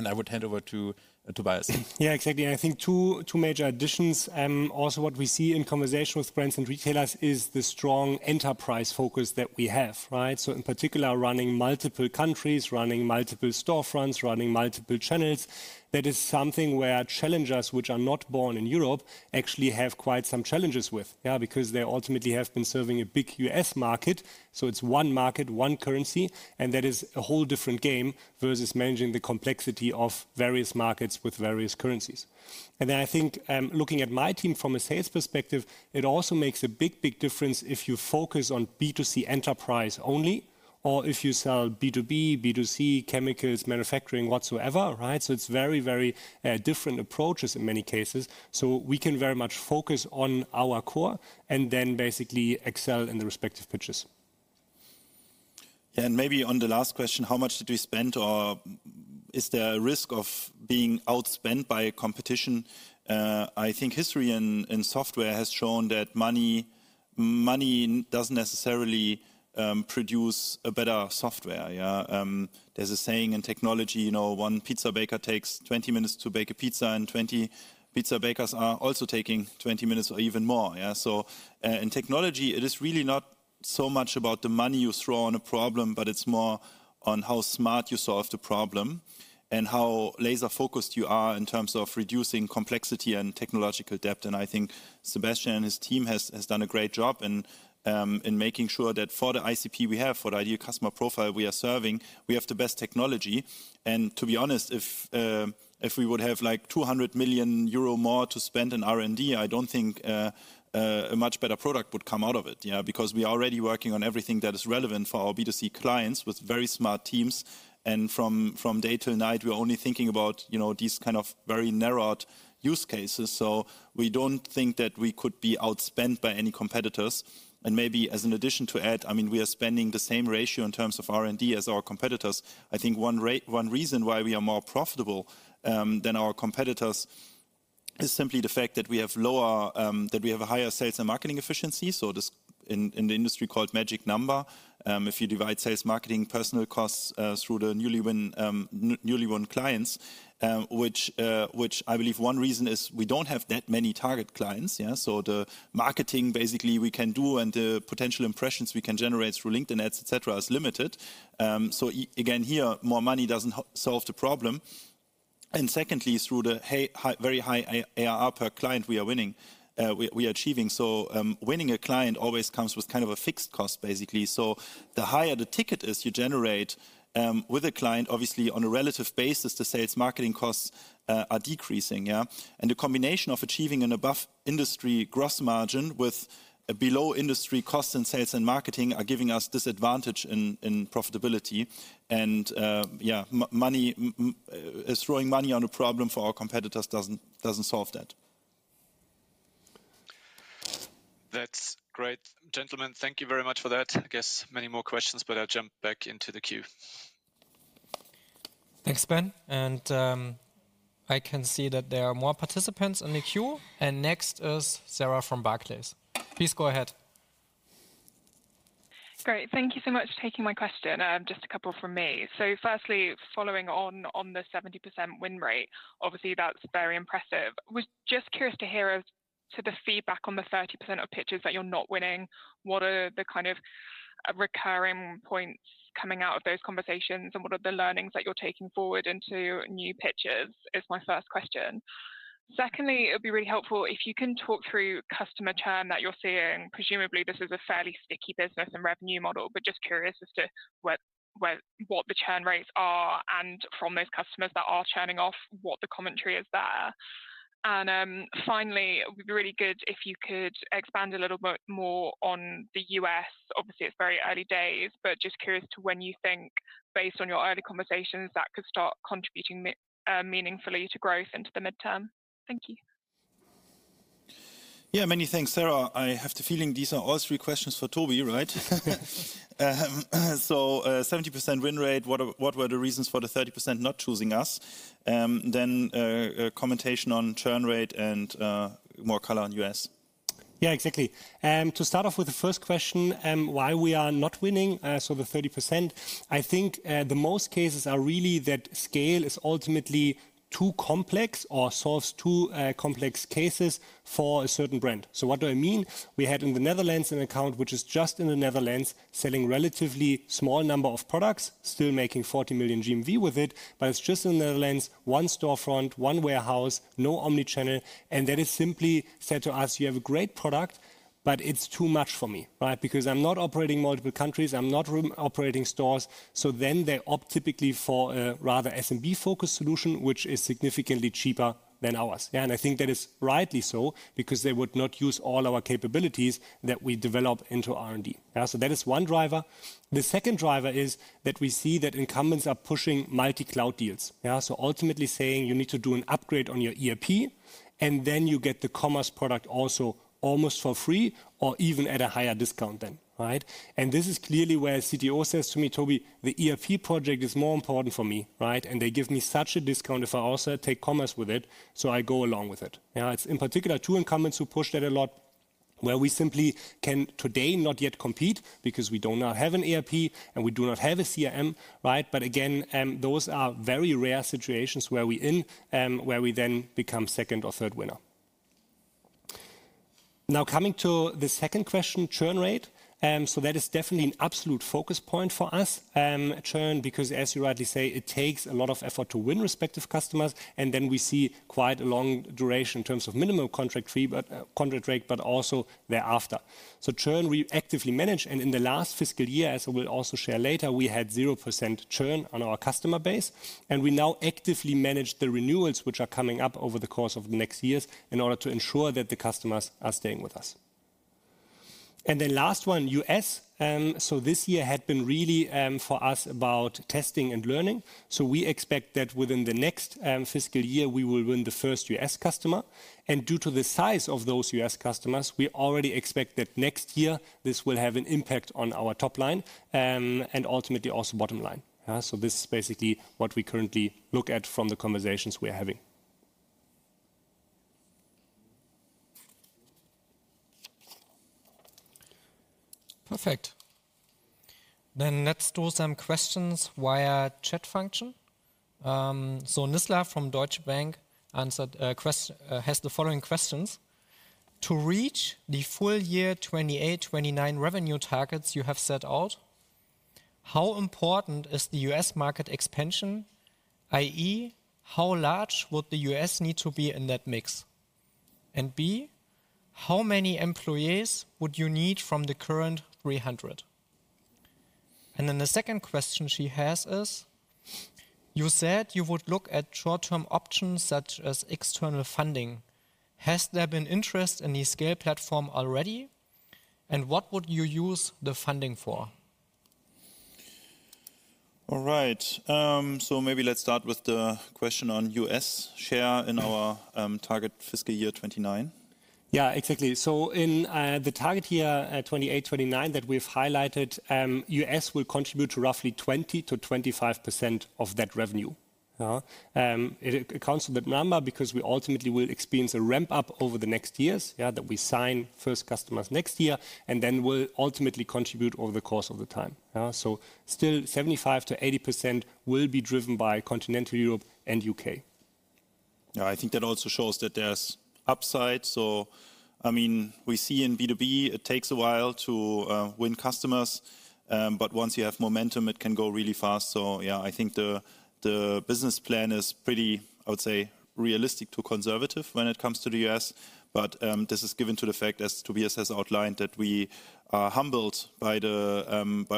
And I would hand over to Tobias. Yeah, exactly, and I think two major additions. Also, what we see in conversation with brands and retailers is the strong enterprise focus that we have, so in particular, running multiple countries, running multiple storefronts, running multiple channels, that is something where challengers which are not born in Europe actually have quite some challenges with because they ultimately have been serving a big US market. So it's one market, one currency, and that is a whole different game versus managing the complexity of various markets with various currencies, and then I think looking at my team from a sales perspective, it also makes a big, big difference if you focus on B2C enterprise only or if you sell B2B, B2C, chemicals, manufacturing, whatsoever. So we can very much focus on our core and then basically excel in the respective pitches. Yeah, and maybe on the last question, how much did we spend or is there a risk of being outspent by competition? I think history in software has shown that money doesn't necessarily produce a better software. There's a saying in technology, one pizza baker takes 20 minutes to bake a pizza, and 20 pizza bakers are also taking 20 minutes or even more. So in technology, it is really not so much about the money you throw on a problem, but it's more on how smart you solve the problem and how laser-focused you are in terms of reducing complexity and technological depth. And I think Sebastian and his team has done a great job in making sure that for the ICP we have, for the ideal customer profile we are serving, we have the best technology. And to be honest, if we would have like 200 million euro more to spend in R&D, I don't think a much better product would come out of it because we are already working on everything that is relevant for our B2C clients with very smart teams. And from day to night, we're only thinking about these kind of very narrowed use cases. So we don't think that we could be outspent by any competitors. And maybe as an addition to add, I mean, we are spending the same ratio in terms of R&D as our competitors. I think one reason why we are more profitable than our competitors is simply the fact that we have a higher sales and marketing efficiency. So in the industry called Magic Number, if you divide sales, marketing, personnel costs through the newly won clients, which I believe one reason is we don't have that many target clients. The marketing basically we can do and the potential impressions we can generate through LinkedIn ads, et cetera, is limited. Again, here, more money doesn't solve the problem. And secondly, through the very high ARR per client we are winning, we are achieving. Winning a client always comes with kind of a fixed cost, basically. The higher the ticket is you generate with a client, obviously on a relative basis, the sales marketing costs are decreasing. And the combination of achieving an above-industry gross margin with a below-industry cost in sales and marketing are giving us this advantage in profitability. And yeah, throwing money on a problem for our competitors doesn't solve that. That's great. Gentlemen, thank you very much for that. I guess many more questions, but I'll jump back into the queue. Thanks, Ben. And I can see that there are more participants in the queue. And next is Sarah from Barclays. Please go ahead. Great. Thank you so much for taking my question. Just a couple from me. Firstly, following on the 70% win rate, obviously that's very impressive. I was just curious to hear as to the feedback on the 30% of pitches that you're not winning. What are the kind of recurring points coming out of those conversations, and what are the learnings that you're taking forward into new pitches is my first question. Secondly, it would be really helpful if you can talk through customer churn that you're seeing. Presumably, this is a fairly sticky business and revenue model, but just curious as to what the churn rates are and from those customers that are churning off, what the commentary is there. Finally, it would be really good if you could expand a little bit more on the U.S. Obviously, it's very early days, but just curious to when you think, based on your early conversations, that could start contributing meaningfully to growth into the midterm? Thank you. Yeah, many thanks, Sarah. I have the feeling these are all three questions for Tobi, right? So 70% win rate, what were the reasons for the 30% not choosing us? Then commentary on churn rate and more color on U.S. Yeah, exactly. To start off with the first question, why we are not winning, so the 30%, I think the most cases are really that SCAYLE is ultimately too complex or solves too complex cases for a certain brand. So what do I mean? We had in the Netherlands an account which is just in the Netherlands selling a relatively small number of products, still making 40 million GMV with it, but it's just in the Netherlands, one storefront, one warehouse, no omnichannel. And that is simply said to us, you have a great product, but it's too much for me because I'm not operating multiple countries, I'm not operating stores. So then they opt typically for a rather SMB-focused solution, which is significantly cheaper than ours. And I think that is rightly so because they would not use all our capabilities that we develop into R&D. So that is one driver. The second driver is that we see that incumbents are pushing multi-cloud deals. So ultimately saying you need to do an upgrade on your ERP, and then you get the commerce product also almost for free or even at a higher discount than. And this is clearly where CTO says to me, Tobi, the ERP project is more important for me. And they give me such a discount if I also take commerce with it, so I go along with it. It's in particular two incumbents who push that a lot where we simply can today not yet compete because we don't have an ERP and we do not have a CRM. But again, those are very rare situations where we then become second or third winner. Now coming to the second question, churn rate. That is definitely an absolute focus point for us, churn, because as you rightly say, it takes a lot of effort to win respective customers. And then we see quite a long duration in terms of minimum contract rate, but also thereafter. So churn we actively manage. And in the last fiscal year, as I will also share later, we had 0% churn on our customer base. And we now actively manage the renewals which are coming up over the course of the next years in order to ensure that the customers are staying with us. And then last one, U.S. So this year had been really for us about testing and learning. So we expect that within the next fiscal year, we will win the first U.S. customer. Due to the size of those U.S. customers, we already expect that next year this will have an impact on our top line and ultimately also bottom line. This is basically what we currently look at from the conversations we are having. Perfect. Then let's do some questions via chat function. So Nizla from Deutsche Bank has the following questions. To reach the full year 2028-2029 revenue targets you have set out, how important is the U.S. market expansion, i.e., how large would the U.S. need to be in that mix? And B, how many employees would you need from the current 300? And then the second question she has is, you said you would look at short-term options such as external funding. Has there been interest in the SCAYLE platform already? And what would you use the funding for? All right, so maybe let's start with the question on U.S. share in our target fiscal year 2029. Yeah, exactly. So in the target year 2028-2029 that we've highlighted, U.S. will contribute to roughly 20%-25% of that revenue. It accounts for that number because we ultimately will experience a ramp-up over the next years that we sign first customers next year, and then we'll ultimately contribute over the course of the time. So still 75%-80% will be driven by Continental Europe and U.K. I think that also shows that there's upside. So I mean, we see in B2B, it takes a while to win customers. But once you have momentum, it can go really fast. So yeah, I think the business plan is pretty, I would say, realistic to conservative when it comes to the U.S. But this is given to the fact as Tobias has outlined that we are humbled by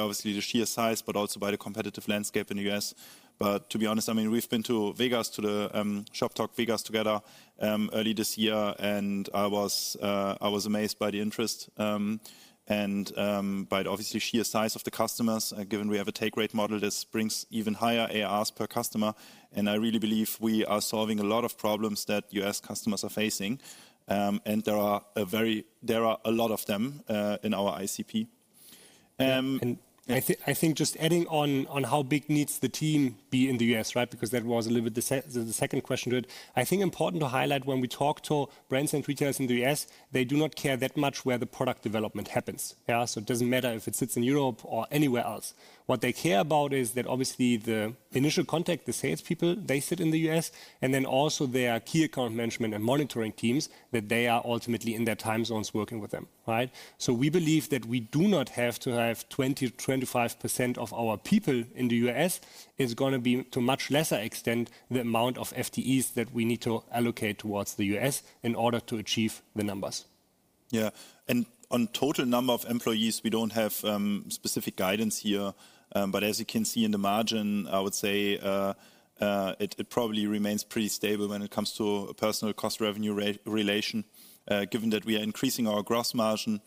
obviously the sheer size, but also by the competitive landscape in the U.S. But to be honest, I mean, we've been to Vegas, to the Shoptalk Vegas together early this year, and I was amazed by the interest and by the obviously sheer size of the customers. Given we have a take rate model that brings even higher ARRs per customer. And I really believe we are solving a lot of problems that U.S. customers are facing. There are a lot of them in our ICP. I think just adding on how big needs the team be in the U.S., because that was a little bit the second question to it. I think important to highlight when we talk to brands and retailers in the U.S., they do not care that much where the product development happens. So it doesn't matter if it sits in Europe or anywhere else. What they care about is that obviously the initial contact, the salespeople, they sit in the U.S., and then also their key account management and monitoring teams that they are ultimately in their time zones working with them. So we believe that we do not have to have 20%-25% of our people in the U.S. is going to be to too much lesser extent the amount of FTEs that we need to allocate towards the U.S. in order to achieve the numbers. Yeah. And on total number of employees, we don't have specific guidance here. But as you can see in the margin, I would say it probably remains pretty stable when it comes to a personnel cost revenue relation. Given that we are increasing our gross margin,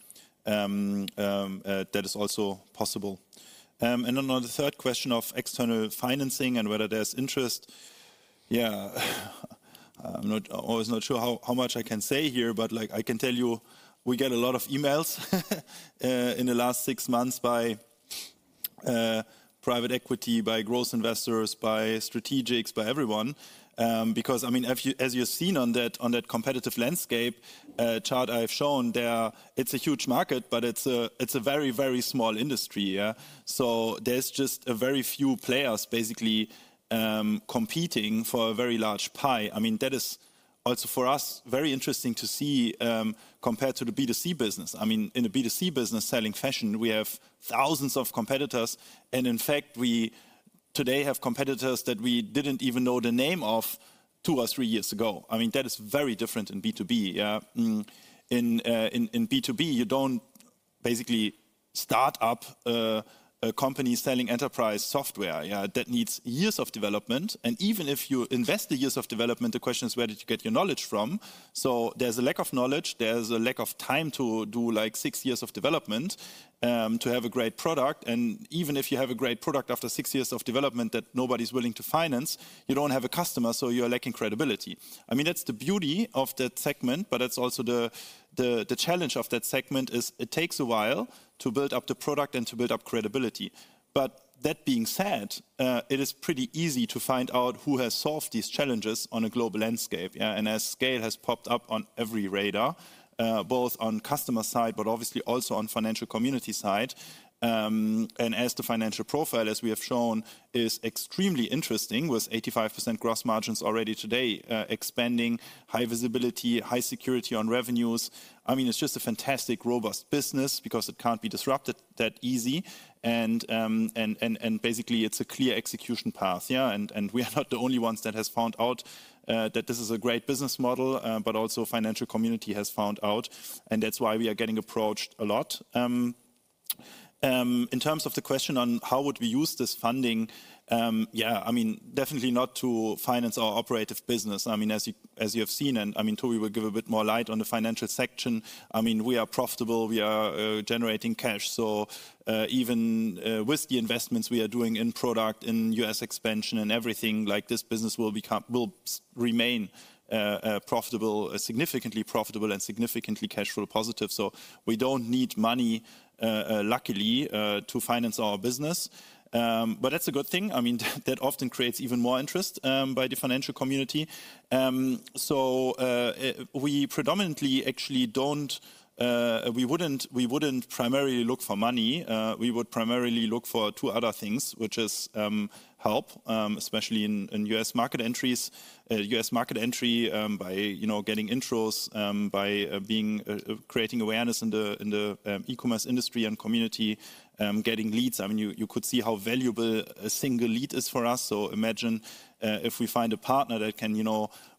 that is also possible. And then on the third question of external financing and whether there's interest, yeah, I'm not always not sure how much I can say here, but I can tell you we get a lot of emails in the last six months by private equity, by growth investors, by strategics, by everyone. Because I mean, as you've seen on that competitive landscape chart I've shown there, it's a huge market, but it's a very, very small industry. So there's just a very few players basically competing for a very large pie. I mean, that is also for us very interesting to see compared to the B2C business. I mean, in the B2C business selling fashion, we have thousands of competitors. And in fact, we today have competitors that we didn't even know the name of two or three years ago. I mean, that is very different in B2B. In B2B, you don't basically start up a company selling enterprise software that needs years of development. And even if you invest the years of development, the question is where did you get your knowledge from? So there's a lack of knowledge, there's a lack of time to do like six years of development to have a great product. And even if you have a great product after six years of development that nobody's willing to finance, you don't have a customer, so you're lacking credibility. I mean, that's the beauty of that segment, but that's also the challenge of that segment is it takes a while to build up the product and to build up credibility. But that being said, it is pretty easy to find out who has solved these challenges on a global landscape. And as SCAYLE has popped up on every radar, both on customer side, but obviously also on financial community side. And as the financial profile, as we have shown, is extremely interesting with 85% gross margins already today, expanding high visibility, high security on revenues. I mean, it's just a fantastic robust business because it can't be disrupted that easy. And basically, it's a clear execution path. And we are not the only ones that have found out that this is a great business model, but also financial community has found out. That's why we are getting approached a lot. In terms of the question on how would we use this funding, yeah, I mean, definitely not to finance our operative business. I mean, as you have seen, and I mean, Tobi will give a bit more light on the financial section. I mean, we are profitable, we are generating cash. So even with the investments we are doing in product, in U.S. expansion and everything, like this business will remain profitable, significantly profitable and significantly cash flow positive. So we don't need money, luckily, to finance our business. But that's a good thing. I mean, that often creates even more interest by the financial community. So we predominantly actually don't, we wouldn't primarily look for money. We would primarily look for two other things, which is help, especially in U.S. market entries, U.S. market entry by getting intros, by creating awareness in the e-commerce industry and community, getting leads. I mean, you could see how valuable a single lead is for us. So imagine if we find a partner that can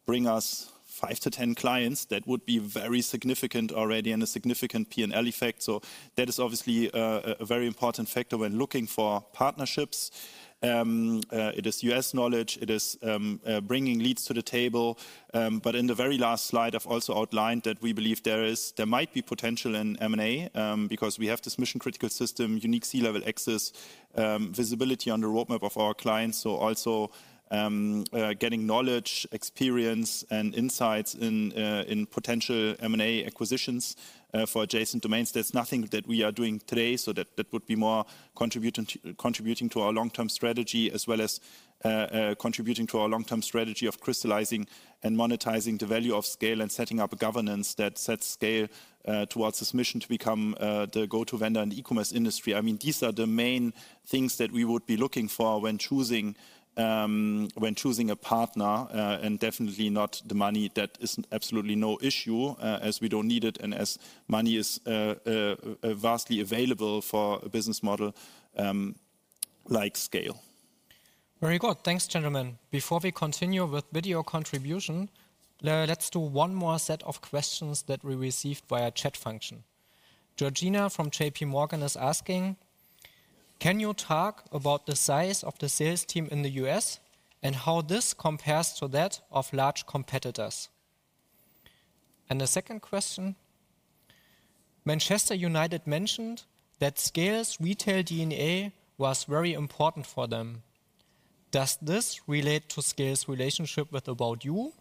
bring us five to 10 clients, that would be very significant already and a significant P&L effect. So that is obviously a very important factor when looking for partnerships. It is U.S. knowledge, it is bringing leads to the table. But in the very last slide, I've also outlined that we believe there might be potential in M&A because we have this mission-critical system, unique C-level access, visibility on the roadmap of our clients. So also getting knowledge, experience, and insights in potential M&A acquisitions for adjacent domains. There's nothing that we are doing today. So that would be more contributing to our long-term strategy as well as contributing to our long-term strategy of crystallizing and monetizing the value of SCAYLE and setting up a governance that sets SCAYLE towards this mission to become the go-to vendor in the e-commerce industry. I mean, these are the main things that we would be looking for when choosing a partner and definitely not the money. That is absolutely no issue as we don't need it and as money is vastly available for a business model like SCAYLE. Very good. Thanks, gentlemen. Before we continue with video contribution, let's do one more set of questions that we received via chat function. Georgina from JP Morgan is asking, can you talk about the size of the sales team in the U.S. and how this compares to that of large competitors? And the second question, Manchester United mentioned that SCAYLE's retail DNA was very important for them. Does this relate to SCAYLE's relationship with ABOUT YOU?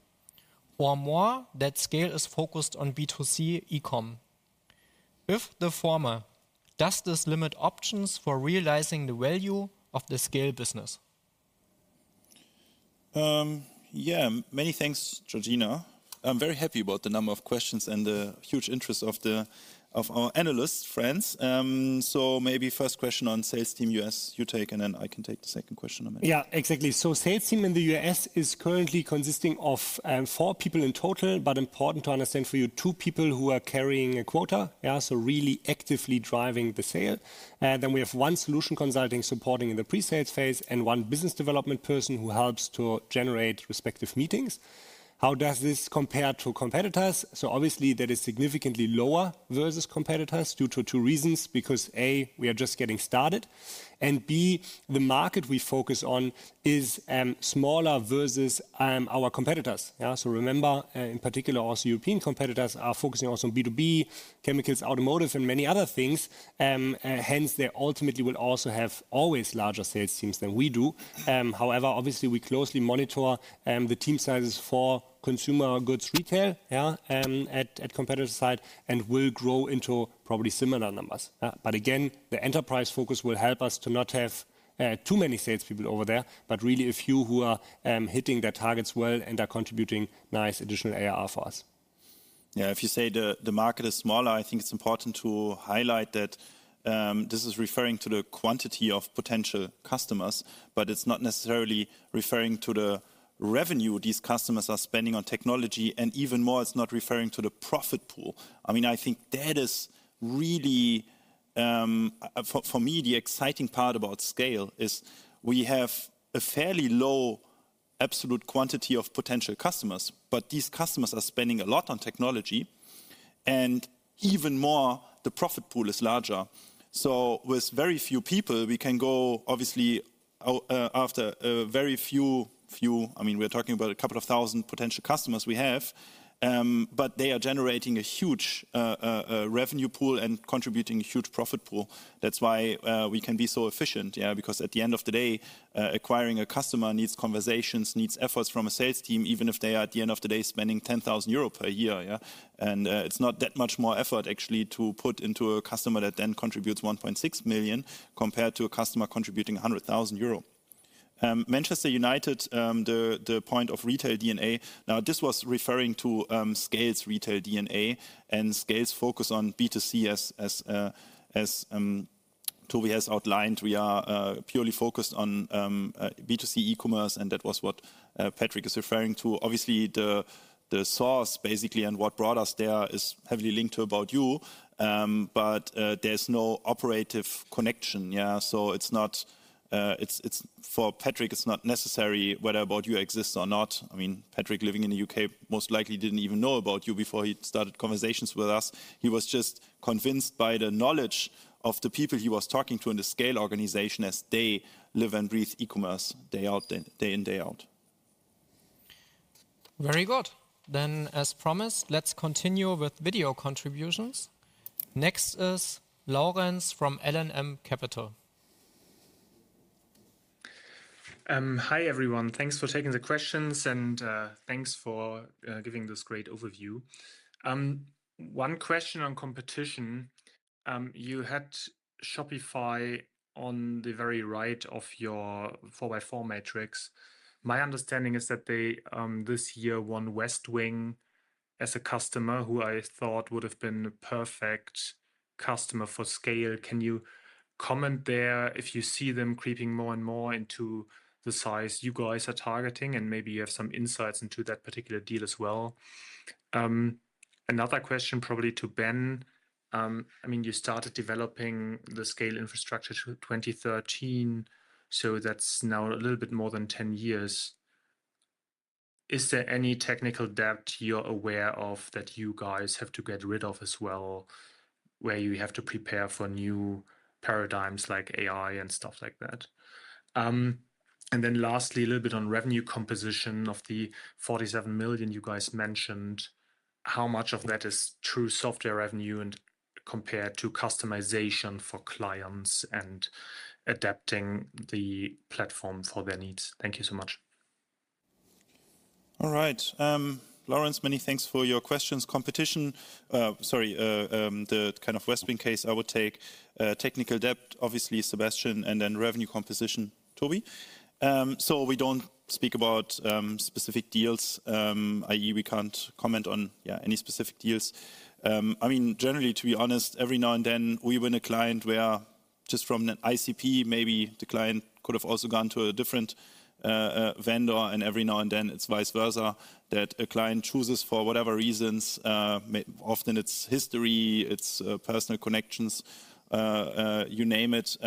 Or more that SCAYLE is focused on B2C e-com? If the former, does this limit options for realizing the value of the SCAYLE business? Yeah, many thanks, Georgina. I'm very happy about the number of questions and the huge interest of our analyst friends. So maybe first question on sales team U.S., you take, and then I can take the second question. Yeah, exactly. So sales team in the U.S. is currently consisting of four people in total, but important to understand for you, two people who are carrying a quota, so really actively driving the sale, and then we have one solution consulting supporting in the pre-sales phase and one business development person who helps to generate respective meetings. How does this compare to competitors? So obviously that is significantly lower versus competitors due to two reasons, because A, we are just getting started, and B, the market we focus on is smaller versus our competitors, so remember, in particular, also European competitors are focusing also on B2B, chemicals, automotive, and many other things. Hence, they ultimately will also have always larger sales teams than we do. However, obviously we closely monitor the team sizes for consumer goods retail at competitor side and will grow into probably similar numbers. But again, the enterprise focus will help us to not have too many salespeople over there, but really a few who are hitting their targets well and are contributing nice additional ARR for us. Yeah, if you say the market is smaller, I think it's important to highlight that this is referring to the quantity of potential customers, but it's not necessarily referring to the revenue these customers are spending on technology. And even more, it's not referring to the profit pool. I mean, I think that is really, for me, the exciting part about SCAYLE is we have a fairly low absolute quantity of potential customers, but these customers are spending a lot on technology. And even more, the profit pool is larger. So with very few people, we can go obviously after very few. I mean, we're talking about a couple of thousand potential customers we have, but they are generating a huge revenue pool and contributing a huge profit pool. That's why we can be so efficient, because at the end of the day, acquiring a customer needs conversations, needs efforts from a sales team, even if they are at the end of the day spending 10,000 euro per year. And it's not that much more effort actually to put into a customer that then contributes 1.6 million compared to a customer contributing 100,000 euro. Manchester United, the point of retail DNA, now this was referring to SCAYLE's retail DNA and SCAYLE's focus on B2C, as Tobi has outlined. We are purely focused on B2C e-commerce, and that was what Patrick is referring to. Obviously, the source basically and what brought us there is heavily linked to ABOUT YOU, but there's no operative connection. So it's not, for Patrick, it's not necessary whether ABOUT YOU exists or not. I mean, Patrick living in the U.K. most likely didn't even know ABOUT YOU before he started conversations with us. He was just convinced by the knowledge of the people he was talking to in the SCAYLE organization as they live and breathe e-commerce day in, day out. Very good. Then, as promised, let's continue with video contributions. Next is Lawrence from L&M Capital. Hi everyone. Thanks for taking the questions and thanks for giving this great overview. One question on competition. You had Shopify on the very right of your 4x4 matrix. My understanding is that they this year won Westwing as a customer who I thought would have been a perfect customer for SCAYLE. Can you comment there if you see them creeping more and more into the size you guys are targeting and maybe you have some insights into that particular deal as well? Another question probably to Ben. I mean, you started developing the SCAYLE infrastructure in 2013, so that's now a little bit more than 10 years. Is there any technical debt you're aware of that you guys have to get rid of as well where you have to prepare for new paradigms like AI and stuff like that? Then lastly, a little bit on revenue composition of the 47 million you guys mentioned. How much of that is true software revenue compared to customization for clients and adapting the platform for their needs? Thank you so much. All right. Lawrence, many thanks for your questions. Competition, sorry, the kind of Westwing case I would take, technical debt, obviously Sebastian, and then revenue composition, Tobi. So we don't speak about specific deals, i.e., we can't comment on any specific deals. I mean, generally, to be honest, every now and then we win a client where just from an ICP, maybe the client could have also gone to a different vendor. And every now and then it's vice versa that a client chooses for whatever reasons, often it's history, it's personal connections, you name it,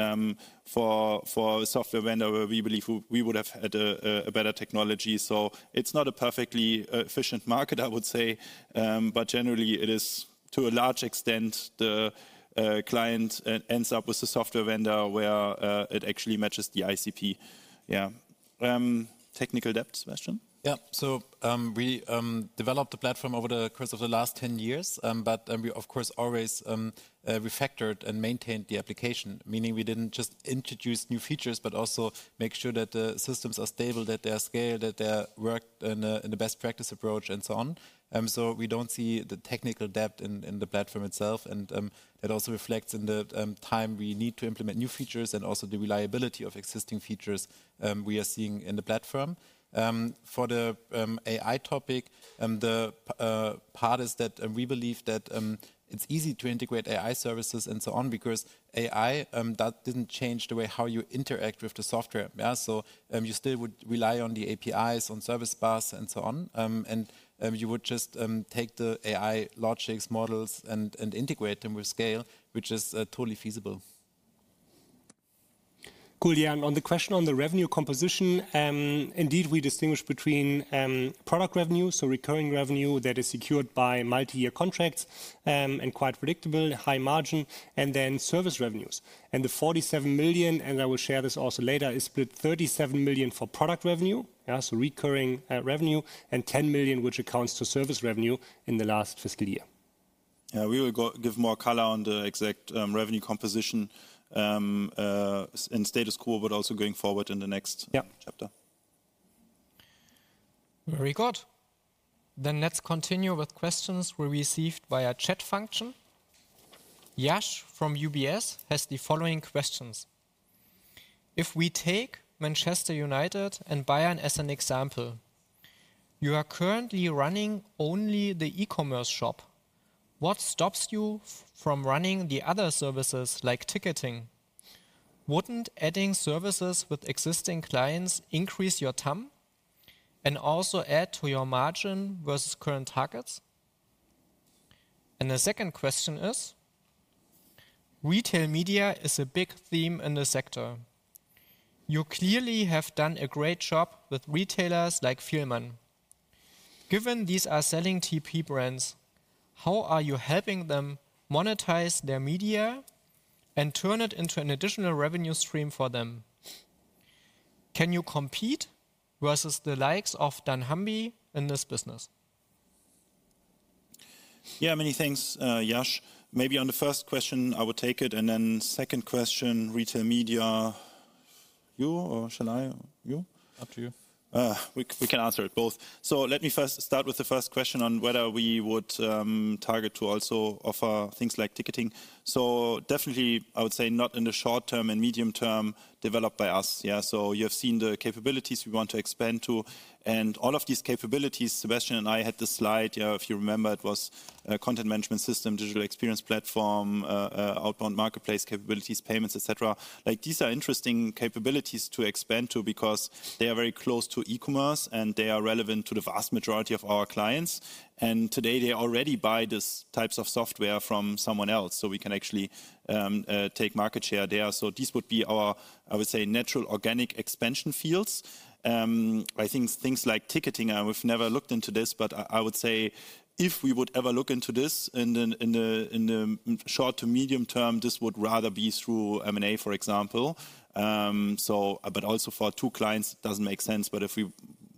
for a software vendor where we believe we would have had a better technology. So it's not a perfectly efficient market, I would say, but generally it is to a large extent the client ends up with the software vendor where it actually matches the ICP. Yeah. Technical debt, Sebastian? Yeah. So we developed the platform over the course of the last 10 years, but we, of course, always refactored and maintained the application, meaning we didn't just introduce new features, but also make sure that the systems are stable, that they are scaled, that they work in a best practice approach and so on. So we don't see the technical debt in the platform itself. And that also reflects in the time we need to implement new features and also the reliability of existing features we are seeing in the platform. For the AI topic, the part is that we believe that it's easy to integrate AI services and so on because AI didn't change the way how you interact with the software. So you still would rely on the APIs, on service bus, and so on. You would just take the AI logics, models, and integrate them with SCAYLE, which is totally feasible. Cool. Yeah. And on the question on the revenue composition, indeed we distinguish between product revenue, so recurring revenue that is secured by multi-year contracts and quite predictable, high margin, and then service revenues. And the 47 million, and I will share this also later, is split 37 million for product revenue, so recurring revenue, and 10 million, which accounts for service revenue in the last fiscal year. Yeah. We will give more color on the exact revenue composition in status quo, but also going forward in the next chapter. Very good. Then let's continue with questions we received via chat function. Yash from UBS has the following questions. If we take Manchester United and Bayern as an example, you are currently running only the e-commerce shop. What stops you from running the other services like ticketing? Wouldn't adding services with existing clients increase your TAM and also add to your margin versus current targets? And the second question is, retail media is a big theme in the sector. You clearly have done a great job with retailers like Fielmann. Given these are selling 3P brands, how are you helping them monetize their media and turn it into an additional revenue stream for them? Can you compete versus the likes of dunnhumby in this business? Yeah, many thanks, Yash. Maybe on the first question, I would take it. And then second question, retail media, you or shall I? You? Up to you. We can answer it both. So let me first start with the first question on whether we would target to also offer things like ticketing. So definitely, I would say not in the short term and medium term developed by us. So you have seen the capabilities we want to expand to. And all of these capabilities, Sebastian and I had the slide, if you remember, it was a content management system, digital experience platform, outbound marketplace capabilities, payments, et cetera. These are interesting capabilities to expand to because they are very close to e-commerce and they are relevant to the vast majority of our clients. And today they already buy these types of software from someone else. So we can actually take market share there. So these would be our, I would say, natural organic expansion fields. I think things like ticketing, we've never looked into this, but I would say if we would ever look into this in the short to medium term, this would rather be through M&A, for example. But also for two clients, it doesn't make sense. But if we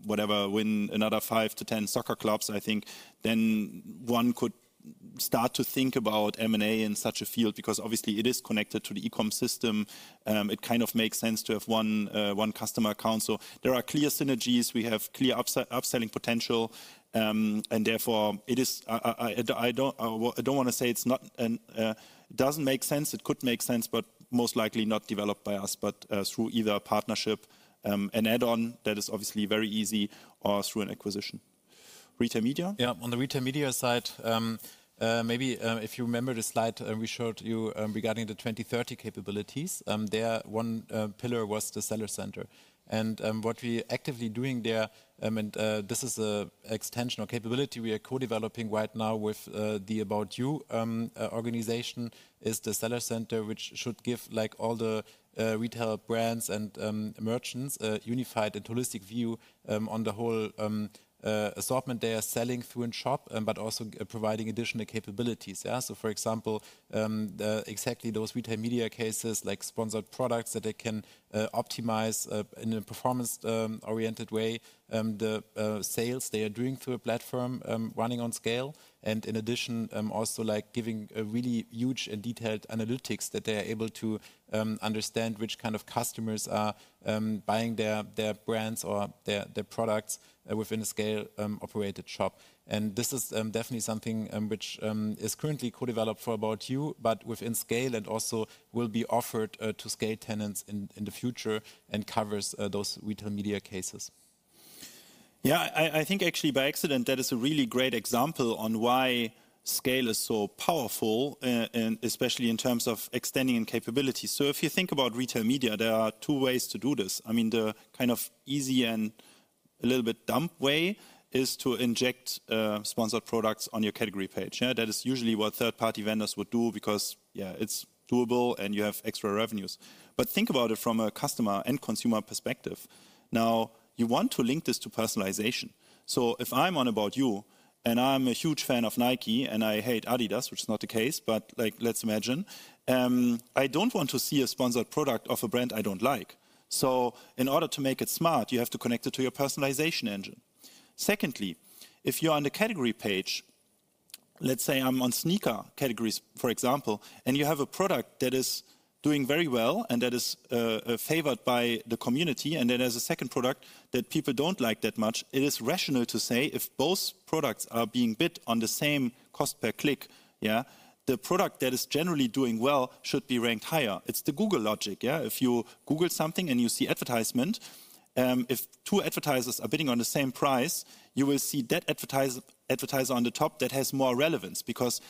whatever, win another five to ten soccer clubs, I think then one could start to think about M&A in such a field because obviously it is connected to the e-com system. It kind of makes sense to have one customer account. So there are clear synergies. We have clear upselling potential. And therefore, I don't want to say it doesn't make sense. It could make sense, but most likely not developed by us, but through either a partnership, an add-on that is obviously very easy, or through an acquisition. Retail media? Yeah. On the retail media side, maybe if you remember the slide we showed you regarding the 2030 capabilities, there one pillar was the Seller Center. What we are actively doing there, and this is an extension or capability we are co-developing right now with the ABOUT YOU organization, is the Seller Center, which should give all the retail brands and merchants a unified and holistic view on the whole assortment they are selling through in shop, but also providing additional capabilities. So for example, exactly those retail media cases, like sponsored products that they can optimize in a performance-oriented way, the sales they are doing through a platform running on SCAYLE. And in addition, also giving really huge and detailed analytics that they are able to understand which kind of customers are buying their brands or their products within a SCAYLE-operated shop. This is definitely something which is currently co-developed for ABOUT YOU, but within SCAYLE and also will be offered to SCAYLE tenants in the future and covers those retail media cases. Yeah, I think actually by accident, that is a really great example on why SCAYLE is so powerful, especially in terms of extending and capability. So if you think about retail media, there are two ways to do this. I mean, the kind of easy and a little bit dumb way is to inject sponsored products on your category page. That is usually what third-party vendors would do because it's doable and you have extra revenues. But think about it from a customer and consumer perspective. Now, you want to link this to personalization. So if I'm on ABOUT YOU and I'm a huge fan of Nike and I hate Adidas, which is not the case, but let's imagine, I don't want to see a sponsored product of a brand I don't like. So in order to make it smart, you have to connect it to your personalization engine. Secondly, if you're on the category page, let's say I'm on sneaker categories, for example, and you have a product that is doing very well and that is favored by the community, and then there's a second product that people don't like that much, it is rational to say if both products are being bid on the same cost per click, the product that is generally doing well should be ranked higher. It's the Google logic. If you Google something and you see advertisement, if two advertisers are bidding on the same price, you will see that advertiser on the top that has more relevance because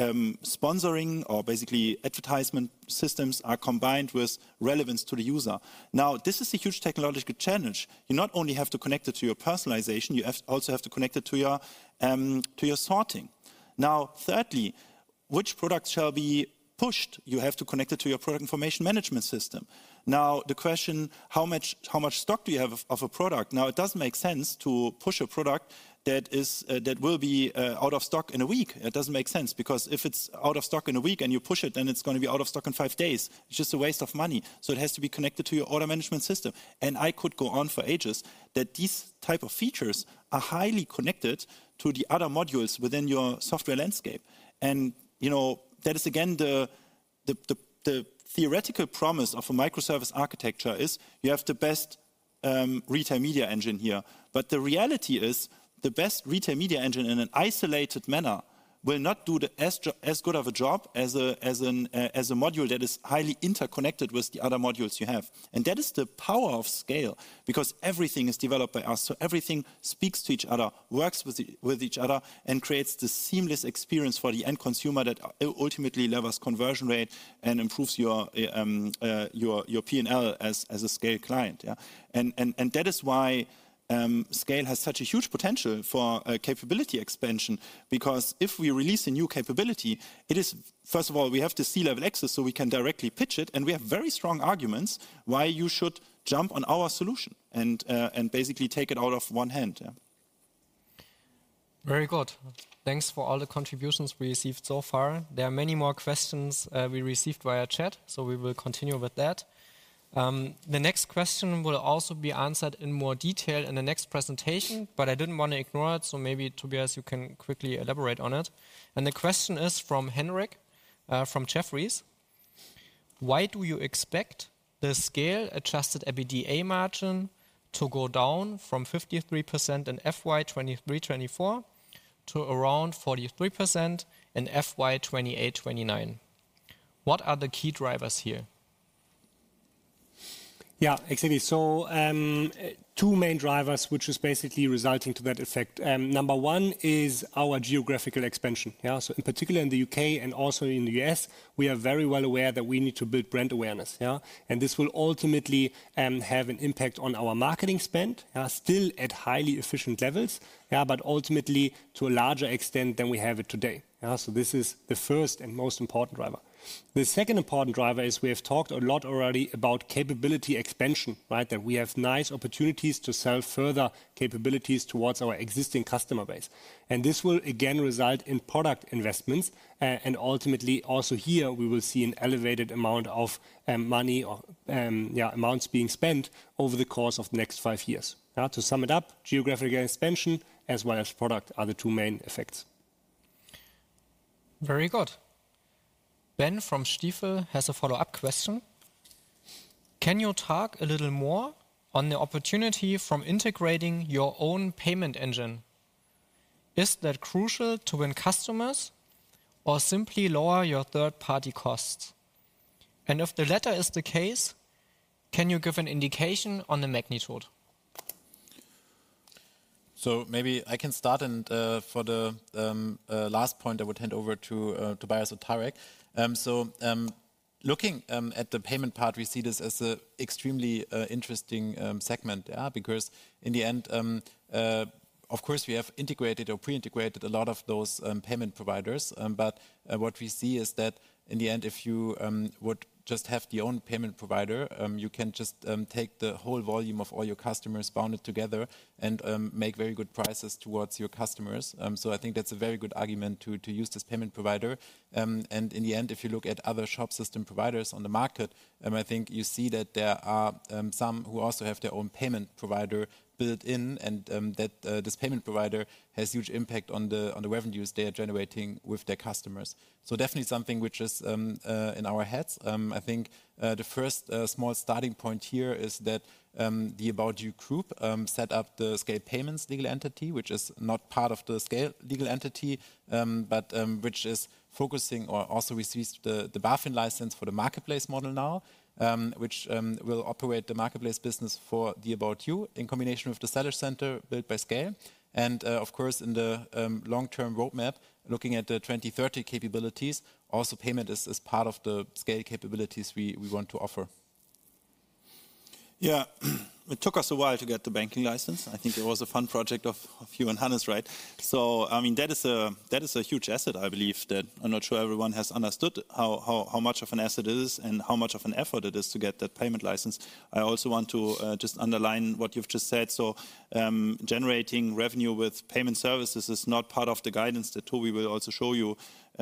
sponsoring or basically advertisement systems are combined with relevance to the user. Now, this is a huge technological challenge. You not only have to connect it to your personalization, you also have to connect it to your sorting. Now, thirdly, which products shall be pushed? You have to connect it to your product information management system. Now, the question, how much stock do you have of a product? Now, it doesn't make sense to push a product that will be out of stock in a week. It doesn't make sense because if it's out of stock in a week and you push it, then it's going to be out of stock in five days. It's just a waste of money. So it has to be connected to your order management system, and I could go on for ages that these type of features are highly connected to the other modules within your software landscape. And that is, again, the theoretical promise of a microservice architecture is you have the best retail media engine here. But the reality is the best retail media engine in an isolated manner will not do as good of a job as a module that is highly interconnected with the other modules you have. And that is the power of SCAYLE because everything is developed by us. So everything speaks to each other, works with each other, and creates the seamless experience for the end consumer that ultimately levels conversion rate and improves your P&L as a SCAYLE client. And that is why SCAYLE has such a huge potential for capability expansion because if we release a new capability, it is, first of all, we have the C-level access so we can directly pitch it. And we have very strong arguments why you should jump on our solution and basically take it out of one hand. Very good. Thanks for all the contributions we received so far. There are many more questions we received via chat, so we will continue with that. The next question will also be answered in more detail in the next presentation, but I didn't want to ignore it. So maybe Tobias, you can quickly elaborate on it, and the question is from Henrik from Jefferies. Why do you expect the SCAYLE adjusted EBITDA margin to go down from 53% in FY 2023-2024 to around 43% in FY 2028-2029? What are the key drivers here? Yeah, exactly. So two main drivers, which is basically resulting to that effect. Number one is our geographical expansion. So in particular in the U.K. and also in the U.S., we are very well aware that we need to build brand awareness. And this will ultimately have an impact on our marketing spend, still at highly efficient levels, but ultimately to a larger extent than we have it today. So this is the first and most important driver. The second important driver is we have talked a lot already about capability expansion, that we have nice opportunities to sell further capabilities towards our existing customer base. And this will again result in product investments. And ultimately also here, we will see an elevated amount of money or amounts being spent over the course of the next five years. To sum it up, geographical expansion as well as product are the two main effects. Very good. Ben from Stifel has a follow-up question. Can you talk a little more on the opportunity from integrating your own payment engine? Is that crucial to win customers or simply lower your third-party costs? And if the latter is the case, can you give an indication on the magnitude? So maybe I can start. And for the last point, I would hand over to Tobias and Tarek. So looking at the payment part, we see this as an extremely interesting segment because in the end, of course, we have integrated or pre-integrated a lot of those payment providers. But what we see is that in the end, if you would just have the own payment provider, you can just take the whole volume of all your customers, bound it together, and make very good prices towards your customers. So I think that's a very good argument to use this payment provider. And in the end, if you look at other shop system providers on the market, I think you see that there are some who also have their own payment provider built in and that this payment provider has a huge impact on the revenues they are generating with their customers. So definitely something which is in our heads. I think the first small starting point here is that the ABOUT YOU Group set up the SCAYLE Payments legal entity, which is not part of the SCAYLE legal entity, but which is focusing or also received the BaFin license for the marketplace model now, which will operate the marketplace business for the ABOUT YOU in combination with the Seller Center built by SCAYLE. And of course, in the long-term roadmap, looking at the 2030 capabilities, also payment is part of the SCAYLE capabilities we want to offer. Yeah, it took us a while to get the banking license. I think it was a fun project of you and Hannes, right? So I mean, that is a huge asset, I believe, that I'm not sure everyone has understood how much of an asset it is and how much of an effort it is to get that payment license. I also want to just underline what you've just said. So generating revenue with payment services is not part of the guidance that Tobi will also show you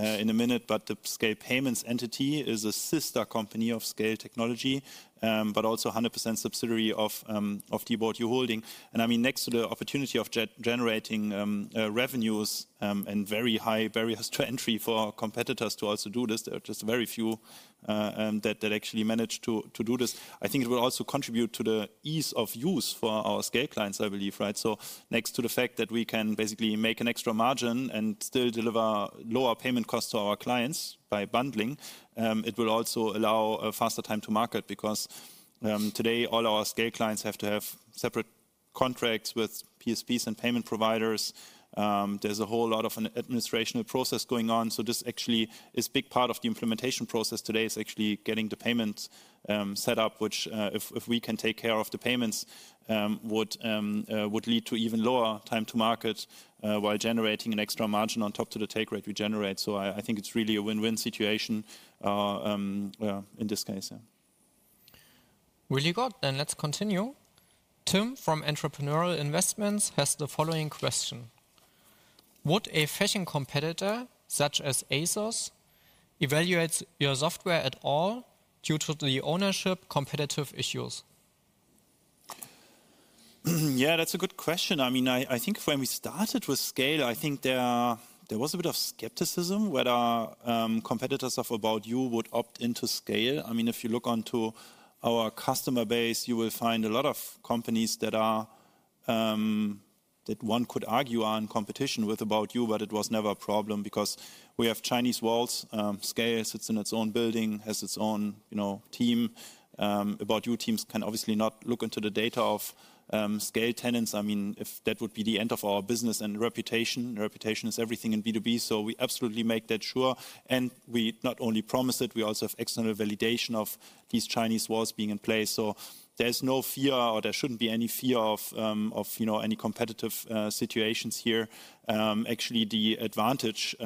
in a minute, but the SCAYLE Payments entity is a sister company of SCAYLE Technology, but also 100% subsidiary of the ABOUT YOU holding. And I mean, next to the opportunity of generating revenues and very high barriers to entry for competitors to also do this, there are just very few that actually manage to do this. I think it will also contribute to the ease of use for our SCAYLE clients, I believe. So next to the fact that we can basically make an extra margin and still deliver lower payment costs to our clients by bundling, it will also allow a faster time to market because today all our SCAYLE clients have to have separate contracts with PSPs and payment providers. There's a whole lot of an administration process going on. So this actually is a big part of the implementation process today is actually getting the payments set up, which if we can take care of the payments, would lead to even lower time to market while generating an extra margin on top to the take rate we generate. So I think it's really a win-win situation in this case. Really good. And let's continue. Tim from Entrepreneurial Investments has the following question. Would a fellow competitor such as ASOS evaluate your software at all due to the ownership competitive issues? Yeah, that's a good question. I mean, I think when we started with SCAYLE, I think there was a bit of skepticism whether competitors of ABOUT YOU would opt into SCAYLE. I mean, if you look onto our customer base, you will find a lot of companies that one could argue are in competition with ABOUT YOU, but it was never a problem because we have Chinese walls. SCAYLE sits in its own building, has its own team. ABOUT YOU teams can obviously not look into the data of SCAYLE tenants. I mean, if that would be the end of our business and reputation, reputation is everything in B2B, so we absolutely make that sure. And we not only promise it, we also have external validation of these Chinese walls being in place. So there's no fear or there shouldn't be any fear of any competitive situations here. Actually, the advantage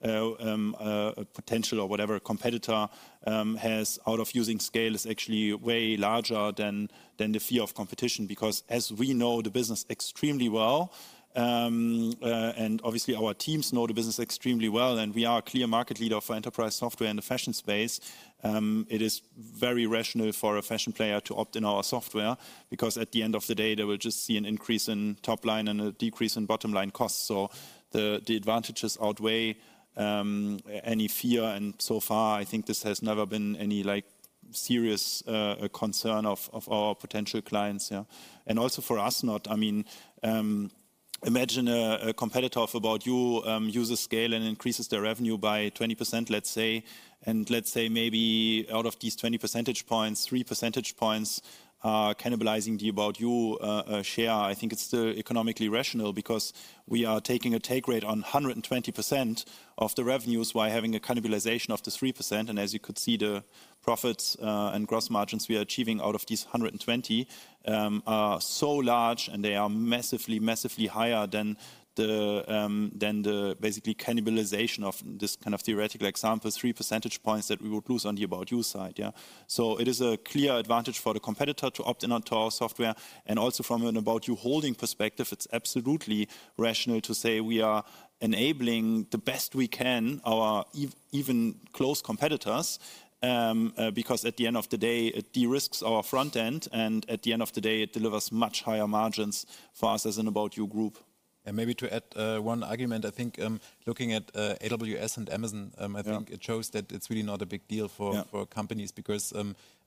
potential or whatever a competitor has out of using SCAYLE is actually way larger than the fear of competition because as we know the business extremely well, and obviously our teams know the business extremely well, and we are a clear market leader for enterprise software in the fashion space. It is very rational for a fashion player to opt in our software because at the end of the day, they will just see an increase in top line and a decrease in bottom line costs. So the advantages outweigh any fear. And so far, I think this has never been any serious concern of our potential clients. And also for us, I mean, imagine a competitor of ABOUT YOU uses SCAYLE and increases their revenue by 20%, let's say. Let's say maybe out of these 20 percentage points, three percentage points are cannibalizing the ABOUT YOU share. I think it's still economically rational because we are taking a take rate on 120% of the revenues while having a cannibalization of the 3%. And as you could see, the profits and gross margins we are achieving out of these 120 are so large and they are massively, massively higher than the basically cannibalization of this kind of theoretical example, three percentage points that we would lose on the ABOUT YOU side. So it is a clear advantage for the competitor to opt in onto our software. And also from an ABOUT YOU holding perspective, it's absolutely rational to say we are enabling the best we can, our even close competitors, because at the end of the day, it de-risks our front end and at the end of the day, it delivers much higher margins for us as an ABOUT YOU Group. Maybe to add one argument, I think looking at AWS and Amazon, I think it shows that it's really not a big deal for companies because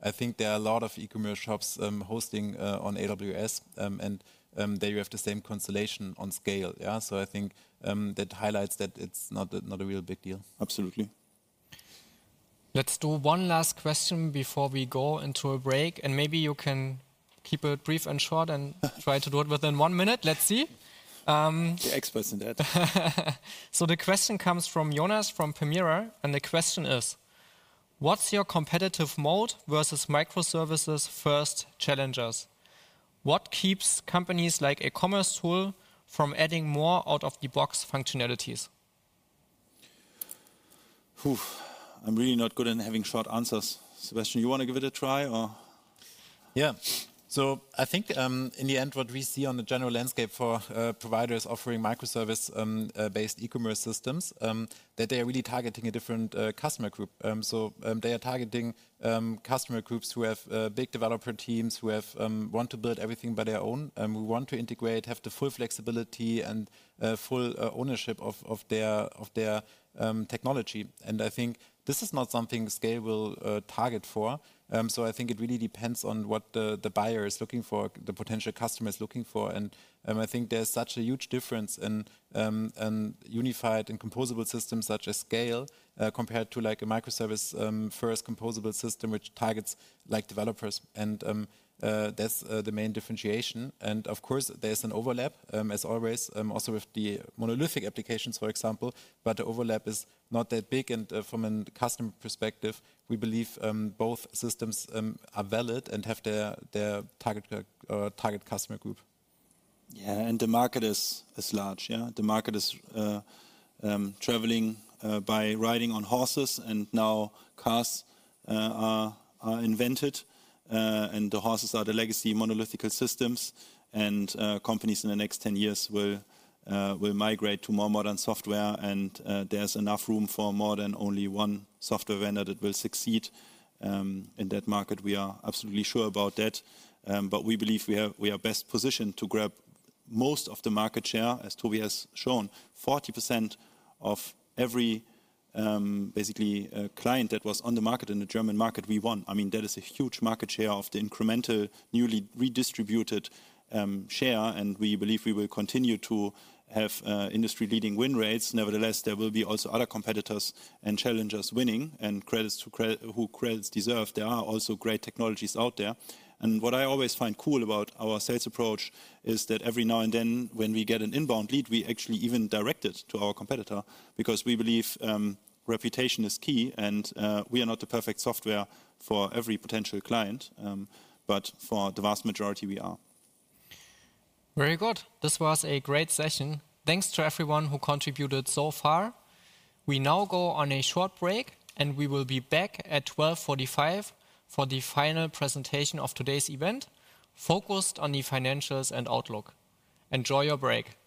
I think there are a lot of e-commerce shops hosting on AWS and there you have the same consolidation on SCAYLE, so I think that highlights that it's not a real big deal. Absolutely. Let's do one last question before we go into a break, and maybe you can keep it brief and short and try to do it within one minute. Let's see. Expert in that. So the question comes from Jonas from Permira. And the question is, what's your competitive moat versus microservices-first challenges? What keeps companies like commercetools from adding more out-of-the-box functionalities? I'm really not good at having short answers. Sebastian, you want to give it a try or? Yeah. So I think in the end, what we see on the general landscape for providers offering microservice-based e-commerce systems, that they are really targeting a different customer group. So they are targeting customer groups who have big developer teams who want to build everything by their own. We want to integrate, have the full flexibility and full ownership of their technology. And I think this is not something SCAYLE will target for. So I think it really depends on what the buyer is looking for, the potential customer is looking for. And I think there's such a huge difference in unified and composable systems such as SCAYLE compared to a microservice-first composable system, which targets developers. And that's the main differentiation. And of course, there's an overlap, as always, also with the monolithic applications, for example, but the overlap is not that big. From a customer perspective, we believe both systems are valid and have their target customer group. Yeah, and the market is large. The market is traveling by riding on horses. And now cars are invented. And the horses are the legacy monolithic systems. And companies in the next 10 years will migrate to more modern software. And there's enough room for more than only one software vendor that will succeed in that market. We are absolutely sure about that. But we believe we are best positioned to grab most of the market share, as Tobi has shown. 40% of every basically client that was on the market in the German market, we won. I mean, that is a huge market share of the incremental newly redistributed share. And we believe we will continue to have industry-leading win rates. Nevertheless, there will be also other competitors and challengers winning clients who deserve credit. There are also great technologies out there. What I always find cool about our sales approach is that every now and then, when we get an inbound lead, we actually even direct it to our competitor because we believe reputation is key. We are not the perfect software for every potential client, but for the vast majority, we are. Very good. This was a great session. Thanks to everyone who contributed so far. We now go on a short break, and we will be back at 12:45 P.M. for the final presentation of today's event, focused on the financials and outlook. Enjoy your break.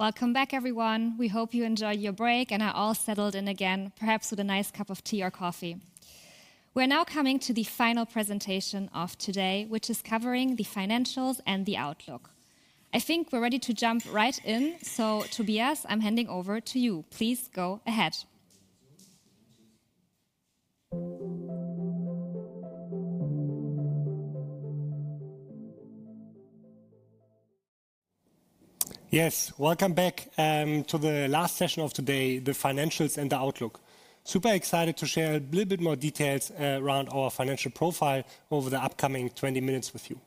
Welcome back, everyone. We hope you enjoyed your break and are all settled in again, perhaps with a nice cup of tea or coffee. We're now coming to the final presentation of today, which is covering the financials and the outlook. I think we're ready to jump right in. So Tobias, I'm handing over to you. Please go ahead. Yes, welcome back to the last session of today, the financials and the outlook. Super excited to share a little bit more details around our financial profile over the upcoming 20 minutes with you.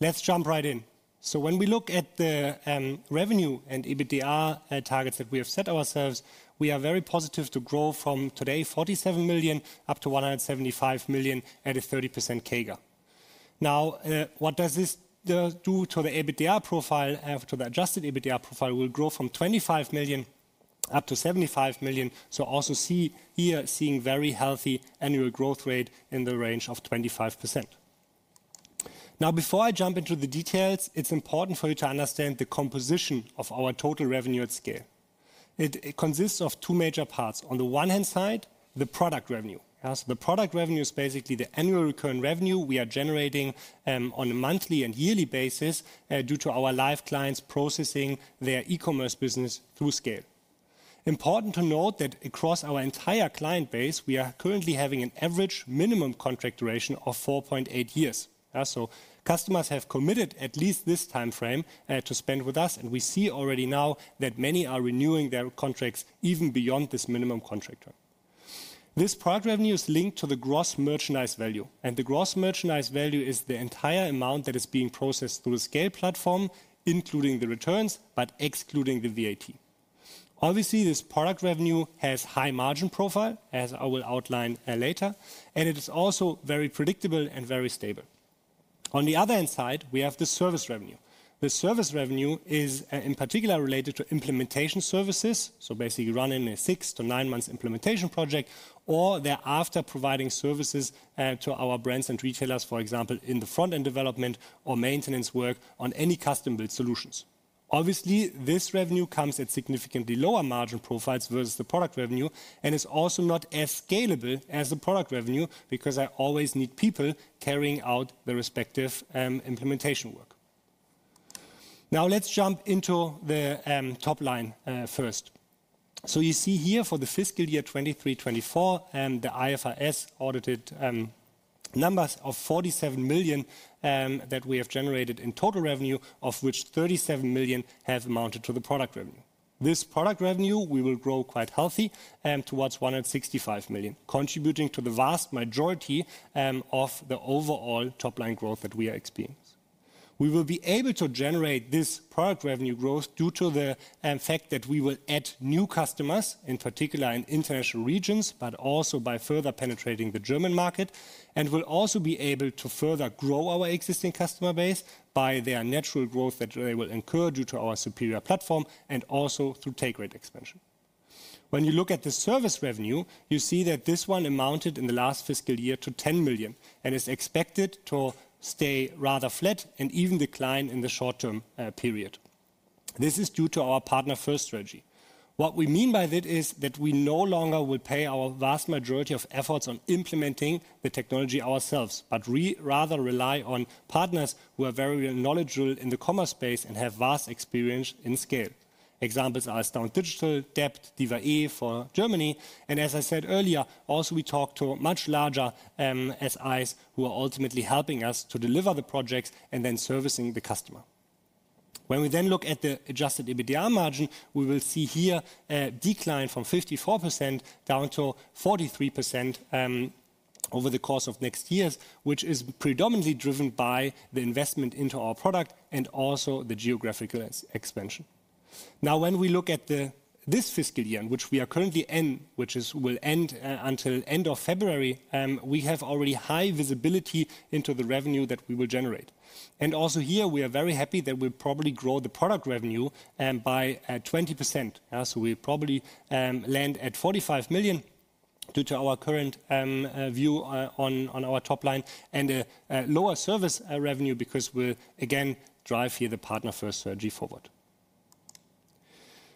Let's jump right in. So when we look at the revenue and EBITDA targets that we have set ourselves, we are very positive to grow from today, 47 million up to 175 million at a 30% CAGR. Now, what does this do to the EBITDA profile after the adjusted EBITDA profile? We'll grow from 25 million up to 75 million. So also see here seeing very healthy annual growth rate in the range of 25%. Now, before I jump into the details, it's important for you to understand the composition of our total revenue at SCAYLE. It consists of two major parts. On the one hand side, the product revenue. The product revenue is basically the annual recurring revenue we are generating on a monthly and yearly basis due to our live clients processing their e-commerce business through SCAYLE. Important to note that across our entire client base, we are currently having an average minimum contract duration of 4.8 years. Customers have committed at least this timeframe to spend with us. We see already now that many are renewing their contracts even beyond this minimum contract time. This product revenue is linked to the gross merchandise value. The gross merchandise value is the entire amount that is being processed through the SCAYLE platform, including the returns, but excluding the VAT. Obviously, this product revenue has a high margin profile, as I will outline later. It is also very predictable and very stable. On the other hand side, we have the service revenue. The service revenue is in particular related to implementation services. So basically running a six- to nine-month implementation project or thereafter providing services to our brands and retailers, for example, in the front-end development or maintenance work on any custom-built solutions. Obviously, this revenue comes at significantly lower margin profiles versus the product revenue. And it's also not as scalable as the product revenue because I always need people carrying out the respective implementation work. Now, let's jump into the top line first. So you see here for the fiscal year 2023-2024, the IFRS audited numbers of 47 million that we have generated in total revenue, of which 37 million have amounted to the product revenue. This product revenue, we will grow quite healthy towards 165 million, contributing to the vast majority of the overall top line growth that we are experiencing. We will be able to generate this product revenue growth due to the fact that we will add new customers, in particular in international regions, but also by further penetrating the German market. And we'll also be able to further grow our existing customer base by their natural growth that they will incur due to our superior platform and also through take rate expansion. When you look at the service revenue, you see that this one amounted in the last fiscal year to 10 million and is expected to stay rather flat and even decline in the short-term period. This is due to our partner-first strategy. What we mean by that is that we no longer will pay our vast majority of efforts on implementing the technology ourselves, but rather rely on partners who are very knowledgeable in the commerce space and have vast experience in SCAYLE. Examples are Stone Digital, Dept, diva-e for Germany. As I said earlier, we also talk to much larger SIs who are ultimately helping us to deliver the projects and then servicing the customer. When we then look at the adjusted EBITDA margin, we will see here a decline from 54% down to 43% over the course of next years, which is predominantly driven by the investment into our product and also the geographical expansion. Now, when we look at this fiscal year, which we are currently in, which will end until the end of February, we have already high visibility into the revenue that we will generate. Also here, we are very happy that we'll probably grow the product revenue by 20%. So we'll probably land at 45 million due to our current view on our top line and a lower service revenue because we'll again drive here the partner-first strategy forward.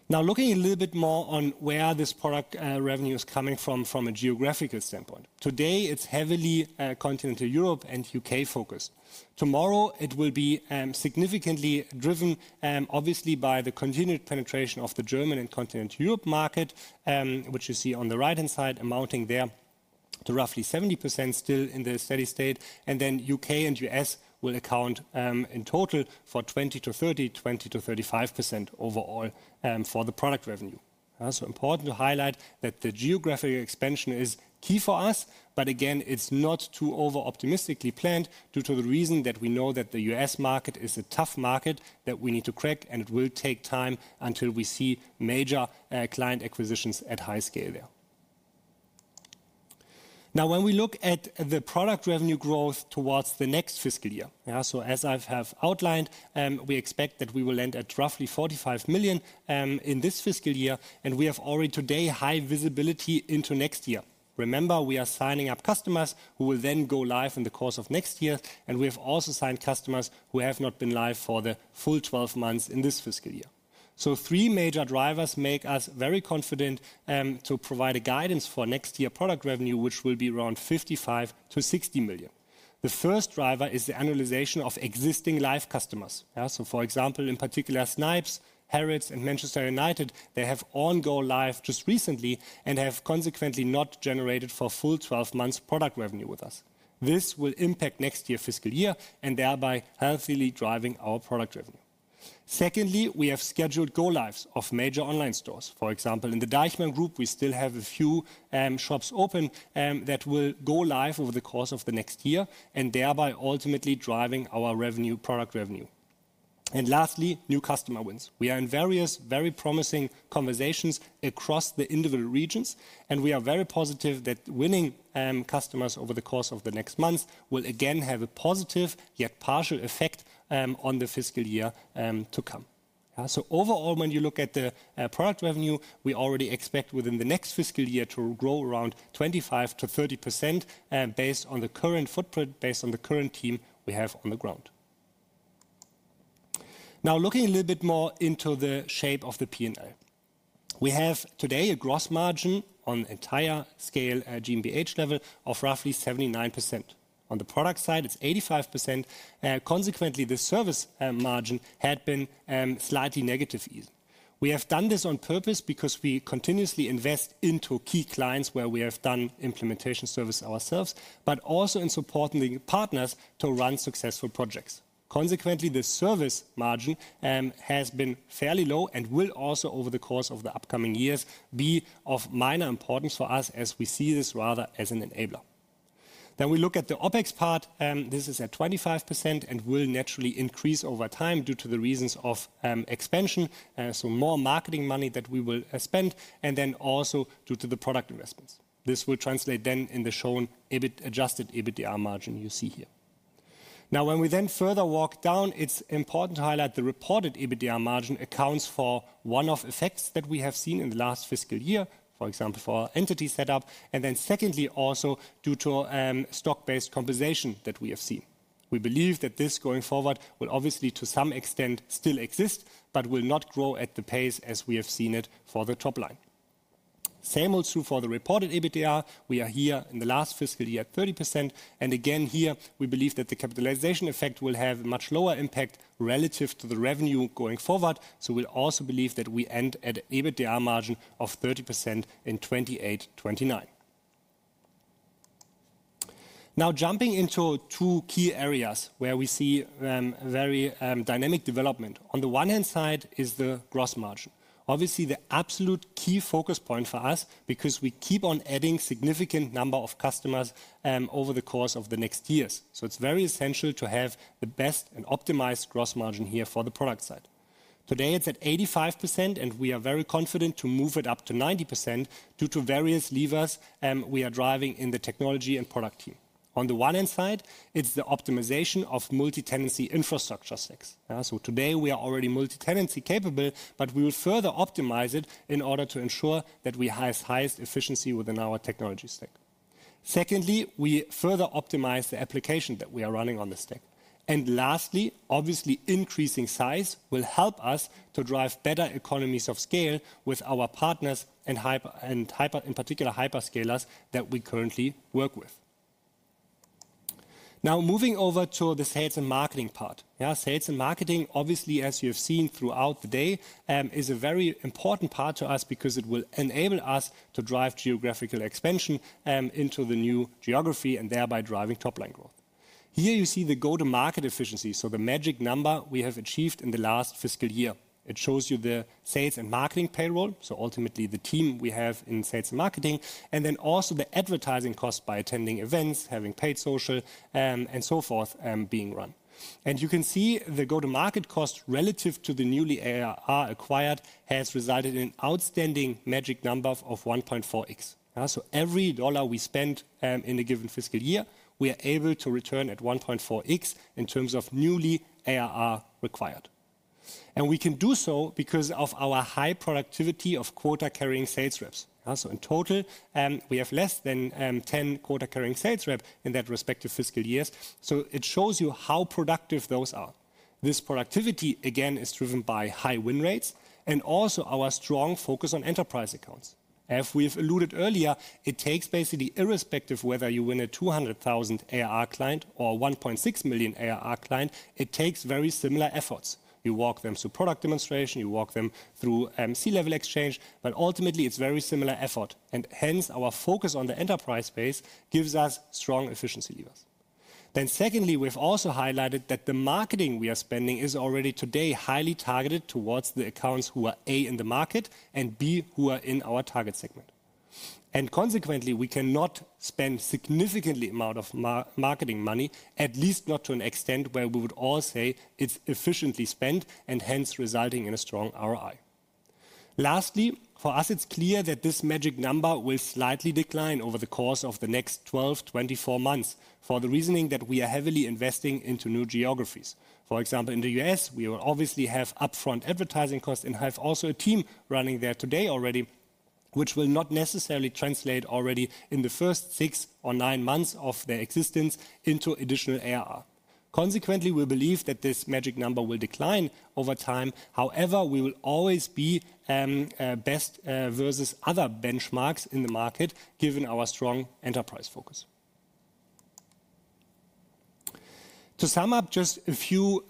Now, looking a little bit more on where this product revenue is coming from from a geographical standpoint. Today, it's heavily continental Europe and U.K. focused. Tomorrow, it will be significantly driven, obviously, by the continued penetration of the German and continental Europe market, which you see on the right-hand side amounting there to roughly 70% still in the steady state. And then U.K. and U.S. will account in total for 20%-30%, 20%-35% overall for the product revenue. is important to highlight that the geographic expansion is key for us, but again, it's not too over-optimistically planned due to the reason that we know that the US market is a tough market that we need to crack, and it will take time until we see major client acquisitions at high scale there. Now, when we look at the product revenue growth towards the next fiscal year, so as I have outlined, we expect that we will end at roughly 45 million in this fiscal year. And we have already today high visibility into next year. Remember, we are signing up customers who will then go live in the course of next year. And we have also signed customers who have not been live for the full 12 months in this fiscal year. Three major drivers make us very confident to provide a guidance for next year product revenue, which will be around 55 million-60 million. The first driver is the annualization of existing live customers. For example, in particular, Snipes, Harrods, and Manchester United, they have gone live just recently and have consequently not generated for full 12 months product revenue with us. This will impact next year fiscal year and thereby healthily driving our product revenue. Secondly, we have scheduled go lives of major online stores. For example, in the DEICHMANN Group, we still have a few shops open that will go live over the course of the next year and thereby ultimately driving our revenue, product revenue. Lastly, new customer wins. We are in various very promising conversations across the individual regions. We are very positive that winning customers over the course of the next months will again have a positive yet partial effect on the fiscal year to come. Overall, when you look at the product revenue, we already expect within the next fiscal year to grow around 25%-30% based on the current footprint, based on the current team we have on the ground. Now, looking a little bit more into the shape of the P&L, we have today a gross margin on entire SCAYLE GmbH level of roughly 79%. On the product side, it's 85%. Consequently, the service margin had been slightly negative even. We have done this on purpose because we continuously invest into key clients where we have done implementation service ourselves, but also in supporting the partners to run successful projects. Consequently, the service margin has been fairly low and will also over the course of the upcoming years be of minor importance for us as we see this rather as an enabler. Then we look at the OpEx part. This is at 25% and will naturally increase over time due to the reasons of expansion. So more marketing money that we will spend and then also due to the product investments. This will translate then in the shown adjusted EBITDA margin you see here. Now, when we then further walk down, it's important to highlight the reported EBITDA margin accounts for one of the effects that we have seen in the last fiscal year, for example, for our entity setup. And then secondly, also due to stock-based compensation that we have seen. We believe that this going forward will obviously to some extent still exist, but will not grow at the pace as we have seen it for the top line. Same holds true for the reported EBITDA. We are here in the last fiscal year at 30%, and again here, we believe that the capitalization effect will have a much lower impact relative to the revenue going forward, so we also believe that we end at an EBITDA margin of 30% in 2028-2029. Now, jumping into two key areas where we see very dynamic development. On the one hand side is the gross margin. Obviously, the absolute key focus point for us because we keep on adding significant number of customers over the course of the next years. So it's very essential to have the best and optimized gross margin here for the product side. Today, it's at 85%, and we are very confident to move it up to 90% due to various levers we are driving in the technology and product team. On the one hand side, it's the optimization of multi-tenancy infrastructure stacks. So today, we are already multi-tenancy capable, but we will further optimize it in order to ensure that we have highest efficiency within our technology stack. Secondly, we further optimize the application that we are running on the stack. And lastly, obviously, increasing size will help us to drive better economies of scale with our partners and in particular, hyperscalers that we currently work with. Now, moving over to the sales and marketing part. Sales and marketing, obviously, as you have seen throughout the day, is a very important part to us because it will enable us to drive geographical expansion into the new geography and thereby driving top line growth. Here you see the go-to-market efficiency, so the magic number we have achieved in the last fiscal year. It shows you the sales and marketing payroll, so ultimately the team we have in sales and marketing, and then also the advertising costs by attending events, having paid social, and so forth being run. And you can see the go-to-market cost relative to the newly ARR acquired has resulted in an outstanding magic number of 1.4x. So every dollar we spend in a given fiscal year, we are able to return at 1.4x in terms of newly ARR required. And we can do so because of our high productivity of quota-carrying sales reps. So in total, we have less than 10 quota-carrying sales reps in that respective fiscal years. So it shows you how productive those are. This productivity, again, is driven by high win rates and also our strong focus on enterprise accounts. As we've alluded earlier, it takes basically irrespective whether you win a 200,000 ARR client or 1.6 million ARR client, it takes very similar efforts. You walk them through product demonstration, you walk them through C-level exchange, but ultimately, it's very similar effort. And hence, our focus on the enterprise space gives us strong efficiency levers. Then secondly, we've also highlighted that the marketing we are spending is already today highly targeted towards the accounts who are A in the market and B who are in our target segment. Consequently, we cannot spend a significant amount of marketing money, at least not to an extent where we would all say it's efficiently spent and hence resulting in a strong ROI. Lastly, for us, it's clear that this magic number will slightly decline over the course of the next 12-24 months for the reasoning that we are heavily investing into new geographies. For example, in the U.S., we will obviously have upfront advertising costs and have also a team running there today already, which will not necessarily translate already in the first six or nine months of their existence into additional ARR. Consequently, we believe that this magic number will decline over time. However, we will always be best versus other benchmarks in the market given our strong enterprise focus. To sum up just a few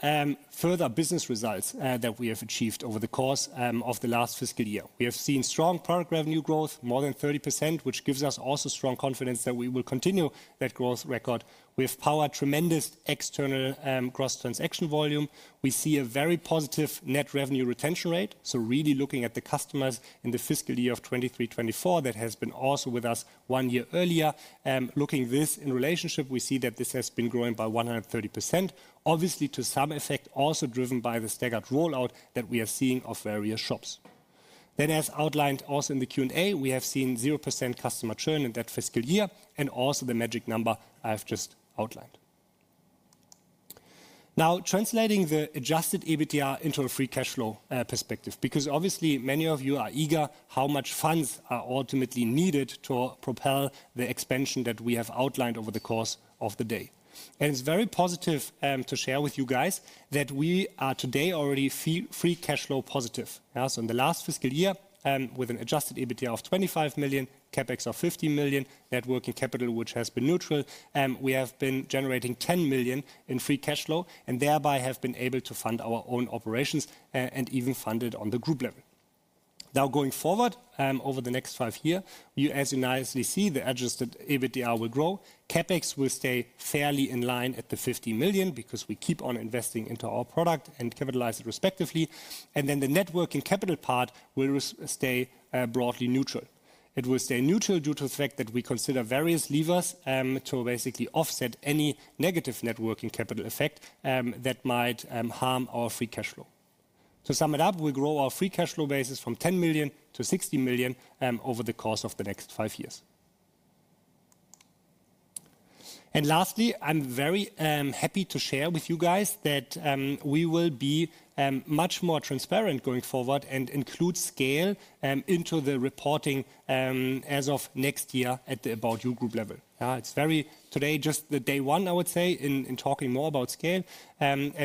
further business results that we have achieved over the course of the last fiscal year, we have seen strong product revenue growth, more than 30%, which gives us also strong confidence that we will continue that growth record. We have powered tremendous external gross transaction volume. We see a very positive net revenue retention rate. Really looking at the customers in the fiscal year of 2023-2024 that has been also with us one year earlier, looking at this in relationship, we see that this has been growing by 130%, obviously to some effect also driven by the staggered rollout that we are seeing of various shops. Then, as outlined also in the Q&A, we have seen 0% customer churn in that fiscal year and also the magic number I have just outlined. Now, translating the adjusted EBITDA into a free cash flow perspective, because obviously many of you are eager how much funds are ultimately needed to propel the expansion that we have outlined over the course of the day. And it's very positive to share with you guys that we are today already free cash flow positive. So in the last fiscal year, with an adjusted EBITDA of 25 million, CapEx of 50 million, working capital, which has been neutral, we have been generating 10 million in free cash flow and thereby have been able to fund our own operations and even funded on the group level. Now, going forward over the next five years, as you nicely see, the adjusted EBITDA will grow, CapEx will stay fairly in line at 50 million because we keep on investing into our product and capitalize it respectively. Then the working capital part will stay broadly neutral. It will stay neutral due to the fact that we consider various levers to basically offset any negative working capital effect that might harm our free cash flow. To sum it up, we grow our free cash flow basis from 10 million to 60 million over the course of the next five years. Lastly, I'm very happy to share with you guys that we will be much more transparent going forward and include SCAYLE into the reporting as of next year at the ABOUT YOU Group level. It's very today just the day one, I would say, in talking more about SCAYLE.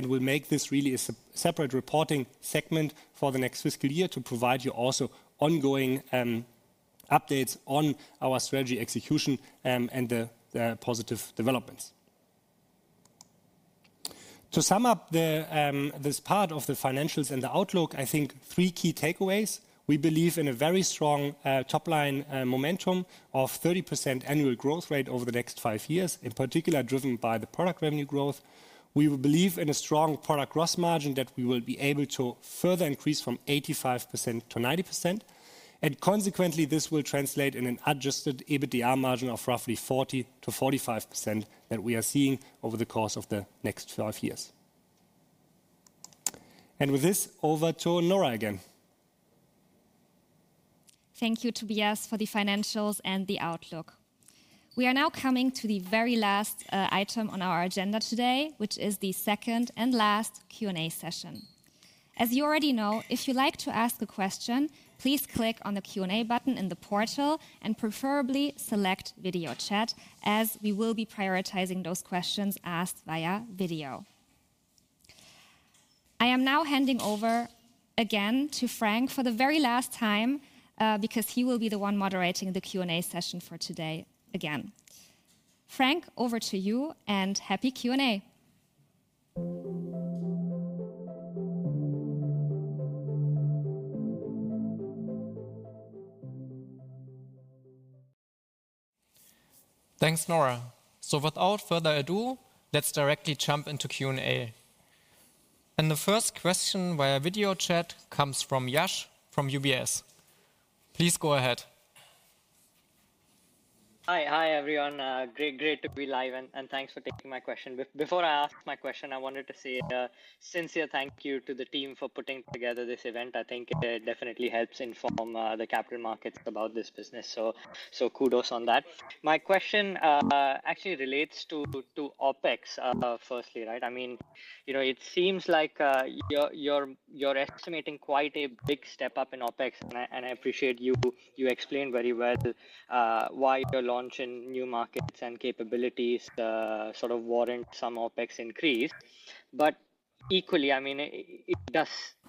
We'll make this really a separate reporting segment for the next fiscal year to provide you also ongoing updates on our strategy execution and the positive developments. To sum up this part of the financials and the outlook, I think three key takeaways. We believe in a very strong top line momentum of 30% annual growth rate over the next five years, in particular driven by the product revenue growth. We believe in a strong product gross margin that we will be able to further increase from 85%-90%. And consequently, this will translate in an adjusted EBITDA margin of roughly 40%-45% that we are seeing over the course of the next five years. And with this, over to Nora again. Thank you, Tobias, for the financials and the outlook. We are now coming to the very last item on our agenda today, which is the second and last Q&A session. As you already know, if you like to ask a question, please click on the Q&A button in the portal and preferably select video chat as we will be prioritizing those questions asked via video. I am now handing over again to Frank for the very last time because he will be the one moderating the Q&A session for today again. Frank, over to you and happy Q&A. Thanks, Nora. So without further ado, let's directly jump into Q&A. And the first question via video chat comes from Yash from UBS. Please go ahead. Hi, hi everyone. Great, great to be live and thanks for taking my question. Before I ask my question, I wanted to say a sincere thank you to the team for putting together this event. I think it definitely helps inform the capital markets about this business. So kudos on that. My question actually relates to OpEx firstly, right? I mean, you know, it seems like you're estimating quite a big step up in OpEx. And I appreciate you explained very well why your launch in new markets and capabilities sort of warrant some OpEx increase. But equally, I mean,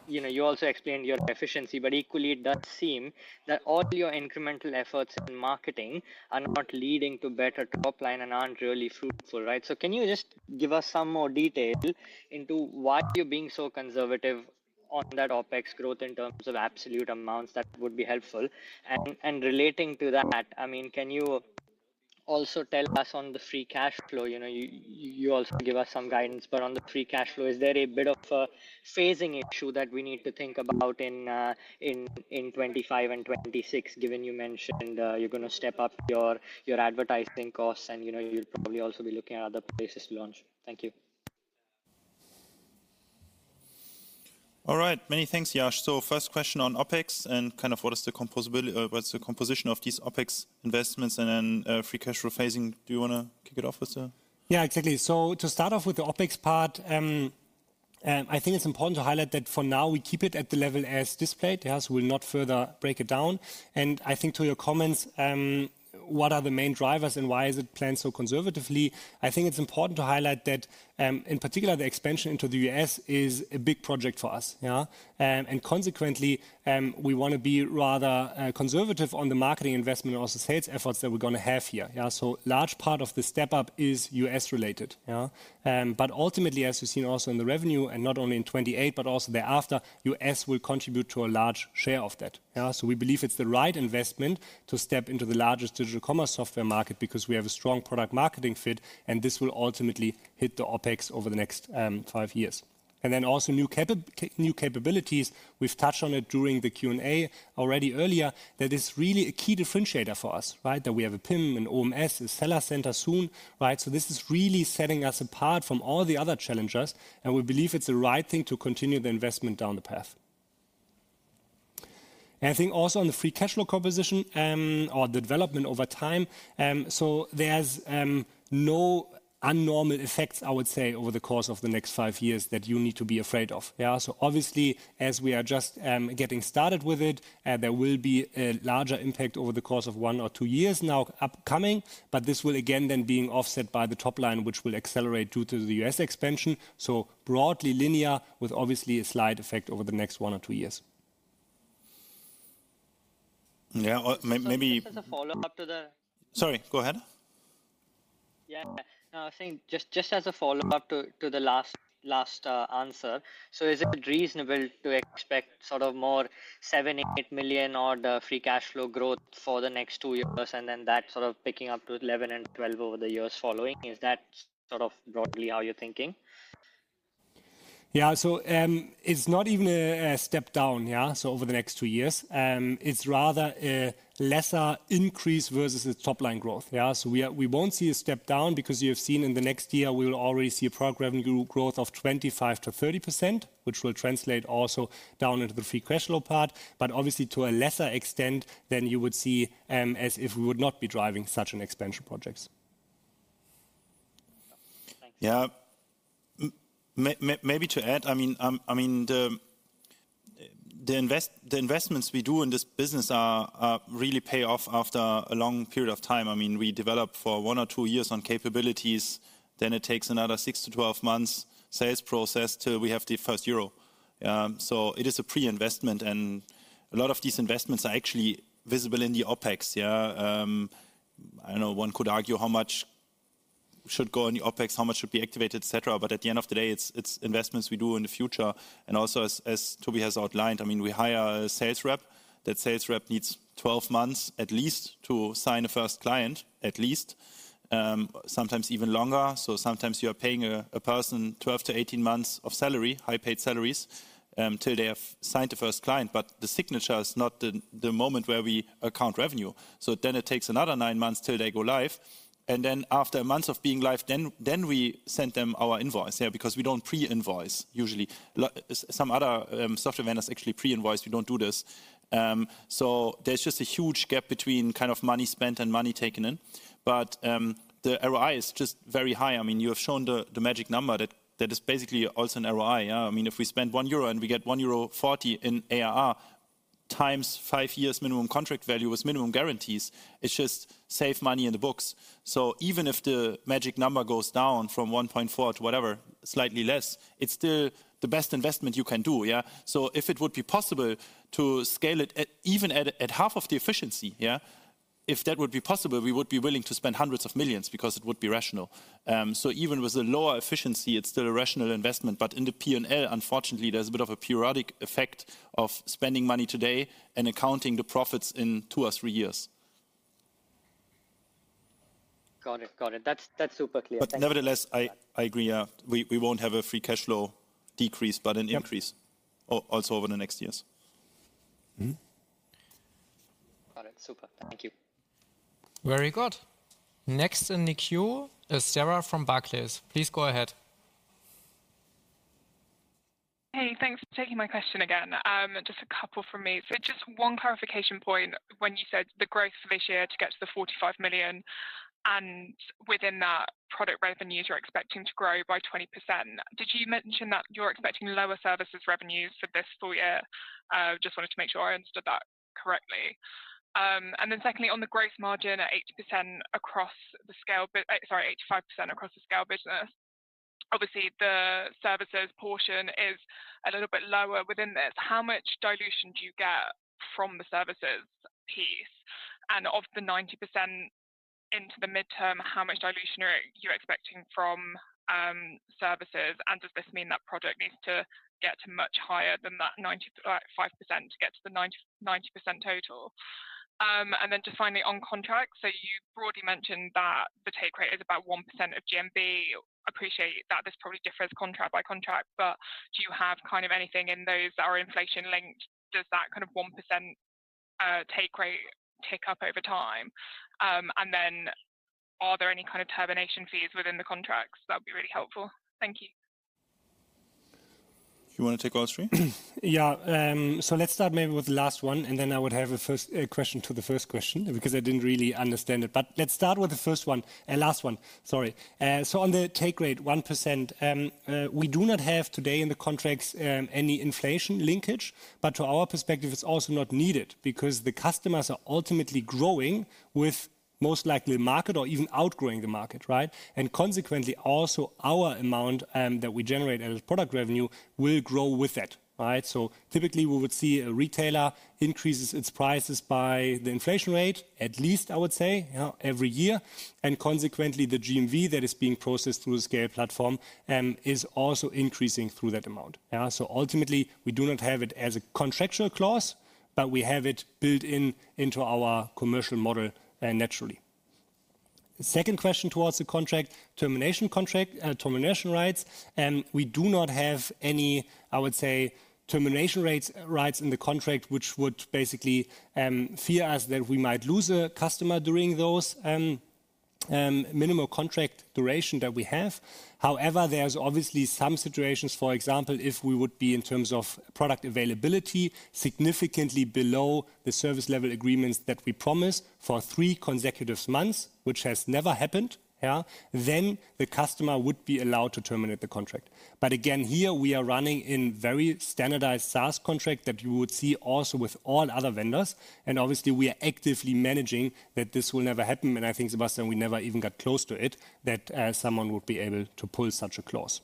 you also explained your efficiency, but equally, it does seem that all your incremental efforts in marketing are not leading to better top line and aren't really fruitful, right? So can you just give us some more detail into why you're being so conservative on that OpEx growth in terms of absolute amounts that would be helpful? And relating to that, I mean, can you also tell us on the free cash flow? You also give us some guidance, but on the free cash flow, is there a bit of a phasing issue that we need to think about in 2025 and 2026, given you mentioned you're going to step up your advertising costs and you'll probably also be looking at other places to launch? Thank you. All right, many thanks, Yash. So first question on OpEx and kind of what is the composition of these OpEx investments and then free cash flow phasing. Do you want to kick it off with the? Yeah, exactly. So to start off with the OpEx part, I think it's important to highlight that for now we keep it at the level as displayed. We'll not further break it down. And I think to your comments, what are the main drivers and why is it planned so conservatively? I think it's important to highlight that in particular, the expansion into the U.S. is a big project for us. And consequently, we want to be rather conservative on the marketing investment and also sales efforts that we're going to have here. So a large part of the step up is U.S. related. But ultimately, as you've seen also in the revenue and not only in 2028, but also thereafter, U.S. will contribute to a large share of that. So we believe it's the right investment to step into the largest digital commerce software market because we have a strong product-market fit and this will ultimately hit the OpEx over the next five years. And then also new capabilities, we've touched on it during the Q&A already earlier, that is really a key differentiator for us, right? That we have a PIM, an OMS, a Seller Center soon, right? So this is really setting us apart from all the other challengers, and we believe it's the right thing to continue the investment down the path. And I think also on the free cash flow composition or the development over time, so there's no abnormal effects, I would say, over the course of the next five years that you need to be afraid of. So obviously, as we are just getting started with it, there will be a larger impact over the course of one or two years now upcoming, but this will again then be offset by the top line, which will accelerate due to the U.S. expansion. So broadly linear with obviously a slight effect over the next one or two years. Yeah, maybe just as a follow-up to the- Sorry, go ahead. Yeah, I was saying just as a follow-up to the last answer. So is it reasonable to expect sort of more 7-8 million odd free cash flow growth for the next two years and then that sort of picking up to 11-12 over the years following? Is that sort of broadly how you're thinking? Yeah, so it's not even a step down, yeah, so over the next two years. It's rather a lesser increase versus the top line growth, yeah. So we won't see a step down because you've seen in the next year, we will already see a product revenue growth of 25%-30%, which will translate also down into the free cash flow part, but obviously to a lesser extent than you would see as if we would not be driving such an expansion projects. Yeah, maybe to add, I mean, the investments we do in this business really pay off after a long period of time. I mean, we develop for one or two years on capabilities, then it takes another 6-12 months sales process till we have the first euro. So it is a pre-investment and a lot of these investments are actually visible in the OpEx, yeah. I don't know, one could argue how much should go in the OpEx, how much should be activated, et cetera, but at the end of the day, it's investments we do in the future. And also as Tobi has outlined, I mean, we hire a sales rep, that sales rep needs 12 months at least to sign a first client at least, sometimes even longer. Sometimes you are paying a person 12-18 months of salary, high paid salaries till they have signed the first client, but the signature is not the moment where we account revenue. Then it takes another nine months till they go live. Then after a month of being live, we send them our invoice, yeah, because we don't pre-invoice usually. Some other software vendors actually pre-invoice, we don't do this. There's just a huge gap between kind of money spent and money taken in. The ROI is just very high. I mean, you have shown the magic number that is basically also an ROI, yeah. I mean, if we spend 1 euro and we get 1.40 euro in ARR times five years minimum contract value with minimum guarantees, it's just save money in the books. So even if the magic number goes down from 1.4 to whatever, slightly less, it's still the best investment you can do, yeah. So if it would be possible to scale it even at half of the efficiency, yeah, if that would be possible, we would be willing to spend hundreds of millions because it would be rational. So even with a lower efficiency, it's still a rational investment, but in the P&L, unfortunately, there's a bit of a periodic effect of spending money today and accounting the profits in two or three years. Got it, got it. That's super clear. But nevertheless, I agree, yeah. We won't have a free cash flow decrease, but an increase also over the next years. Got it, super. Thank you. Very good. Next in the queue is Sarah from Barclays. Please go ahead. Hey, thanks for taking my question again. Just a couple from me. Just one clarification point. When you said the growth for this year to get to the 45 million and within that product revenues you're expecting to grow by 20%, did you mention that you're expecting lower services revenues for this full year? Just wanted to make sure I understood that correctly. And then secondly, on the gross margin at 80% across the scale, sorry, 85% across the scale business, obviously the services portion is a little bit lower within this. How much dilution do you get from the services piece? And of the 90% into the midterm, how much dilution are you expecting from services? And does this mean that product needs to get to much higher than that 95% to get to the 90% total? And then finally on contracts, so you broadly mentioned that the take rate is about 1% of GMV. Appreciate that this probably differs contract by contract, but do you have kind of anything in those that are inflation linked? Does that kind of 1% take rate tick up over time? And then are there any kind of termination fees within the contracts? That would be really helpful. Thank you. You want to take all three? Yeah, so let's start maybe with the last one, and then I would have a first question to the first question because I didn't really understand it. But let's start with the first one, last one, sorry. So on the take rate, 1%, we do not have today in the contracts any inflation linkage, but to our perspective, it's also not needed because the customers are ultimately growing with most likely the market or even outgrowing the market, right? Consequently, also our amount that we generate as product revenue will grow with that, right? So typically, we would see a retailer increase its prices by the inflation rate, at least I would say, every year. Consequently, the GMV that is being processed through the SCAYLE platform is also increasing through that amount, yeah? So ultimately, we do not have it as a contractual clause, but we have it built into our commercial model naturally. Second question toward the contract, termination rights, we do not have any, I would say, termination rights in the contract, which would basically free us from the fear that we might lose a customer during the minimum contract duration that we have. However, there's obviously some situations, for example, if we would be in terms of product availability significantly below the service level agreements that we promised for three consecutive months, which has never happened, yeah, then the customer would be allowed to terminate the contract. But again, here we are running in very standardized SaaS contract that you would see also with all other vendors. And obviously, we are actively managing that this will never happen. And I think Sebastian, we never even got close to it that someone would be able to pull such a clause.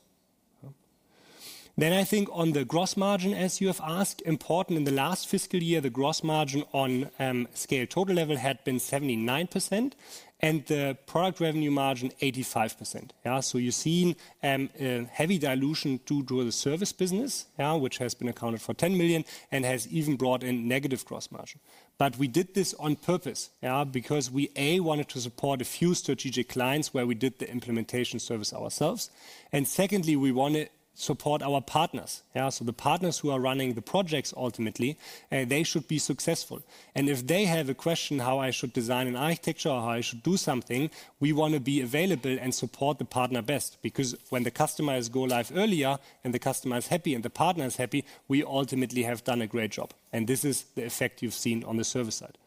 Then I think on the gross margin, as you have asked, important in the last fiscal year, the gross margin on SCAYLE total level had been 79% and the product revenue margin 85%, yeah? So you've seen heavy dilution due to the service business, yeah, which has been accounted for 10 million and has even brought in negative gross margin. But we did this on purpose, yeah, because we wanted to support a few strategic clients where we did the implementation service ourselves. And secondly, we want to support our partners, yeah? So the partners who are running the projects ultimately, they should be successful. And if they have a question how I should design an architecture or how I should do something, we want to be available and support the partner best because when the customer goes live earlier and the customer is happy and the partner is happy, we ultimately have done a great job. And this is the effect you've seen on the service side.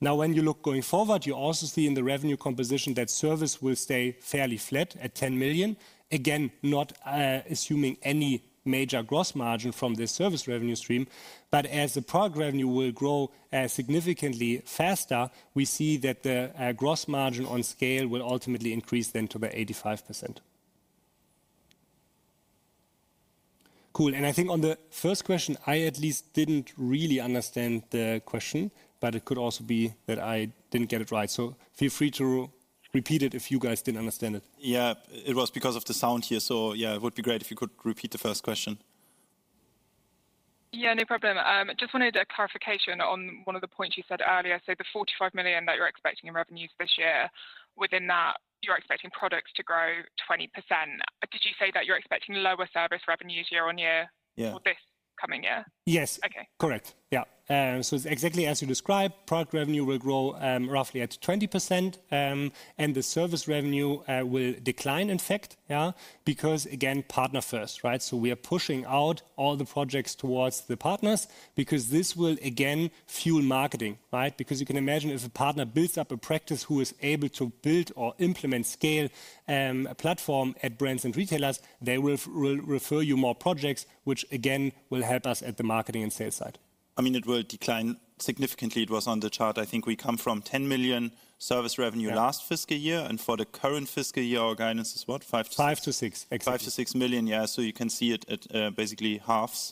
Now, when you look going forward, you also see in the revenue composition that service will stay fairly flat at 10 million. Again, not assuming any major gross margin from this service revenue stream, but as the product revenue will grow significantly faster, we see that the gross margin on scale will ultimately increase then to the 85%. Cool. And I think on the first question, I at least didn't really understand the question, but it could also be that I didn't get it right. So feel free to repeat it if you guys didn't understand it. Yeah, it was because of the sound here. So yeah, it would be great if you could repeat the first question. Yeah, no problem. Just wanted a clarification on one of the points you said earlier. So the 45 million that you're expecting in revenues this year, within that, you're expecting products to grow 20%. Did you say that you're expecting lower service revenues year on year for this coming year? Yes, correct. Yeah. So it's exactly as you described, product revenue will grow roughly at 20% and the service revenue will decline, in fact, yeah, because again, partner first, right? So we are pushing out all the projects towards the partners because this will again fuel marketing, right? Because you can imagine if a partner builds up a practice who is able to build or implement scale platform at brands and retailers, they will refer you more projects, which again will help us at the marketing and sales side. I mean, it will decline significantly. It was on the chart. I think we come from 10 million service revenue last fiscal year, and for the current fiscal year, our guidance is what? 5-6 million. Yeah. So you can see it basically halves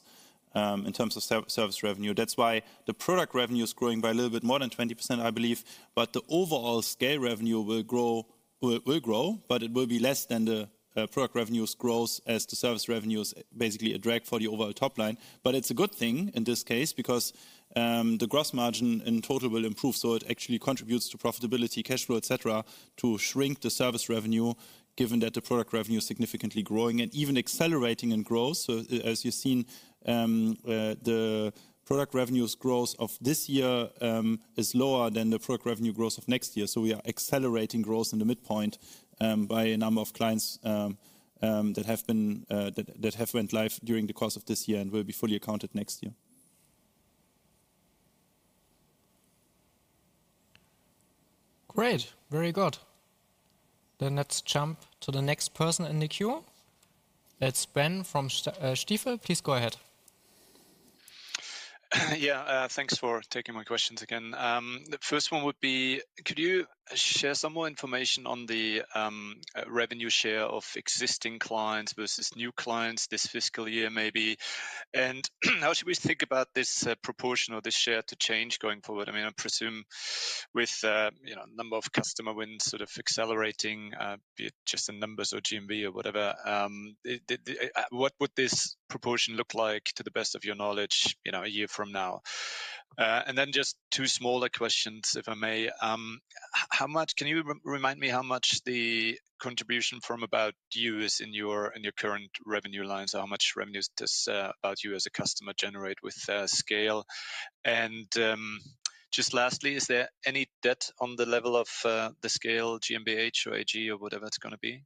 in terms of service revenue. That's why the product revenue is growing by a little bit more than 20%, I believe. But the overall scale revenue will grow, but it will be less than the product revenue's growth as the service revenue is basically a drag for the overall top line. But it's a good thing in this case because the gross margin in total will improve. So it actually contributes to profitability, cash flow, et cetera, to shrink the service revenue given that the product revenue is significantly growing and even accelerating in growth. So as you've seen, the product revenue's growth of this year is lower than the product revenue growth of next year. So we are accelerating growth in the midpoint by a number of clients that have went live during the course of this year and will be fully accounted next year. Great, very good. Then let's jump to the next person in the queue. That's Ben from Stifel. Please go ahead. Yeah, thanks for taking my questions again. The first one would be, could you share some more information on the revenue share of existing clients versus new clients this fiscal year maybe? And how should we think about this proportion or this share to change going forward? I mean, I presume with a number of customer wins sort of accelerating, be it just in numbers or GMV or whatever, what would this proportion look like to the best of your knowledge a year from now? And then just two smaller questions, if I may. Can you remind me how much the contribution from ABOUT YOU is in your current revenue lines? How much revenue does ABOUT YOU as a customer generate with scale? And just lastly, is there any debt on the level of the scale, GmbH or AG or whatever it's going to be?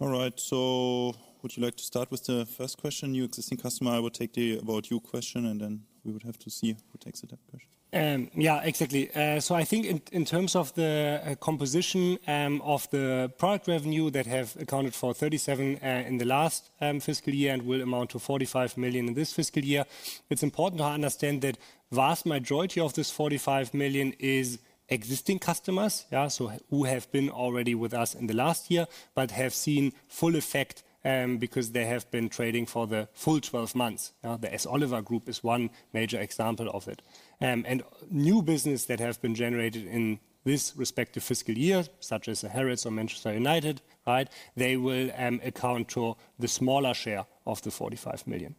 All right, so would you like to start with the first question, new existing customer? I would take the ABOUT YOU question and then we would have to see who takes it that question. Yeah, exactly. So I think in terms of the composition of the product revenue that have accounted for 37 million in the last fiscal year and will amount to 45 million in this fiscal year, it's important to understand that vast majority of this 45 million is existing customers, yeah, so who have been already with us in the last year but have seen full effect because they have been trading for the full 12 months. The s.Oliver Group is one major example of it. And new business that have been generated in this respective fiscal year, such as Harrods or Manchester United, right, they will account for the smaller share of the 45 million.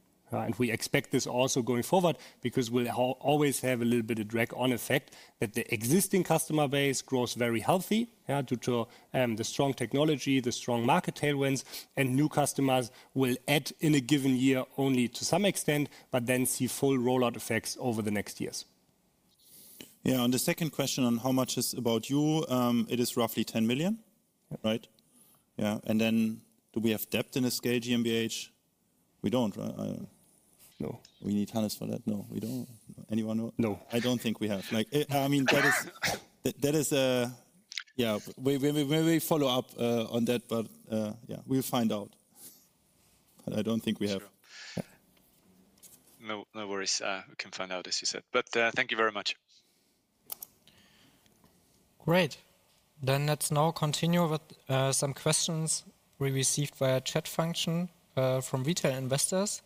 We expect this also going forward because we'll always have a little bit of drag on effect that the existing customer base grows very healthy due to the strong technology, the strong market tailwinds, and new customers will add in a given year only to some extent, but then see full rollout effects over the next years. Yeah, on the second question on how much is ABOUT YOU, it is roughly 10 million EUR, right? Yeah. And then do we have debt in SCAYLE GmbH? We don't, right? No. We need Hannes for that. No, we don't. Anyone know? No. I don't think we have. I mean, that is, yeah, we may follow up on that, but yeah, we'll find out. But I don't think we have. No worries. We can find out, as you said. But thank you very much. Great. Then let's now continue with some questions we received via chat function from retail investors.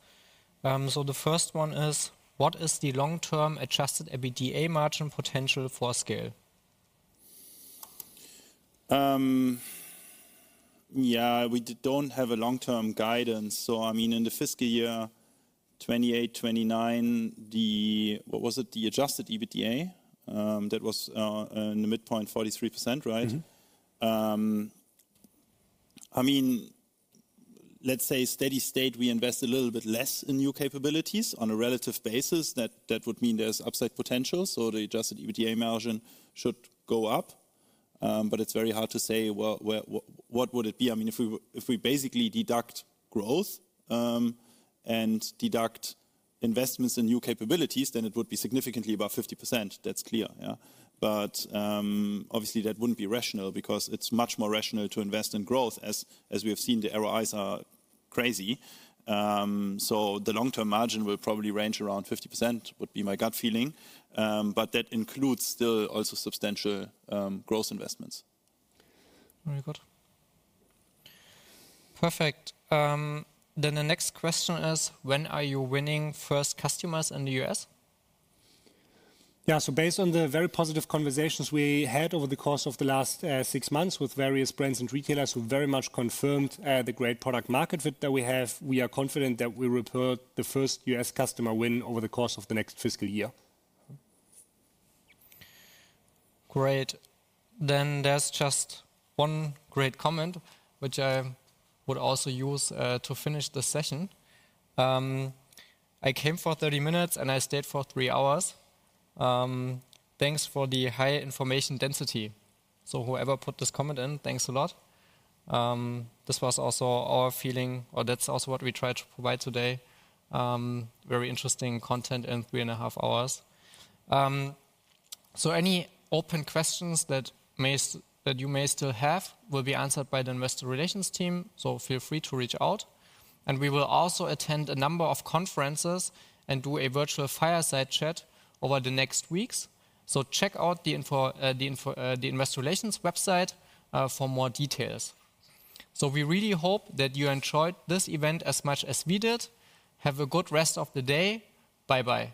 So the first one is, what is the long-term adjusted EBITDA margin potential for SCAYLE? Yeah, we don't have a long-term guidance. So I mean, in the fiscal year 2028-2029, what was it, the adjusted EBITDA? That was in the midpoint, 43%, right? I mean, let's say steady state, we invest a little bit less in new capabilities on a relative basis. That would mean there's upside potential. So the adjusted EBITDA margin should go up. But it's very hard to say what would it be. I mean, if we basically deduct growth and deduct investments in new capabilities, then it would be significantly about 50%. That's clear, yeah? But obviously, that wouldn't be rational because it's much more rational to invest in growth as we have seen the ROIs are crazy. So the long-term margin will probably range around 50% would be my gut feeling. But that includes still also substantial growth investments. Very good. Perfect. Then the next question is, when are you winning first customers in the U.S.? Yeah, so based on the very positive conversations we had over the course of the last six months with various brands and retailers who very much confirmed the great product market fit that we have, we are confident that we report the first U.S. customer win over the course of the next fiscal year. Great. Then there's just one great comment, which I would also use to finish the session. I came for 30 minutes and I stayed for three hours. Thanks for the high information density. So whoever put this comment in, thanks a lot. This was also our feeling, or that's also what we tried to provide today. Very interesting content in three and a half hours. So any open questions that you may still have will be answered by the Investor Relations team. So feel free to reach out. And we will also attend a number of conferences and do a virtual fireside chat over the next weeks. So check out the Investor Relations website for more details. So we really hope that you enjoyed this event as much as we did. Have a good rest of the day. Bye-bye.